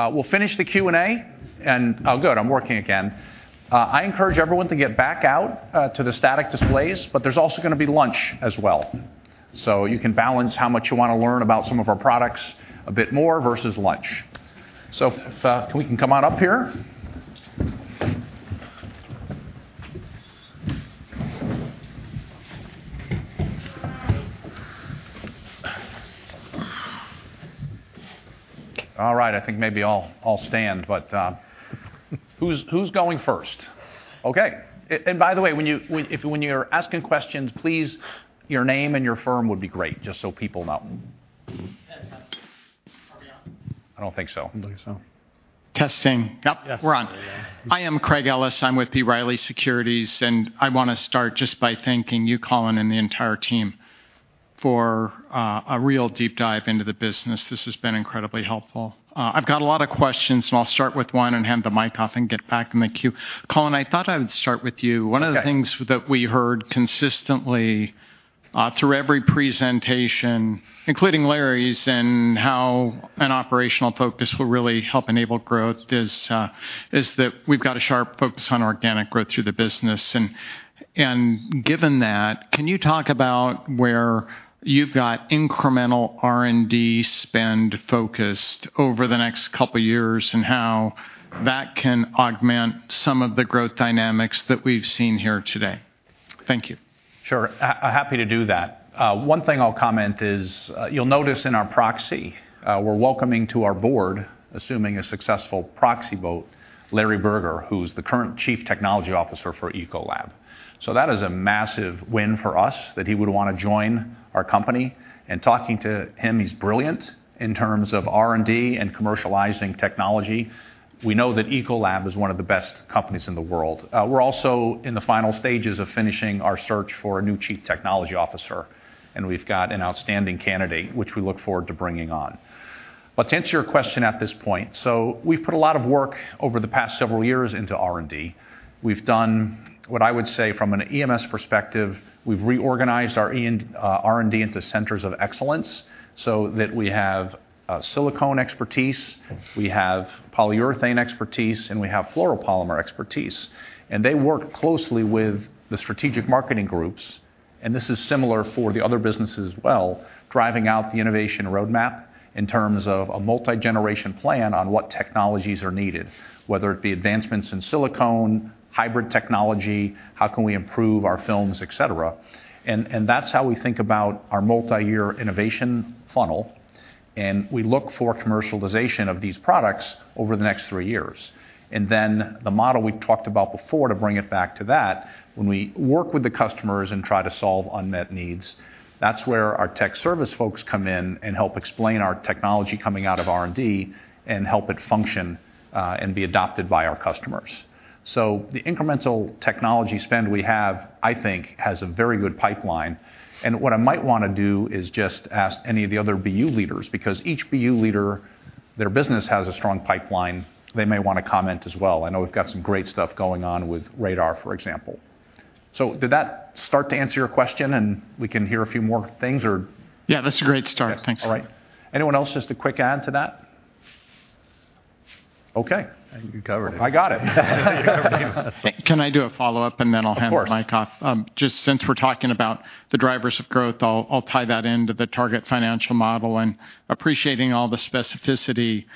Turn around here too, so we can answer any questions you have. We'll finish the Q&A and... Oh, good, I'm working again. I encourage everyone to get back out to the static displays, but there's also gonna be lunch as well. You can balance how much you wanna learn about some of our products a bit more versus lunch. If we can come on up here. All right. I think maybe I'll stand, but who's going first? Okay. By the way, when you're asking questions, please, your name and your firm would be great, just so people know. Test, test. Are we on? I don't think so. I don't think so. Testing. Yep, we're on. Yes. I am Craig Ellis. I'm with B. Riley Securities, and I wanna start just by thanking you, Colin, and the entire team for, a real deep dive into the business. This has been incredibly helpful. I've got a lot of questions, and I'll start with one and hand the mic off and get back in the queue. Colin, I thought I would start with you. Okay. One of the things that we heard consistently, through every presentation, including Larry's, and how an operational focus will really help enable growth is that we've got a sharp focus on organic growth through the business. Given that, can you talk about where you've got incremental R&D spend focused over the next couple years and how that can augment some of the growth dynamics that we've seen here today? Thank you. Sure. Happy to do that. One thing I'll comment is, you'll notice in our proxy, we're welcoming to our board, assuming a successful proxy vote, Larry Berger, who's the current Chief Technology Officer for Ecolab. That is a massive win for us that he would wanna join our company. Talking to him, he's brilliant in terms of R&D and commercializing technology. We know that Ecolab is one of the best companies in the world. We're also in the final stages of finishing our search for a new Chief Technology Officer, and we've got an outstanding candidate, which we look forward to bringing on. To answer your question at this point, we've put a lot of work over the past several years into R&D. We've done what I would say from an EMS perspective, we've reorganized our R&D into centers of excellence so that we have silicone expertise, we have polyurethane expertise, and we have fluoropolymer expertise. They work closely with the strategic marketing groups, and this is similar for the other businesses as well, driving out the innovation roadmap in terms of a multi-generation plan on what technologies are needed, whether it be advancements in silicone, hybrid technology, how can we improve our films, et cetera. That's how we think about our multi-year innovation funnel, and we look for commercialization of these products over the next three years. The model we talked about before, to bring it back to that, when we work with the customers and try to solve unmet needs, that's where our tech service folks come in and help explain our technology coming out of R&D and help it function and be adopted by our customers. The incremental technology spend we have, I think, has a very good pipeline. What I might wanna do is just ask any of the other BU leaders, because each BU leader, their business has a strong pipeline. They may wanna comment as well. I know we've got some great stuff going on with Radar, for example. Did that start to answer your question and we can hear a few more things or? Yeah, that's a great start. Thanks. All right. Anyone else, just a quick add to that? Okay. I think you covered it. I got it. Can I do a follow-up, and then I'll hand the mic off? Of course. Just since we're talking about the drivers of growth, I'll tie that into the target financial model and appreciating all the specificity,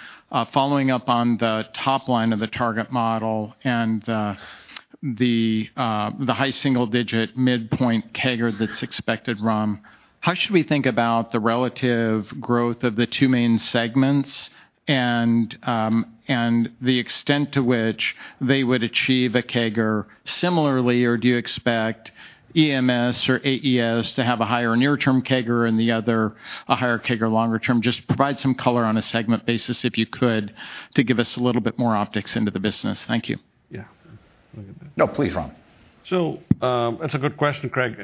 following up on the top line of the target model and the high single-digit midpoint CAGR that's expected, Ram. How should we think about the relative growth of the two main segments and the extent to which they would achieve a CAGR similarly? Or do you expect EMS or AES to have a higher near-term CAGR and the other, a higher CAGR longer term? Just provide some color on a segment basis, if you could, to give us a little bit more optics into the business. Thank you. Yeah. No, please, Ram. That's a good question, Craig.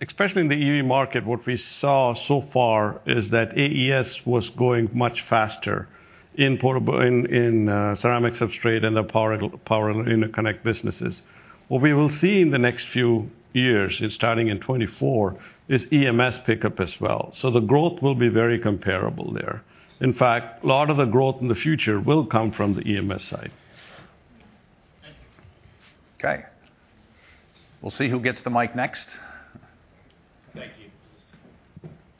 Especially in the EV market, what we saw so far is that AES was going much faster in ceramic substrate and the power interconnect businesses. What we will see in the next few years, starting in 2024, is EMS pick up as well. The growth will be very comparable there. In fact, a lot of the growth in the future will come from the EMS side. Okay. We'll see who gets the mic next.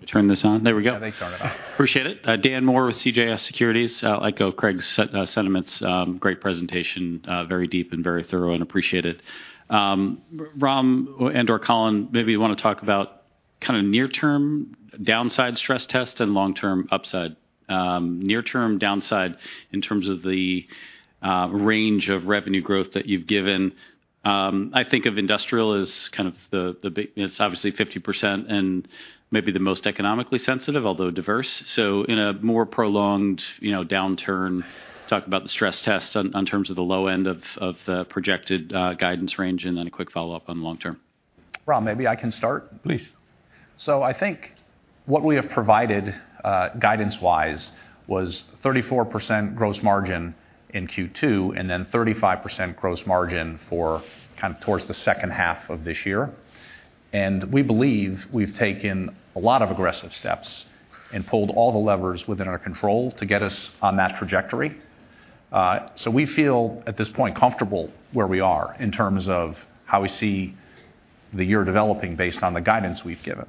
Thank you. Turn this on. There we go. Yeah, they turned it on. Appreciate it. Dan Moore with CJS Securities. I echo Craig's sentiments. Great presentation, very deep and very thorough and appreciate it. Ram and/or Colin, maybe you wanna talk about kind of near-term downside stress test and long-term upside. Near term downside in terms of the range of revenue growth that you've given, I think of industrial as kind of the big... It's obviously 50% and maybe the most economically sensitive, although diverse. In a more prolonged, you know, downturn, talk about the stress tests on terms of the low end of the projected guidance range, and then a quick follow-up on the long term. Ram, maybe I can start. Please. I think what we have provided, guidance-wise was 34% gross margin in Q2, and then 35% gross margin for kind of towards the second half of this year. We believe we've taken a lot of aggressive steps and pulled all the levers within our control to get us on that trajectory. We feel at this point, comfortable where we are in terms of how we see the year developing based on the guidance we've given.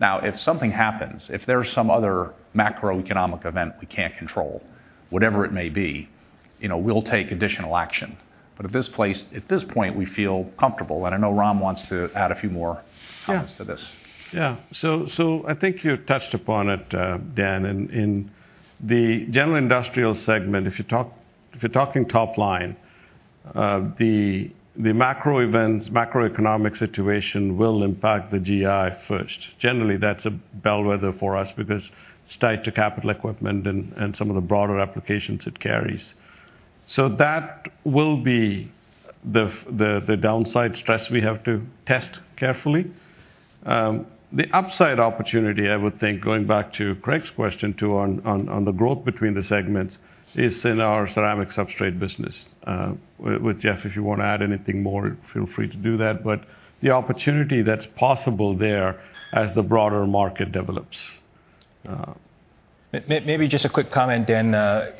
Now, if something happens, if there's some other macroeconomic event we can't control, whatever it may be, you know, we'll take additional action. At this point, we feel comfortable, and I know Ram wants to add a few more comments to this. Yeah. I think you touched upon it, Dan, in the general industrial segment, if you're talking top line. The macro events, macroeconomic situation will impact the GI first. Generally, that's a bellwether for us because it's tied to capital equipment and some of the broader applications it carries. That will be the downside stress we have to test carefully. The upside opportunity, I would think, going back to Craig's question too, on the growth between the segments, is in our ceramic substrate business. With Jeff, if you wanna add anything more, feel free to do that. The opportunity that's possible there as the broader market develops. Maybe just a quick comment, Dan.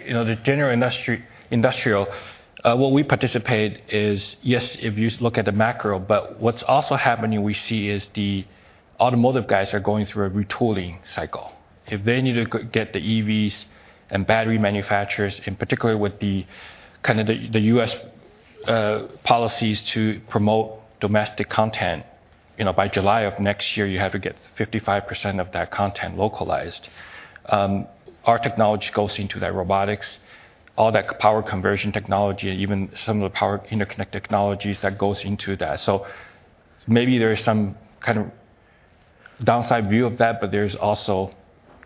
You know, the general industrial, what we participate is, yes, if you look at the macro, what's also happening we see is the automotive guys are going through a retooling cycle. If they need to get the EVs and battery manufacturers, in particular with the kind of the U.S. policies to promote domestic content, you know, by July of next year, you have to get 55% of that content localized. Our technology goes into that robotics, all that power conversion technology, and even some of the power interconnect technologies that goes into that. Maybe there is some kind of downside view of that, but there's also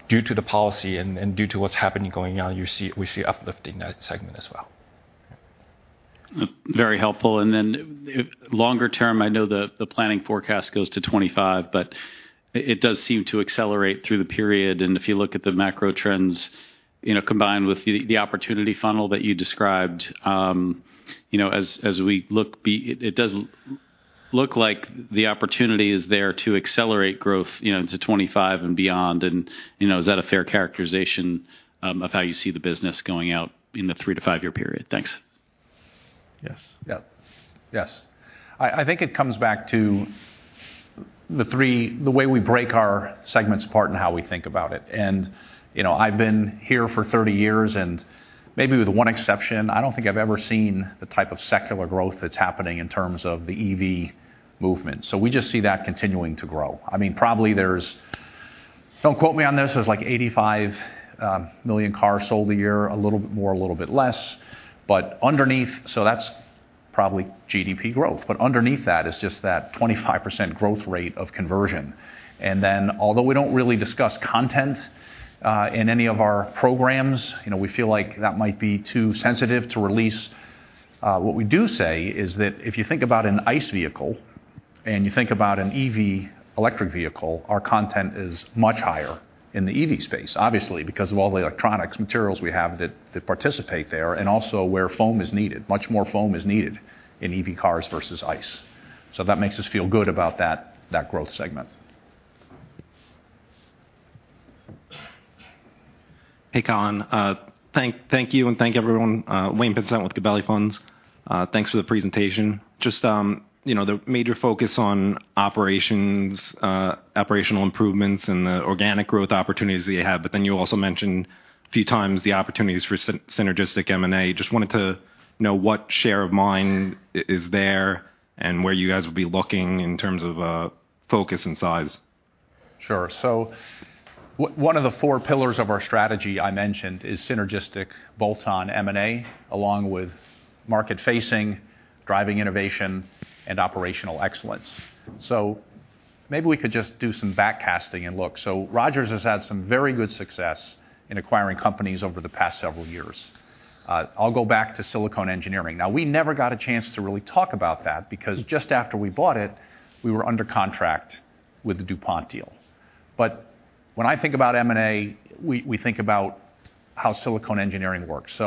due to the policy and due to what's happening going on, we see uplift in that segment as well. Very helpful. Then longer term, I know the planning forecast goes to 2025, but it does seem to accelerate through the period. If you look at the macro trends, you know, combined with the opportunity funnel that you described, you know, as we look, it does look like the opportunity is there to accelerate growth, you know, to 2025 and beyond. You know, is that a fair characterization of how you see the business going out in the three to five year period? Thanks. Yes. Yep. Yes. I think it comes back to the way we break our segments apart and how we think about it. You know, I've been here for 30 years, and maybe with one exception, I don't think I've ever seen the type of secular growth that's happening in terms of the EV movement. We just see that continuing to grow. I mean, probably there's... Don't quote me on this. There's like 85 million cars sold a year, a little bit more, a little bit less, but underneath... That's probably GDP growth. Underneath that is just that 25% growth rate of conversion. Although we don't really discuss content, in any of our programs, you know, we feel like that might be too sensitive to release, what we do say is that if you think about an ICE vehicle and you think about an EV electric vehicle, our content is much higher in the EV space, obviously, because of all the electronics materials we have that participate there, and also where foam is needed. Much more foam is needed in EV cars versus ICE. That makes us feel good about that growth segment. Hey, Colin. thank you, and thank everyone. Wayne Pinsent with Gabelli Funds. thanks for the presentation. Just, you know, the major focus on operations, operational improvements and the organic growth opportunities that you have, but then you also mentioned a few times the opportunities for synergistic M&A. Just wanted to know what share of mind is there and where you guys will be looking in terms of focus and size. Sure. One of the four pillars of our strategy I mentioned is synergistic bolt-on M&A, along with market facing, driving innovation, and operational excellence. Maybe we could just do some back casting and look. Rogers has had some very good success in acquiring companies over the past several years. I'll go back to Silicone Engineering. We never got a chance to really talk about that because just after we bought it, we were under contract with the DuPont deal. When I think about M&A, we think about how Silicone Engineering works.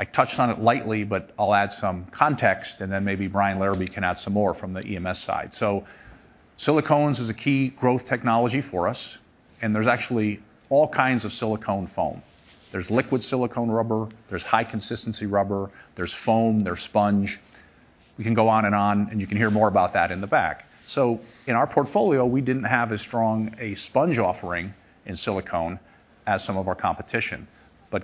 I touched on it lightly, but I'll add some context, and then maybe Brian Larabee can add some more from the EMS side. Silicones is a key growth technology for us, and there's actually all kinds of silicone foam. There's liquid silicone rubber, there's high consistency rubber, there's foam, there's sponge. We can go on and on, and you can hear more about that in the back. In our portfolio, we didn't have as strong a sponge offering in silicone as some of our competition.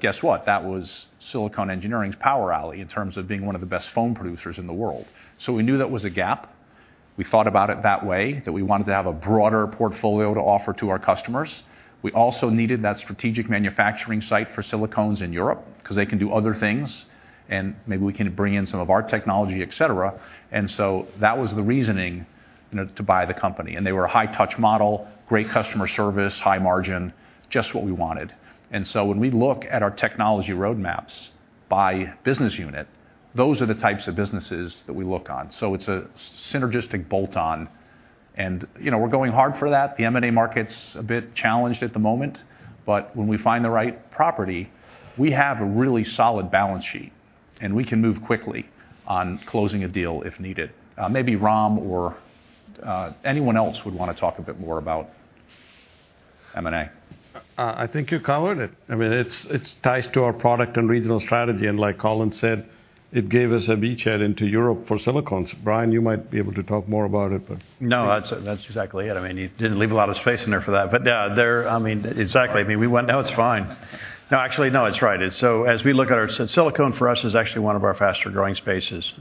Guess what? That was Silicone Engineering's power alley in terms of being one of the best foam producers in the world. We knew that was a gap. We thought about it that way, that we wanted to have a broader portfolio to offer to our customers. We also needed that strategic manufacturing site for silicones in Europe 'cause they can do other things, and maybe we can bring in some of our technology, et cetera. That was the reasoning, you know, to buy the company. They were a high touch model, great customer service, high margin, just what we wanted. When we look at our technology roadmaps by business unit, those are the types of businesses that we look on. It's a synergistic bolt-on and, you know, we're going hard for that. The M&A market's a bit challenged at the moment, but when we find the right property, we have a really solid balance sheet, and we can move quickly on closing a deal if needed. Maybe Ram or anyone else would want to talk a bit more about M&A. I think you covered it. I mean, it's ties to our product and regional strategy, and like Colin said, it gave us a beachhead into Europe for silicones. Brian, you might be able to talk more about it. No, that's exactly it. I mean, you didn't leave a lot of space in there for that. yeah, there I mean, exactly. I mean, we went, "No, it's fine." No, actually, no, it's right. as we look at our silicone for us is actually one of our faster-growing spaces,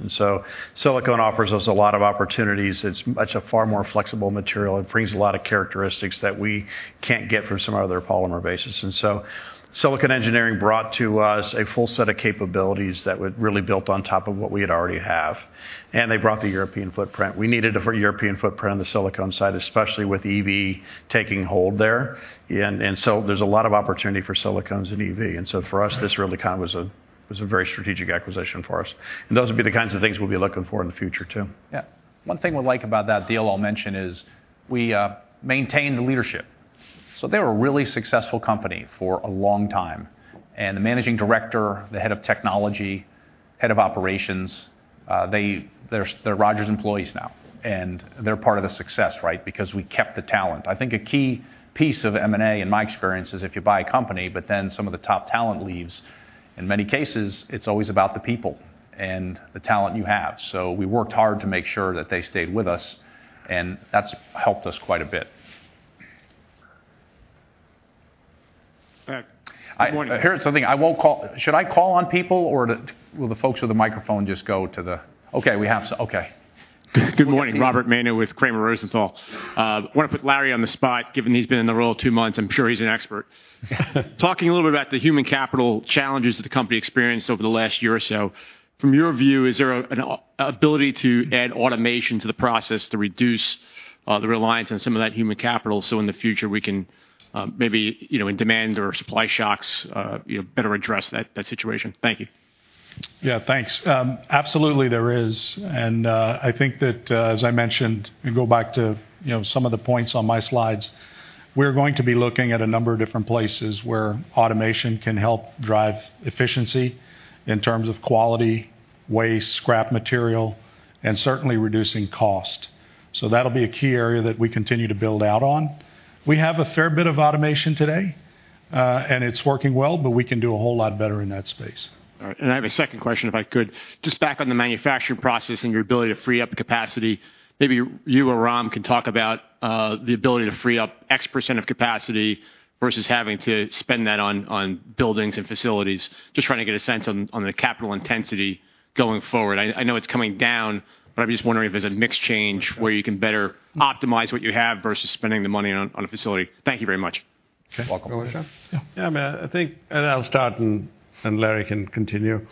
silicone offers us a lot of opportunities. It's much a far more flexible material and brings a lot of characteristics that we can't get from some other polymer bases. Silicone Engineering brought to us a full set of capabilities that would really built on top of what we had already have. They brought the European footprint. We needed a for European footprint on the silicone side, especially with EV taking hold there. There's a lot of opportunity for silicones in EV. For us, this really kind of was a very strategic acquisition for us. Those would be the kinds of things we'll be looking for in the future too. Yeah. One thing we like about that deal I'll mention is we maintained the leadership, so they were a really successful company for a long time. The managing director, the head of technology, head of operations, they're Rogers employees now, and they're part of the success, right? Because we kept the talent. I think a key piece of M&A in my experience is if you buy a company, but then some of the top talent leaves, in many cases it's always about the people and the talent you have. We worked hard to make sure that they stayed with us, and that's helped us quite a bit. Back. Good morning. Here's something. I won't call... Should I call on people or Will the folks with the microphone just go to the...? Okay, we have okay. Good morning. Robert Maina with Cramer Rosenthal. Wanna put Larry on the spot, given he's been in the role two months, I'm sure he's an expert. Talking a little bit about the human capital challenges that the company experienced over the last year or so, from your view, is there an ability to add automation to the process to reduce the reliance on some of that human capital so in the future we can, maybe, you know, in demand or supply shocks, you know, better address that situation? Thank you. Yeah, thanks. Absolutely there is, and I think that as I mentioned, and go back to, you know, some of the points on my slides, we're going to be looking at a number of different places where automation can help drive efficiency in terms of quality, waste, scrap material, and certainly reducing cost. That'll be a key area that we continue to build out on. We have a fair bit of automation today, and it's working well, but we can do a whole lot better in that space. All right. I have a second question, if I could. Just back on the manufacturing process and your ability to free up capacity, maybe you or Ram can talk about the ability to free up X% of capacity versus having to spend that on buildings and facilities. Just trying to get a sense on the capital intensity going forward. I know it's coming down, I'm just wondering if there's a mix change where you can better optimize what you have versus spending the money on a facility. Thank you very much. Sure. Welcome. I mean, I think, and I'll start and Larry can continue.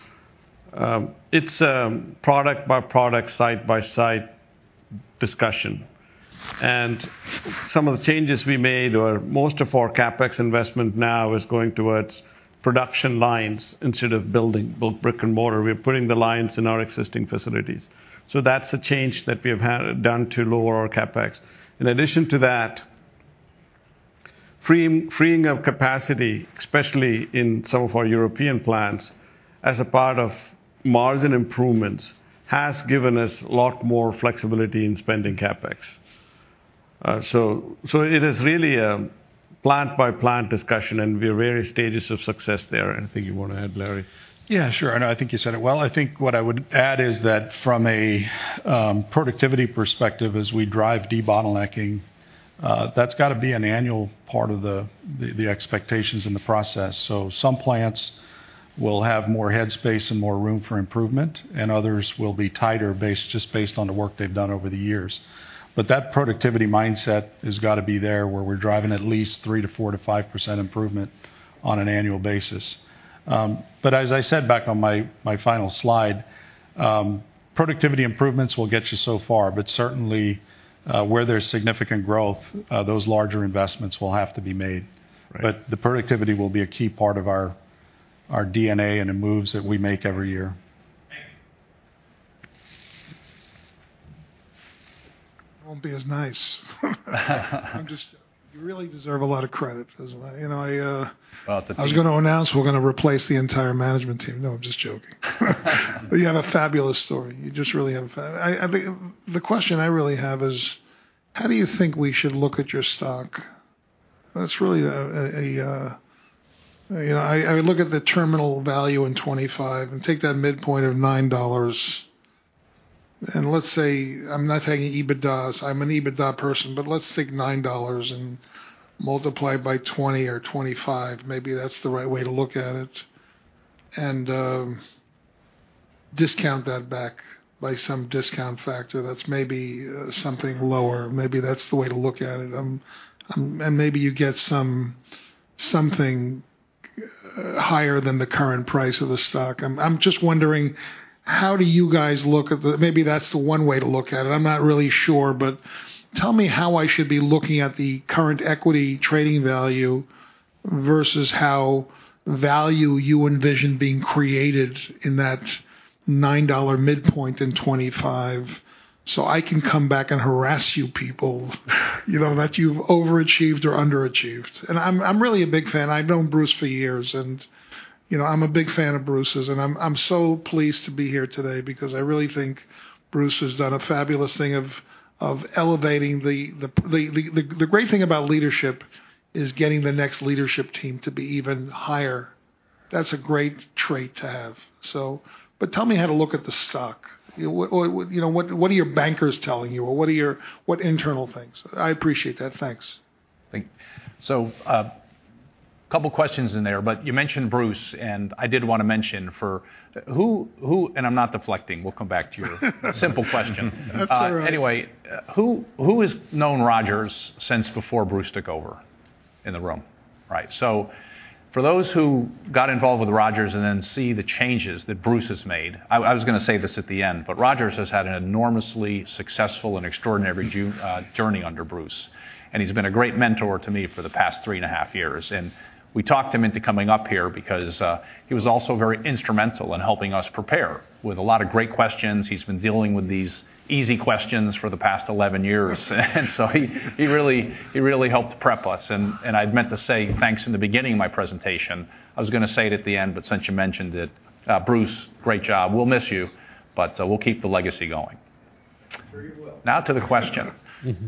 It's a product by product, site by site discussion. Some of the changes we made or most of our CapEx investment now is going towards production lines instead of building both brick and mortar. We're putting the lines in our existing facilities. That's a change that we have had done to lower our CapEx. In addition to that, freeing of capacity, especially in some of our European plants as a part of margin improvements, has given us a lot more flexibility in spending CapEx. It is really a plant by plant discussion, and we're various stages of success there. I think you wanna add, Larry. Yeah, sure. I think you said it well. I think what I would add is that from a productivity perspective as we drive debottlenecking, that's gotta be an annual part of the expectations in the process. Some plants will have more head space and more room for improvement, and others will be tighter base just based on the work they've done over the years. That productivity mindset has gotta be there, where we're driving at least 3%- 4%-5% improvement. On an annual basis. As I said back on my final slide, productivity improvements will get you so far. Certainly, where there's significant growth, those larger investments will have to be made. Right. The productivity will be a key part of our DNA and the moves that we make every year. Thank you. I won't be as nice. You really deserve a lot of credit as well. You know, I. Oh, thank you. I was gonna announce we're gonna replace the entire management team. No, I'm just joking. You have a fabulous story. You just really have I think the question I really have is: how do you think we should look at your stock? That's really a, you know... I look at the terminal value in 25 and take that midpoint of $9. Let's say I'm not taking EBITDAs. I'm an EBITDA person, but let's take $9 and multiply by 20 or 25, maybe that's the right way to look at it. Discount that back by some discount factor that's maybe something lower. Maybe that's the way to look at it. Maybe you get something higher than the current price of the stock. I'm just wondering how do you guys look at the... Maybe that's the one way to look at it. I'm not really sure, but tell me how I should be looking at the current equity trading value versus how value you envision being created in that $9 midpoint in 25, so I can come back and harass you people, you know, that you've overachieved or underachieved. I'm really a big fan. I've known Bruce for years, and, you know, I'm a big fan of Bruce's, and I'm so pleased to be here today because I really think Bruce has done a fabulous thing of elevating the great thing about leadership is getting the next leadership team to be even higher. That's a great trait to have. Tell me how to look at the stock. You know, what, you know, what are your bankers telling you? Or what are what internal things? I appreciate that. Thanks. Thank you. Couple of questions in there, but you mentioned Bruce, and I did want to mention for who. I'm not deflecting. We'll come back to your simple question. That's all right. Anyway, who has known Rogers since before Bruce took over in the room? Right. For those who got involved with Rogers and then see the changes that Bruce has made, I was gonna say this at the end, Rogers has had an enormously successful and extraordinary journey under Bruce, and he's been a great mentor to me for the past three and a half years. We talked him into coming up here because he was also very instrumental in helping us prepare with a lot of great questions. He's been dealing with these easy questions for the past 11 years. He really helped prep us, and I'd meant to say thanks in the beginning of my presentation. I was gonna say it at the end, since you mentioned it, Bruce, great job. We'll miss you, but, we'll keep the legacy going. Very well. Now to the question.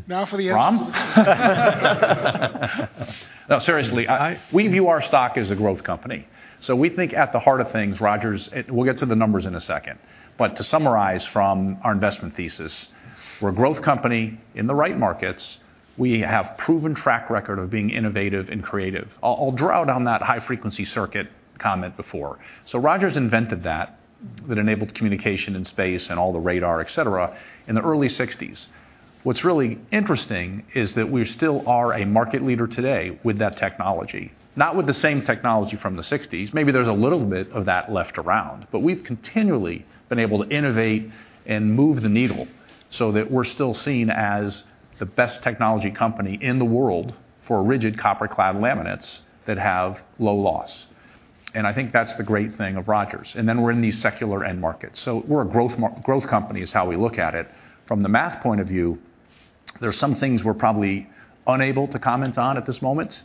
Now for the answer. Ram. No, seriously, I. We view our stock as a growth company. We think at the heart of things, Rogers, we'll get to the numbers in a second. To summarize from our investment thesis, we're a growth company in the right markets. We have proven track record of being innovative and creative. I'll draw down that high frequency circuit comment before. Rogers invented that. That enabled communication in space and all the radar, et cetera, in the early sixties. What's really interesting is that we still are a market leader today with that technology. Not with the same technology from the sixties. Maybe there's a little bit of that left around. We've continually been able to innovate and move the needle so that we're still seen as the best technology company in the world for rigid copper clad laminates that have low loss. I think that's the great thing of Rogers. Then we're in these secular end markets. We're a growth company is how we look at it. From the math point of view, there are some things we're probably unable to comment on at this moment.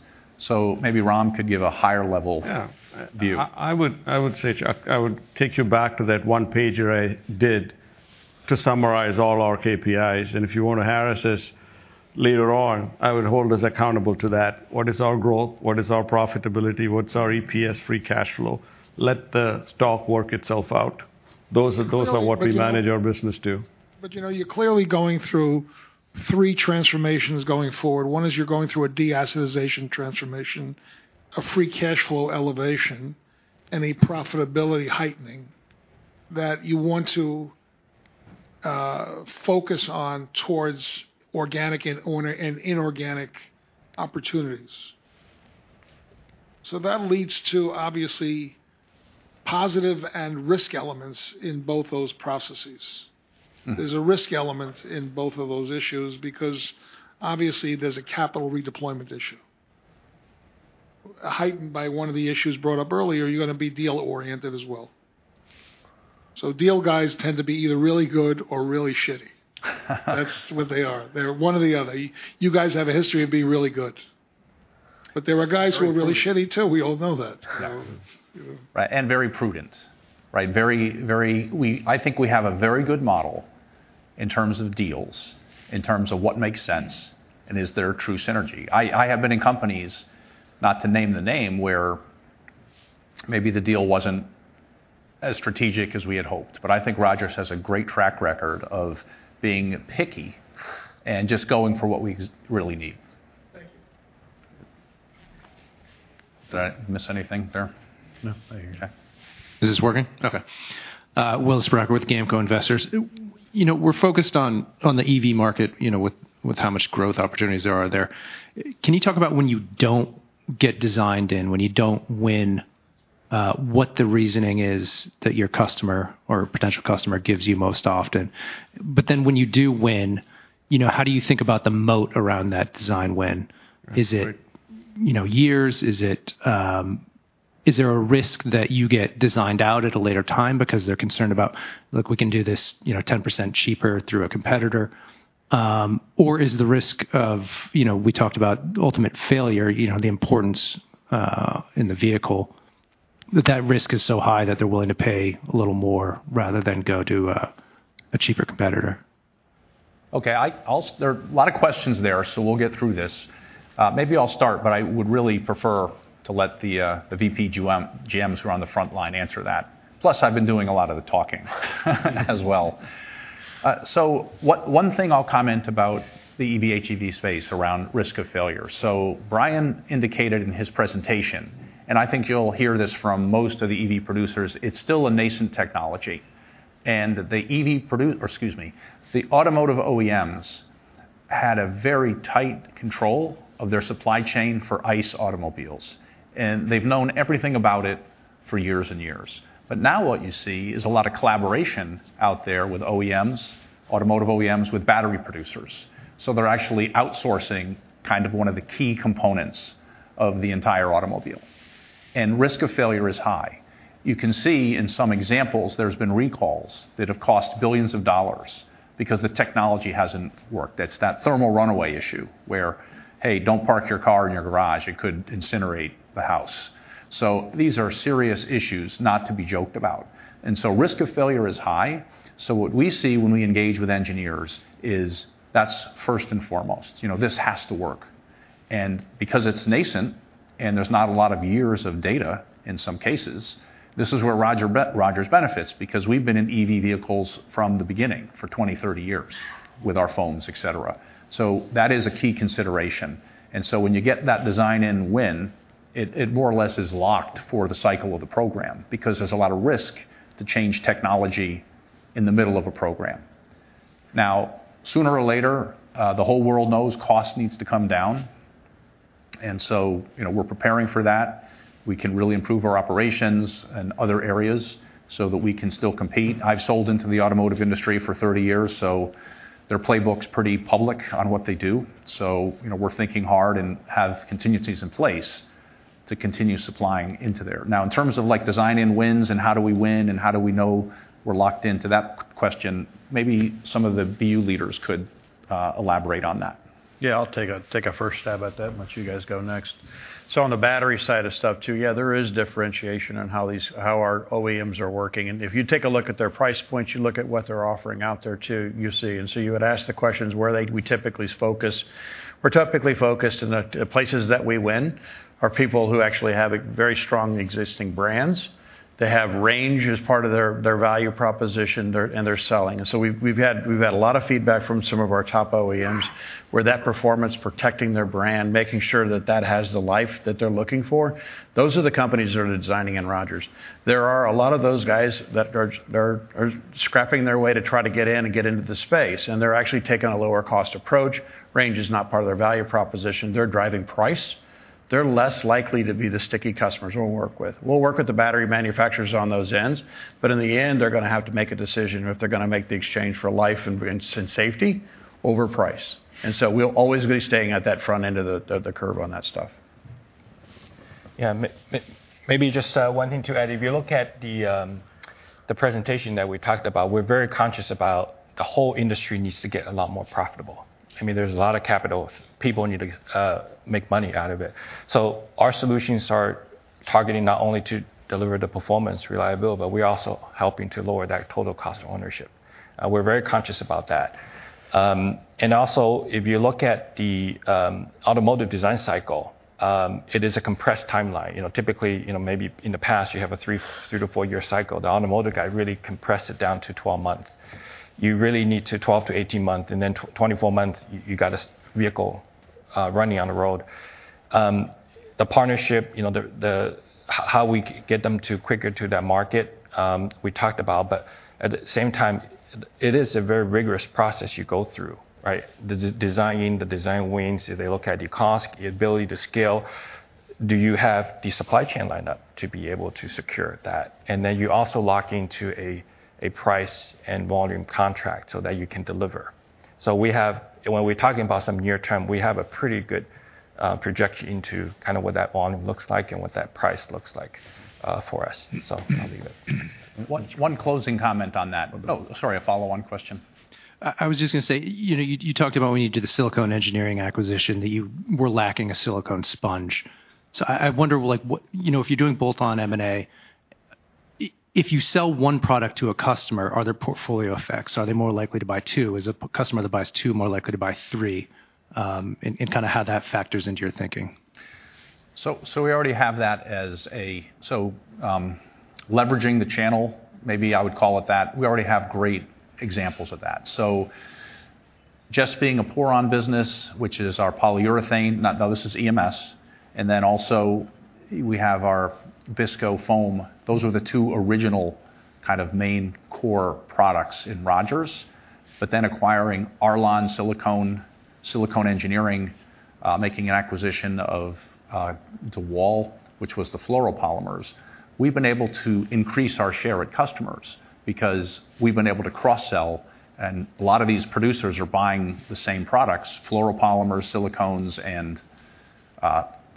Maybe Ram could give a higher level. Yeah. View. I would say, Chuck, I would take you back to that one-pager I did to summarize all our KPIs. If you wanna harass us later on, I would hold us accountable to that. What is our growth? What is our profitability? What's our EPS free cash flow? Let the stock work itself out. Those are what we manage our business to. you know, you're clearly going through three transformations going forward. One is you're going through a deassetization transformation, a free cash flow elevation, and a profitability heightening that you want to focus on towards organic and inorganic opportunities. That leads to obviously positive and risk elements in both those processes. Mm-hmm. There's a risk element in both of those issues because obviously there's a capital redeployment issue. Heightened by one of the issues brought up earlier, you're gonna be deal oriented as well. Deal guys tend to be either really good or really shitty. That's what they are. They're one or the other. You guys have a history of being really good. There are guys who are really shitty too. We all know that. Yeah. You know? Right. Very prudent. Right? Very, I think we have a very good model in terms of deals, in terms of what makes sense, and is there true synergy. I have been in companies, not to name the name, where maybe the deal wasn't as strategic as we had hoped. I think Rogers has a great track record of being picky and just going for what we really need. Thank you. Did I miss anything there? No. Okay. Is this working? Okay. Willis Brucker with GAMCO Investors. You know, we're focused on the EV market, you know, with how much growth opportunities there are there. Can you talk about when you don't get designed in, when you don't win, what the reasoning is that your customer or potential customer gives you most often? When you do win, you know, how do you think about the moat around that design win? Right. Is it, you know, years? Is it, is there a risk that you get designed out at a later time because they're concerned about, look, we can do this, you know, 10% cheaper through a competitor? Or is the risk of, you know, we talked about ultimate failure, you know, the importance in the vehicle, that that risk is so high that they're willing to pay a little more rather than go to a cheaper competitor. Okay. There are a lot of questions there, so we'll get through this. Maybe I'll start, but I would really prefer to let the VP GMs who are on the front line answer that. Plus, I've been doing a lot of the talking as well. One thing I'll comment about the EV, HEV space around risk of failure. Brian indicated in his presentation, and I think you'll hear this from most of the EV producers, it's still a nascent technology. Or excuse me, the automotive OEMs had a very tight control of their supply chain for ICE automobiles, and they've known everything about it for years and years. Now what you see is a lot of collaboration out there with OEMs, automotive OEMs with battery producers. They're actually outsourcing kind of one of the key components of the entire automobile, and risk of failure is high. You can see in some examples, there's been recalls that have cost billions of dollars because the technology hasn't worked. That's that thermal runaway issue where, "Hey, don't park your car in your garage. It could incinerate the house." These are serious issues not to be joked about. Risk of failure is high. What we see when we engage with engineers is that's first and foremost, you know, this has to work. Because it's nascent and there's not a lot of years of data in some cases, this is where Rogers benefits because we've been in EV vehicles from the beginning for 20, 30 years with our phones, et cetera. That is a key consideration. When you get that design and win, it more or less is locked for the cycle of the program because there's a lot of risk to change technology in the middle of a program. Sooner or later, the whole world knows cost needs to come down, and so, you know, we're preparing for that. We can really improve our operations and other areas so that we can still compete. I've sold into the automotive industry for 30 years, so their playbook's pretty public on what they do. You know, we're thinking hard and have contingencies in place to continue supplying into there. In terms of like design and wins and how do we win and how do we know we're locked in, to that question, maybe some of the BU leaders could elaborate on that. Yeah, I'll take a first stab at that. Let you guys go next. On the battery side of stuff too, yeah, there is differentiation on how our OEMs are working. If you take a look at their price points, you look at what they're offering out there too, you see. You had asked the questions, where we typically focus. We're typically focused in the places that we win are people who actually have a very strong existing brands. They have range as part of their value proposition and their selling. We've had a lot of feedback from some of our top OEMs where that performance, protecting their brand, making sure that that has the life that they're looking for, those are the companies that are designing in Rogers. There are a lot of those guys that are scrapping their way to try to get in and get into the space, and they're actually taking a lower cost approach. Range is not part of their value proposition. They're driving price. They're less likely to be the sticky customers we'll work with. We'll work with the battery manufacturers on those ends, in the end, they're gonna have to make a decision if they're gonna make the exchange for life and safety over price. We'll always be staying at that front end of the curve on that stuff. Yeah. Maybe just one thing to add. If you look at the presentation that we talked about, we're very conscious about the whole industry needs to get a lot more profitable. I mean, there's a lot of capital. People need to make money out of it. Our solutions are targeting not only to deliver the performance, reliability, but we're also helping to lower that total cost of ownership. We're very conscious about that. Also if you look at the automotive design cycle, it is a compressed timeline. You know, typically, you know, maybe in the past you have a three-four year cycle. The automotive guy really compressed it down to 12 months. You really need to 12-18 months, and then 24 months you got a vehicle running on the road. The partnership, you know, how we get them to quicker to that market, we talked about. At the same time, it is a very rigorous process you go through, right? The de-design, the design wins. They look at your cost, your ability to scale. Do you have the supply chain lined up to be able to secure that? Then you also lock into a price and volume contract so that you can deliver. When we're talking about some near term, we have a pretty good projection into kind of what that volume looks like and what that price looks like for us. I'll leave it. One closing comment on that. Sorry, a follow-on question. I was just gonna say, you know, you talked about when you did the Silicone Engineering acquisition, that you were lacking a silicone sponge. I wonder like what, you know, if you're doing bolt-on M&A, if you sell one product to a customer, are there portfolio effects? Are they more likely to buy two? Is a customer that buys two more likely to buy three? Kinda how that factors into your thinking. We already have that as a. Leveraging the channel, maybe I would call it that. We already have great examples of that. Just being a PORON business, which is our polyurethane, not. Now this is EMS, and then also we have our Viscoelastic foam. Those were the two original kind of main core products in Rogers. Acquiring Arlon silicone, Silicone Engineering, making an acquisition of DeWal, which was the fluoropolymers. We've been able to increase our share at customers because we've been able to cross-sell, and a lot of these producers are buying the same products, fluoropolymers, silicones and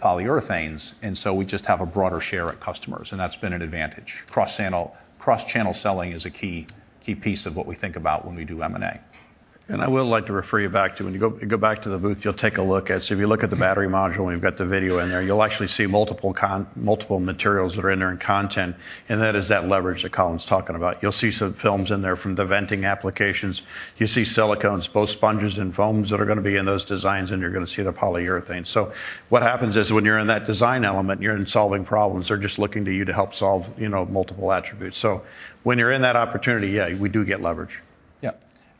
polyurethanes. We just have a broader share at customers, and that's been an advantage. Cross channel, cross-channel selling is a key piece of what we think about when we do M&A. I would like to refer you back to, when you go back to the booth, you'll take a look at. If you look at the battery module and we've got the video in there, you'll actually see multiple materials that are in there in content, and that is that leverage that Colin's talking about. You'll see some films in there from the venting applications. You see silicones, both sponges and foams, that are gonna be in those designs, and you're gonna see the polyurethane. What happens is when you're in that design element, you're in solving problems. They're just looking to you to help solve, you know, multiple attributes. When you're in that opportunity, yeah, we do get leverage.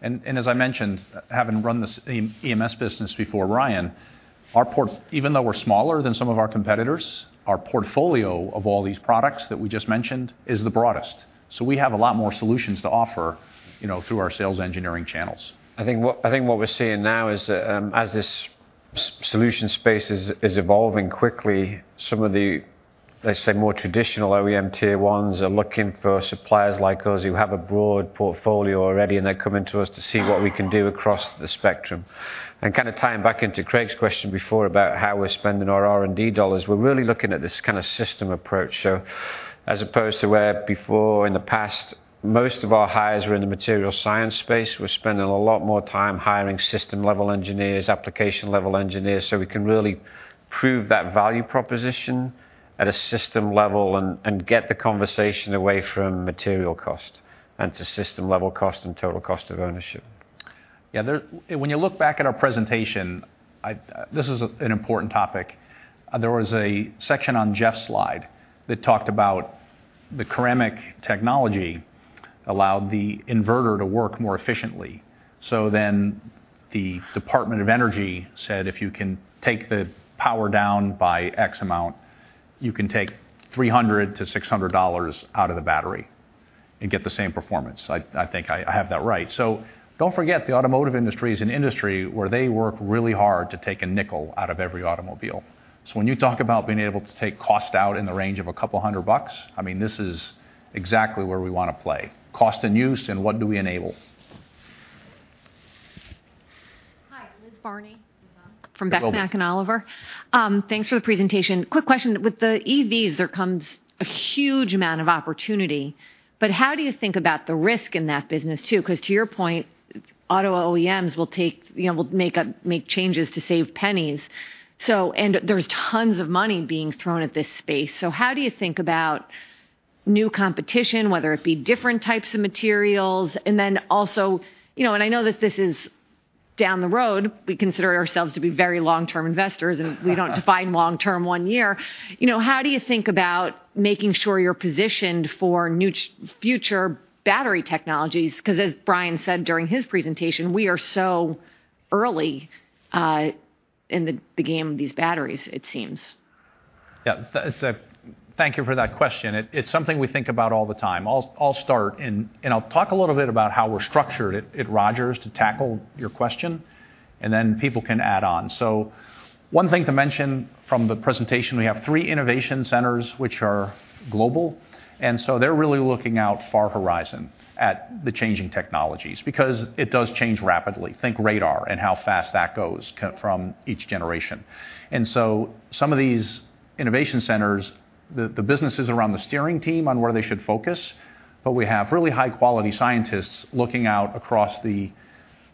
Yeah. As I mentioned, having run this EM-EMS business before Ryan, even though we're smaller than some of our competitors, our portfolio of all these products that we just mentioned is the broadest. We have a lot more solutions to offer, you know, through our sales engineering channels. I think what we're seeing now is, as this solution space is evolving quickly, some of the, let's say, more traditional OEM Tier 1s are looking for suppliers like us who have a broad portfolio already, and they're coming to us to see what we can do across the spectrum. Kinda tying back into Craig's question before about how we're spending our R&D dollars, we're really looking at this kinda system approach. As opposed to where before in the past, most of our hires were in the material science space, we're spending a lot more time hiring system-level engineers, application-level engineers, so we can really prove that value proposition at a system level and get the conversation away from material cost and to system-level cost and total cost of ownership. Yeah. When you look back at our presentation, This is an important topic. There was a section on Jeff's slide that talked about the ceramic technology allowed the inverter to work more efficiently. The Department of Energy said, "If you can take the power down by X amount, you can take $300-$600 out of the battery and get the same performance." I think I have that right. Don't forget, the automotive industry is an industry where they work really hard to take a nickel out of every automobile. When you talk about being able to take cost out in the range of $200, I mean, this is exactly where we wanna play. Cost and use and what do we enable. Hi, Liz Barney from Beck, Mack & Oliver. Hello. Thanks for the presentation. Quick question. With the EVs, there comes a huge amount of opportunity. How do you think about the risk in that business too? 'Cause to your point, auto OEMs will take, you know, make changes to save pennies. There's tons of money being thrown at this space. How do you think about new competition, whether it be different types of materials? Then also, you know, I know that this is down the road, we consider ourselves to be very long-term investors, and we don't define long-term one year. You know, how do you think about making sure you're positioned for future battery technologies? 'Cause as Brian said during his presentation, we are so early in the game of these batteries, it seems. Yeah. It's Thank you for that question. It's something we think about all the time. I'll start and I'll talk a little bit about how we're structured at Rogers to tackle your question, and then people can add on. One thing to mention from the presentation, we have three innovation centers which are global, and so they're really looking out far horizon at the changing technologies because it does change rapidly. Think radar and how fast that goes from each generation. Some of these innovation centers, the businesses are on the steering team on where they should focus, but we have really high quality scientists looking out across the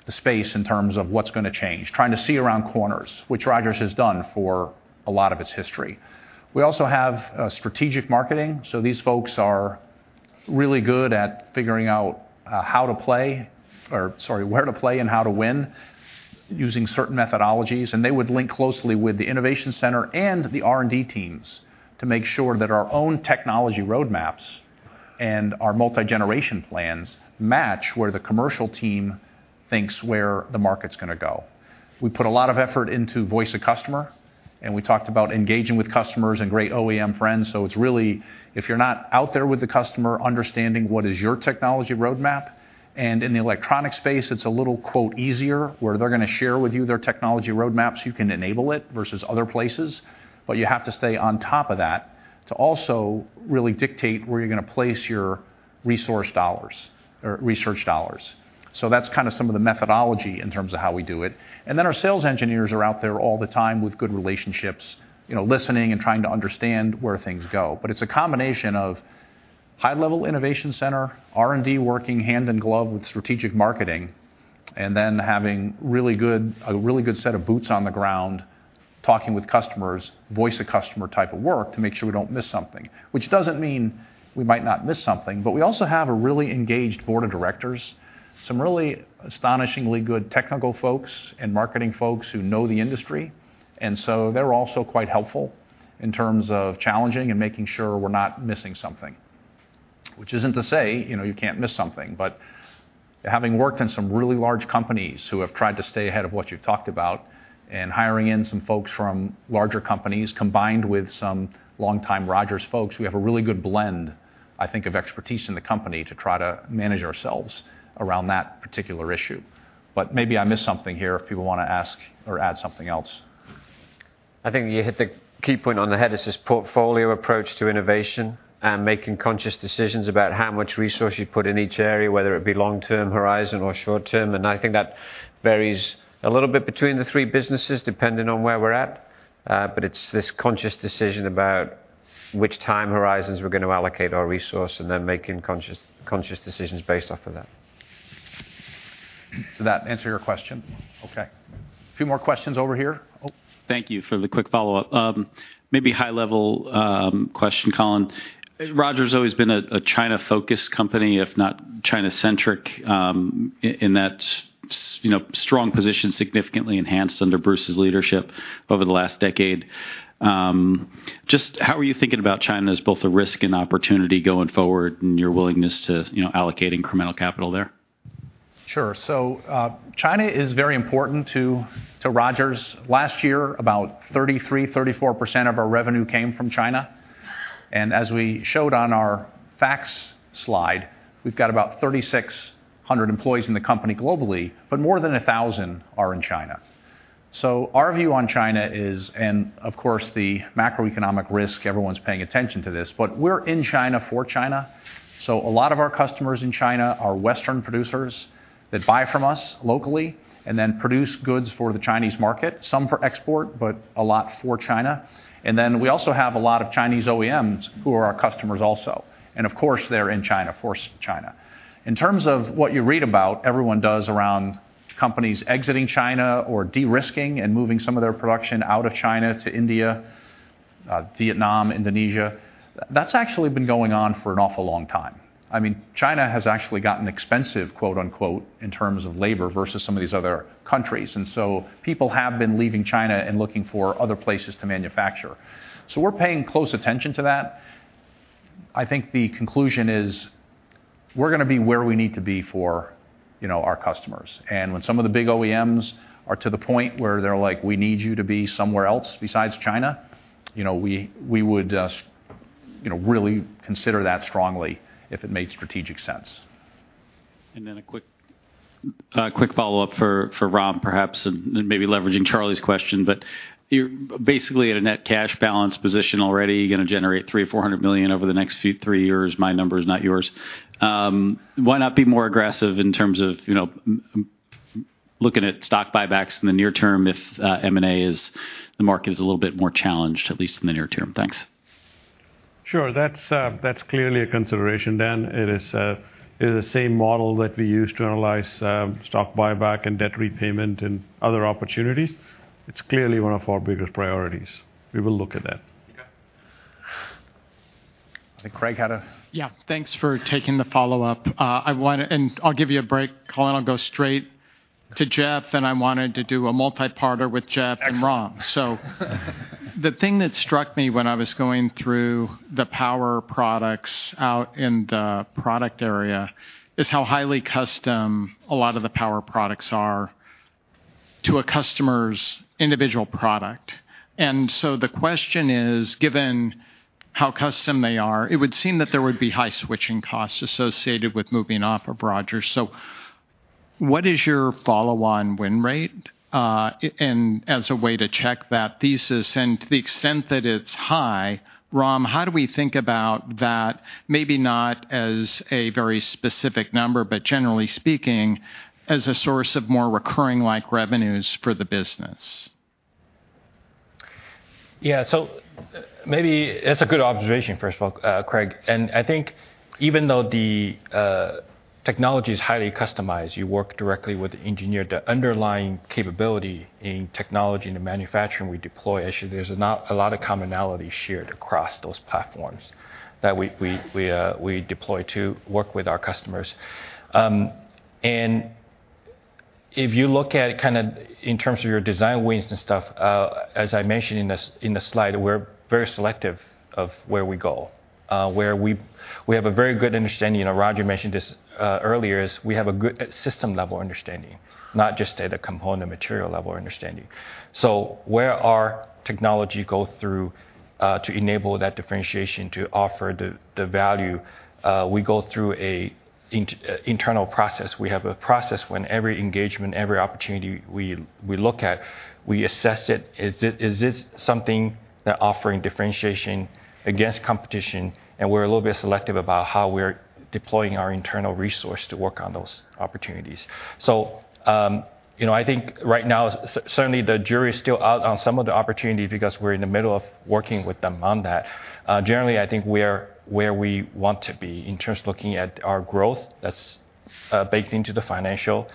space in terms of what's gonna change, trying to see around corners, which Rogers has done for a lot of its history. We also have strategic marketing, so these folks are really good at figuring out how to play or, sorry, where to play and how to win using certain methodologies, and they would link closely with the innovation center and the R&D teams to make sure that our own technology roadmaps and our multi-generation plans match where the commercial team thinks where the market's gonna go. We put a lot of effort into voice of customer, and we talked about engaging with customers and great OEM friends, so it's really if you're not out there with the customer understanding what is your technology roadmap, and in the electronic space, it's a little "easier" where they're gonna share with you their technology roadmaps, you can enable it versus other places. You have to stay on top of that to also really dictate where you're gonna place your resource dollars or research dollars. That's kinda some of the methodology in terms of how we do it. Our sales engineers are out there all the time with good relationships, you know, listening and trying to understand where things go. It's a combination of high-level innovation center, R&D working hand in glove with strategic marketing, and then having really good, a really good set of boots on the ground talking with customers, voice of customer type of work to make sure we don't miss something. Which doesn't mean we might not miss something, but we also have a really engaged Board of Directors, some really astonishingly good technical folks and marketing folks who know the industry. They're also quite helpful in terms of challenging and making sure we're not missing something. Which isn't to say, you know, you can't miss something. Having worked in some really large companies who have tried to stay ahead of what you've talked about and hiring in some folks from larger companies, combined with some longtime Rogers folks, we have a really good blend, I think, of expertise in the company to try to manage ourselves around that particular issue. Maybe I missed something here if people wanna ask or add something else. I think you hit the key point on the head. It's this portfolio approach to innovation and making conscious decisions about how much resource you put in each area, whether it be long-term horizon or short-term. I think that varies a little bit between the three businesses depending on where we're at. But it's this conscious decision about which time horizons we're gonna allocate our resource, and then making conscious decisions based off of that. Did that answer your question? Okay. Few more questions over here. Oh. Thank you for the quick follow-up. Maybe high level question, Colin. Rogers has always been a China-focused company, if not China-centric, you know, strong position significantly enhanced under Bruce's leadership over the last decade. Just how are you thinking about China as both a risk and opportunity going forward and your willingness to, you know, allocating incremental capital there? Sure. China is very important to Rogers. Last year, about 33%-34% of our revenue came from China. As we showed on our facts slide, we've got about 3,600 employees in the company globally, but more than 1,000 are in China. Our view on China is, and of course, the macroeconomic risk, everyone's paying attention to this, but we're in China for China. A lot of our customers in China are Western producers that buy from us locally and then produce goods for the Chinese market, some for export, but a lot for China. We also have a lot of Chinese OEMs who are our customers also. Of course, they're in China, of course, China. In terms of what you read about, everyone does around companies exiting China or de-risking and moving some of their production out of China to India, Vietnam, Indonesia. That's actually been going on for an awful long time. I mean, China has actually gotten expensive, quote-unquote, in terms of labor versus some of these other countries. People have been leaving China and looking for other places to manufacture. We're paying close attention to that. I think the conclusion is we're gonna be where we need to be for, you know, our customers. When some of the big OEMs are to the point where they're like, "We need you to be somewhere else besides China," you know, we would, you know, really consider that strongly if it made strategic sense. A quick follow-up for Ram, perhaps, and maybe leveraging Charlie's question. You're basically at a net cash balance position already. You're gonna generate $300 million-$400 million over the next few three years. My number is not yours. Why not be more aggressive in terms of, you know, looking at stock buybacks in the near term if M&A is the market is a little bit more challenged, at least in the near term? Thanks. Sure. That's clearly a consideration, Dan. It is the same model that we use to analyze stock buyback and debt repayment and other opportunities. It's clearly one of our biggest priorities. We will look at that. Okay. I think Craig had. Yeah. Thanks for taking the follow-up. I'll give you a break, Colin. I'll go straight to Jeff, and I wanted to do a multi-parter with Jeff- Excellent. Ram. The thing that struck me when I was going through the power products out in the product area is how highly custom a lot of the power products are to a customer's individual product. The question is, given how custom they are, it would seem that there would be high switching costs associated with moving off of Rogers. What is your follow-on win rate, and as a way to check that thesis? To the extent that it's high, Ram, how do we think about that maybe not as a very specific number, but generally speaking, as a source of more recurring like revenues for the business? Yeah. Maybe that's a good observation, first of all, Craig. I think even though the technology is highly customized, you work directly with the engineer, the underlying capability in technology and the manufacturing we deploy, actually there's a lot of commonality shared across those platforms that we deploy to work with our customers. If you look at kind of in terms of your design wins and stuff, as I mentioned in the slide, we're very selective of where we go, where we have a very good understanding. You know, Roger mentioned this earlier, is we have a good system level understanding, not just at a component material level understanding. Where our technology goes through to enable that differentiation to offer the value, we go through an internal process. We have a process when every engagement, every opportunity we look at, we assess it. Is it something that offering differentiation against competition? We're a little bit selective about how we're deploying our internal resource to work on those opportunities. You know, I think right now, certainly the jury is still out on some of the opportunities because we're in the middle of working with them on that. Generally, I think we're where we want to be in terms of looking at our growth that's baked into the financial,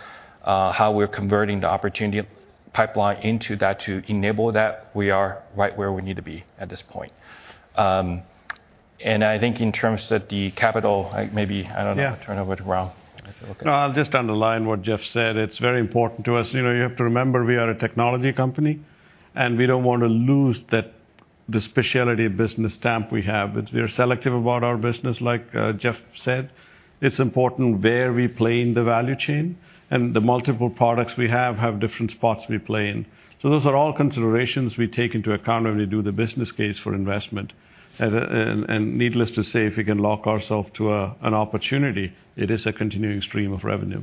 how we're converting the opportunity pipeline into that to enable that we are right where we need to be at this point. I think in terms of the capital, maybe, I don't know... Yeah. Turn over to Ram. No, I'll just underline what Jeff said. It's very important to us. You know, you have to remember we are a technology company. We don't wanna lose that the specialty business stamp we have. We are selective about our business, like Jeff said. It's important where we play in the value chain, and the multiple products we have different spots we play in. Those are all considerations we take into account when we do the business case for investment. Needless to say, if we can lock ourself to an opportunity, it is a continuing stream of revenue.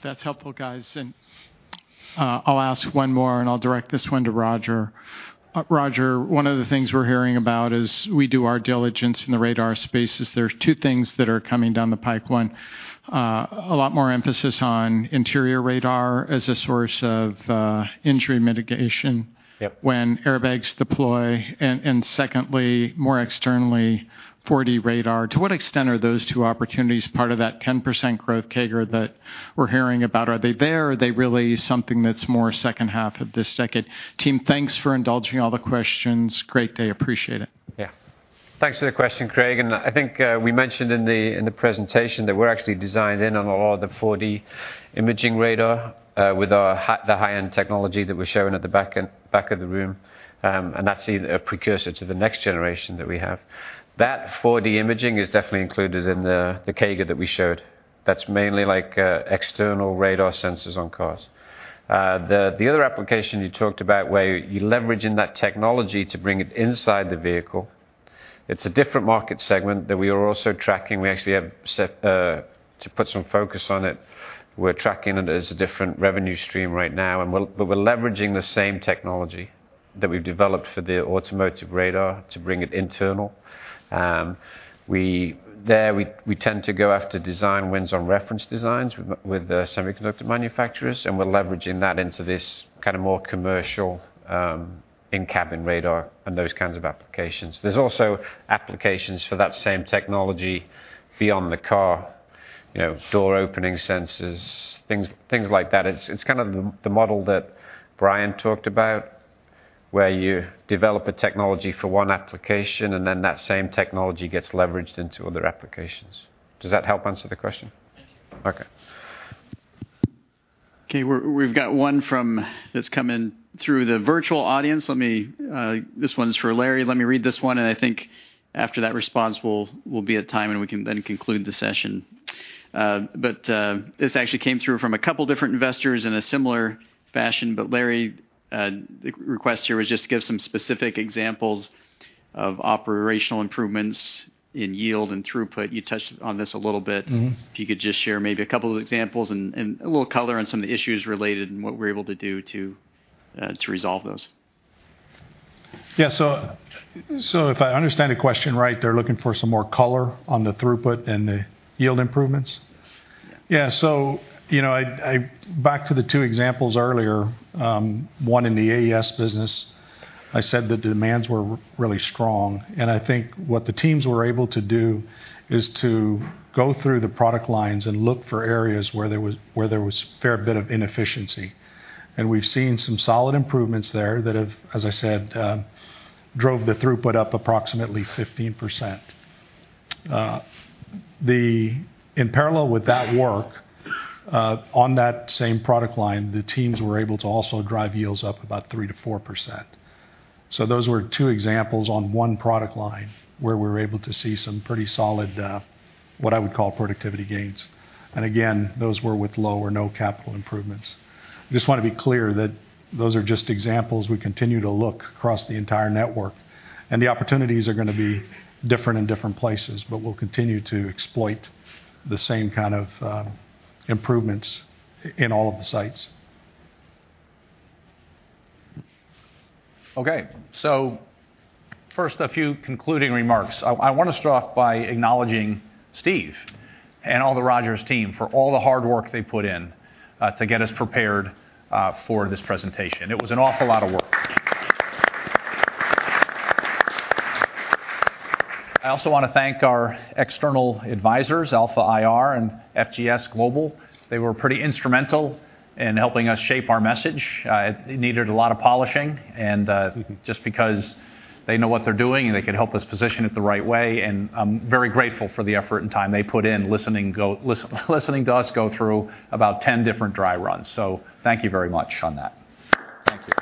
That's helpful, guys. I'll ask one more, and I'll direct this one to Roger. Roger, one of the things we're hearing about as we do our diligence in the radar space is there's two things that are coming down the pipe. One, a lot more emphasis on interior radar as a source of, injury mitigation. Yep ...when airbags deploy. Secondly, more externally, 4D radar. To what extent are those two opportunities part of that 10% growth CAGR that we're hearing about? Are they there or are they really something that's more second half of this decade? Team, thanks for indulging all the questions. Greatly appreciate it. Yeah. Thanks for the question, Craig. I think we mentioned in the presentation that we're actually designed in on a lot of the 4D imaging radar with our high-end technology that we're showing at the back of the room. That's a precursor to the next generation that we have. That 4D imaging is definitely included in the CAGR that we showed. That's mainly like external radar sensors on cars. The other application you talked about where you're leveraging that technology to bring it inside the vehicle, it's a different market segment that we are also tracking. We actually have set to put some focus on it. We're tracking it as a different revenue stream right now, but we're leveraging the same technology that we've developed for the automotive radar to bring it internal. There, we tend to go after design wins on reference designs with semiconductor manufacturers, and we're leveraging that into this kind of more commercial, in-cabin radar and those kinds of applications. There's also applications for that same technology beyond the car, you know, door opening sensors, things like that. It's kind of the model that Brian talked about, where you develop a technology for one application, and then that same technology gets leveraged into other applications. Does that help answer the question? Yes. Okay. Okay, we've got one that's come in through the virtual audience. Let me, this one's for Larry. Let me read this one, and I think after that response we'll be at time, and we can then conclude the session. This actually came through from a couple different investors in a similar fashion, but Larry, the request here was just to give some specific examples of operational improvements in yield and throughput. You touched on this a little bit. Mm-hmm. If you could just share maybe a couple of examples and a little color on some of the issues related and what we're able to do to resolve those. Yeah, if I understand the question right, they're looking for some more color on the throughput and the yield improvements? Yes. Yeah. You know, I Back to the two examples earlier, one in the AES business, I said the demands were really strong. I think what the teams were able to do is to go through the product lines and look for areas where there was a fair bit of inefficiency. We've seen some solid improvements there that have, as I said, drove the throughput up approximately 15%. In parallel with that work, on that same product line, the teams were able to also drive yields up about 3%-4%. Those were two examples on one product line where we were able to see some pretty solid what I would call productivity gains. Again, those were with low or no capital improvements. I just wanna be clear that those are just examples. We continue to look across the entire network, and the opportunities are gonna be different in different places, but we'll continue to exploit the same kind of improvements in all of the sites. Okay. First, a few concluding remarks. I wanna start off by acknowledging Steve and all the Rogers team for all the hard work they put in to get us prepared for this presentation. It was an awful lot of work. I also wanna thank our external advisors, Alpha IR and FGS Global. They were pretty instrumental in helping us shape our message. It needed a lot of polishing and just because they know what they're doing, and they could help us position it the right way, and I'm very grateful for the effort and time they put in listening to us go through about 10 different dry runs. Thank you very much on that. Thank you.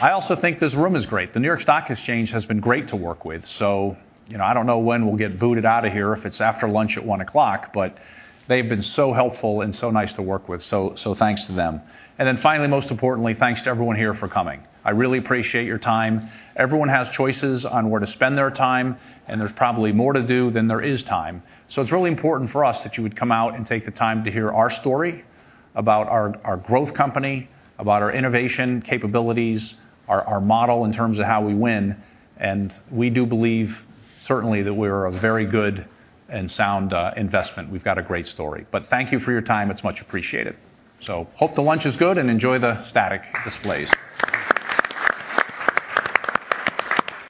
I also think this room is great. The New York Stock Exchange has been great to work with. You know, I don't know when we'll get booted out of here, if it's after lunch at 1:00, but they've been so helpful and so nice to work with. Thanks to them. Finally, most importantly, thanks to everyone here for coming. I really appreciate your time. Everyone has choices on where to spend their time, and there's probably more to do than there is time. It's really important for us that you would come out and take the time to hear our story about our growth company, about our innovation capabilities, our model in terms of how we win, and we do believe certainly that we're a very good and sound investment. We've got a great story. Thank you for your time. It's much appreciated. Hope the lunch is good and enjoy the static displays.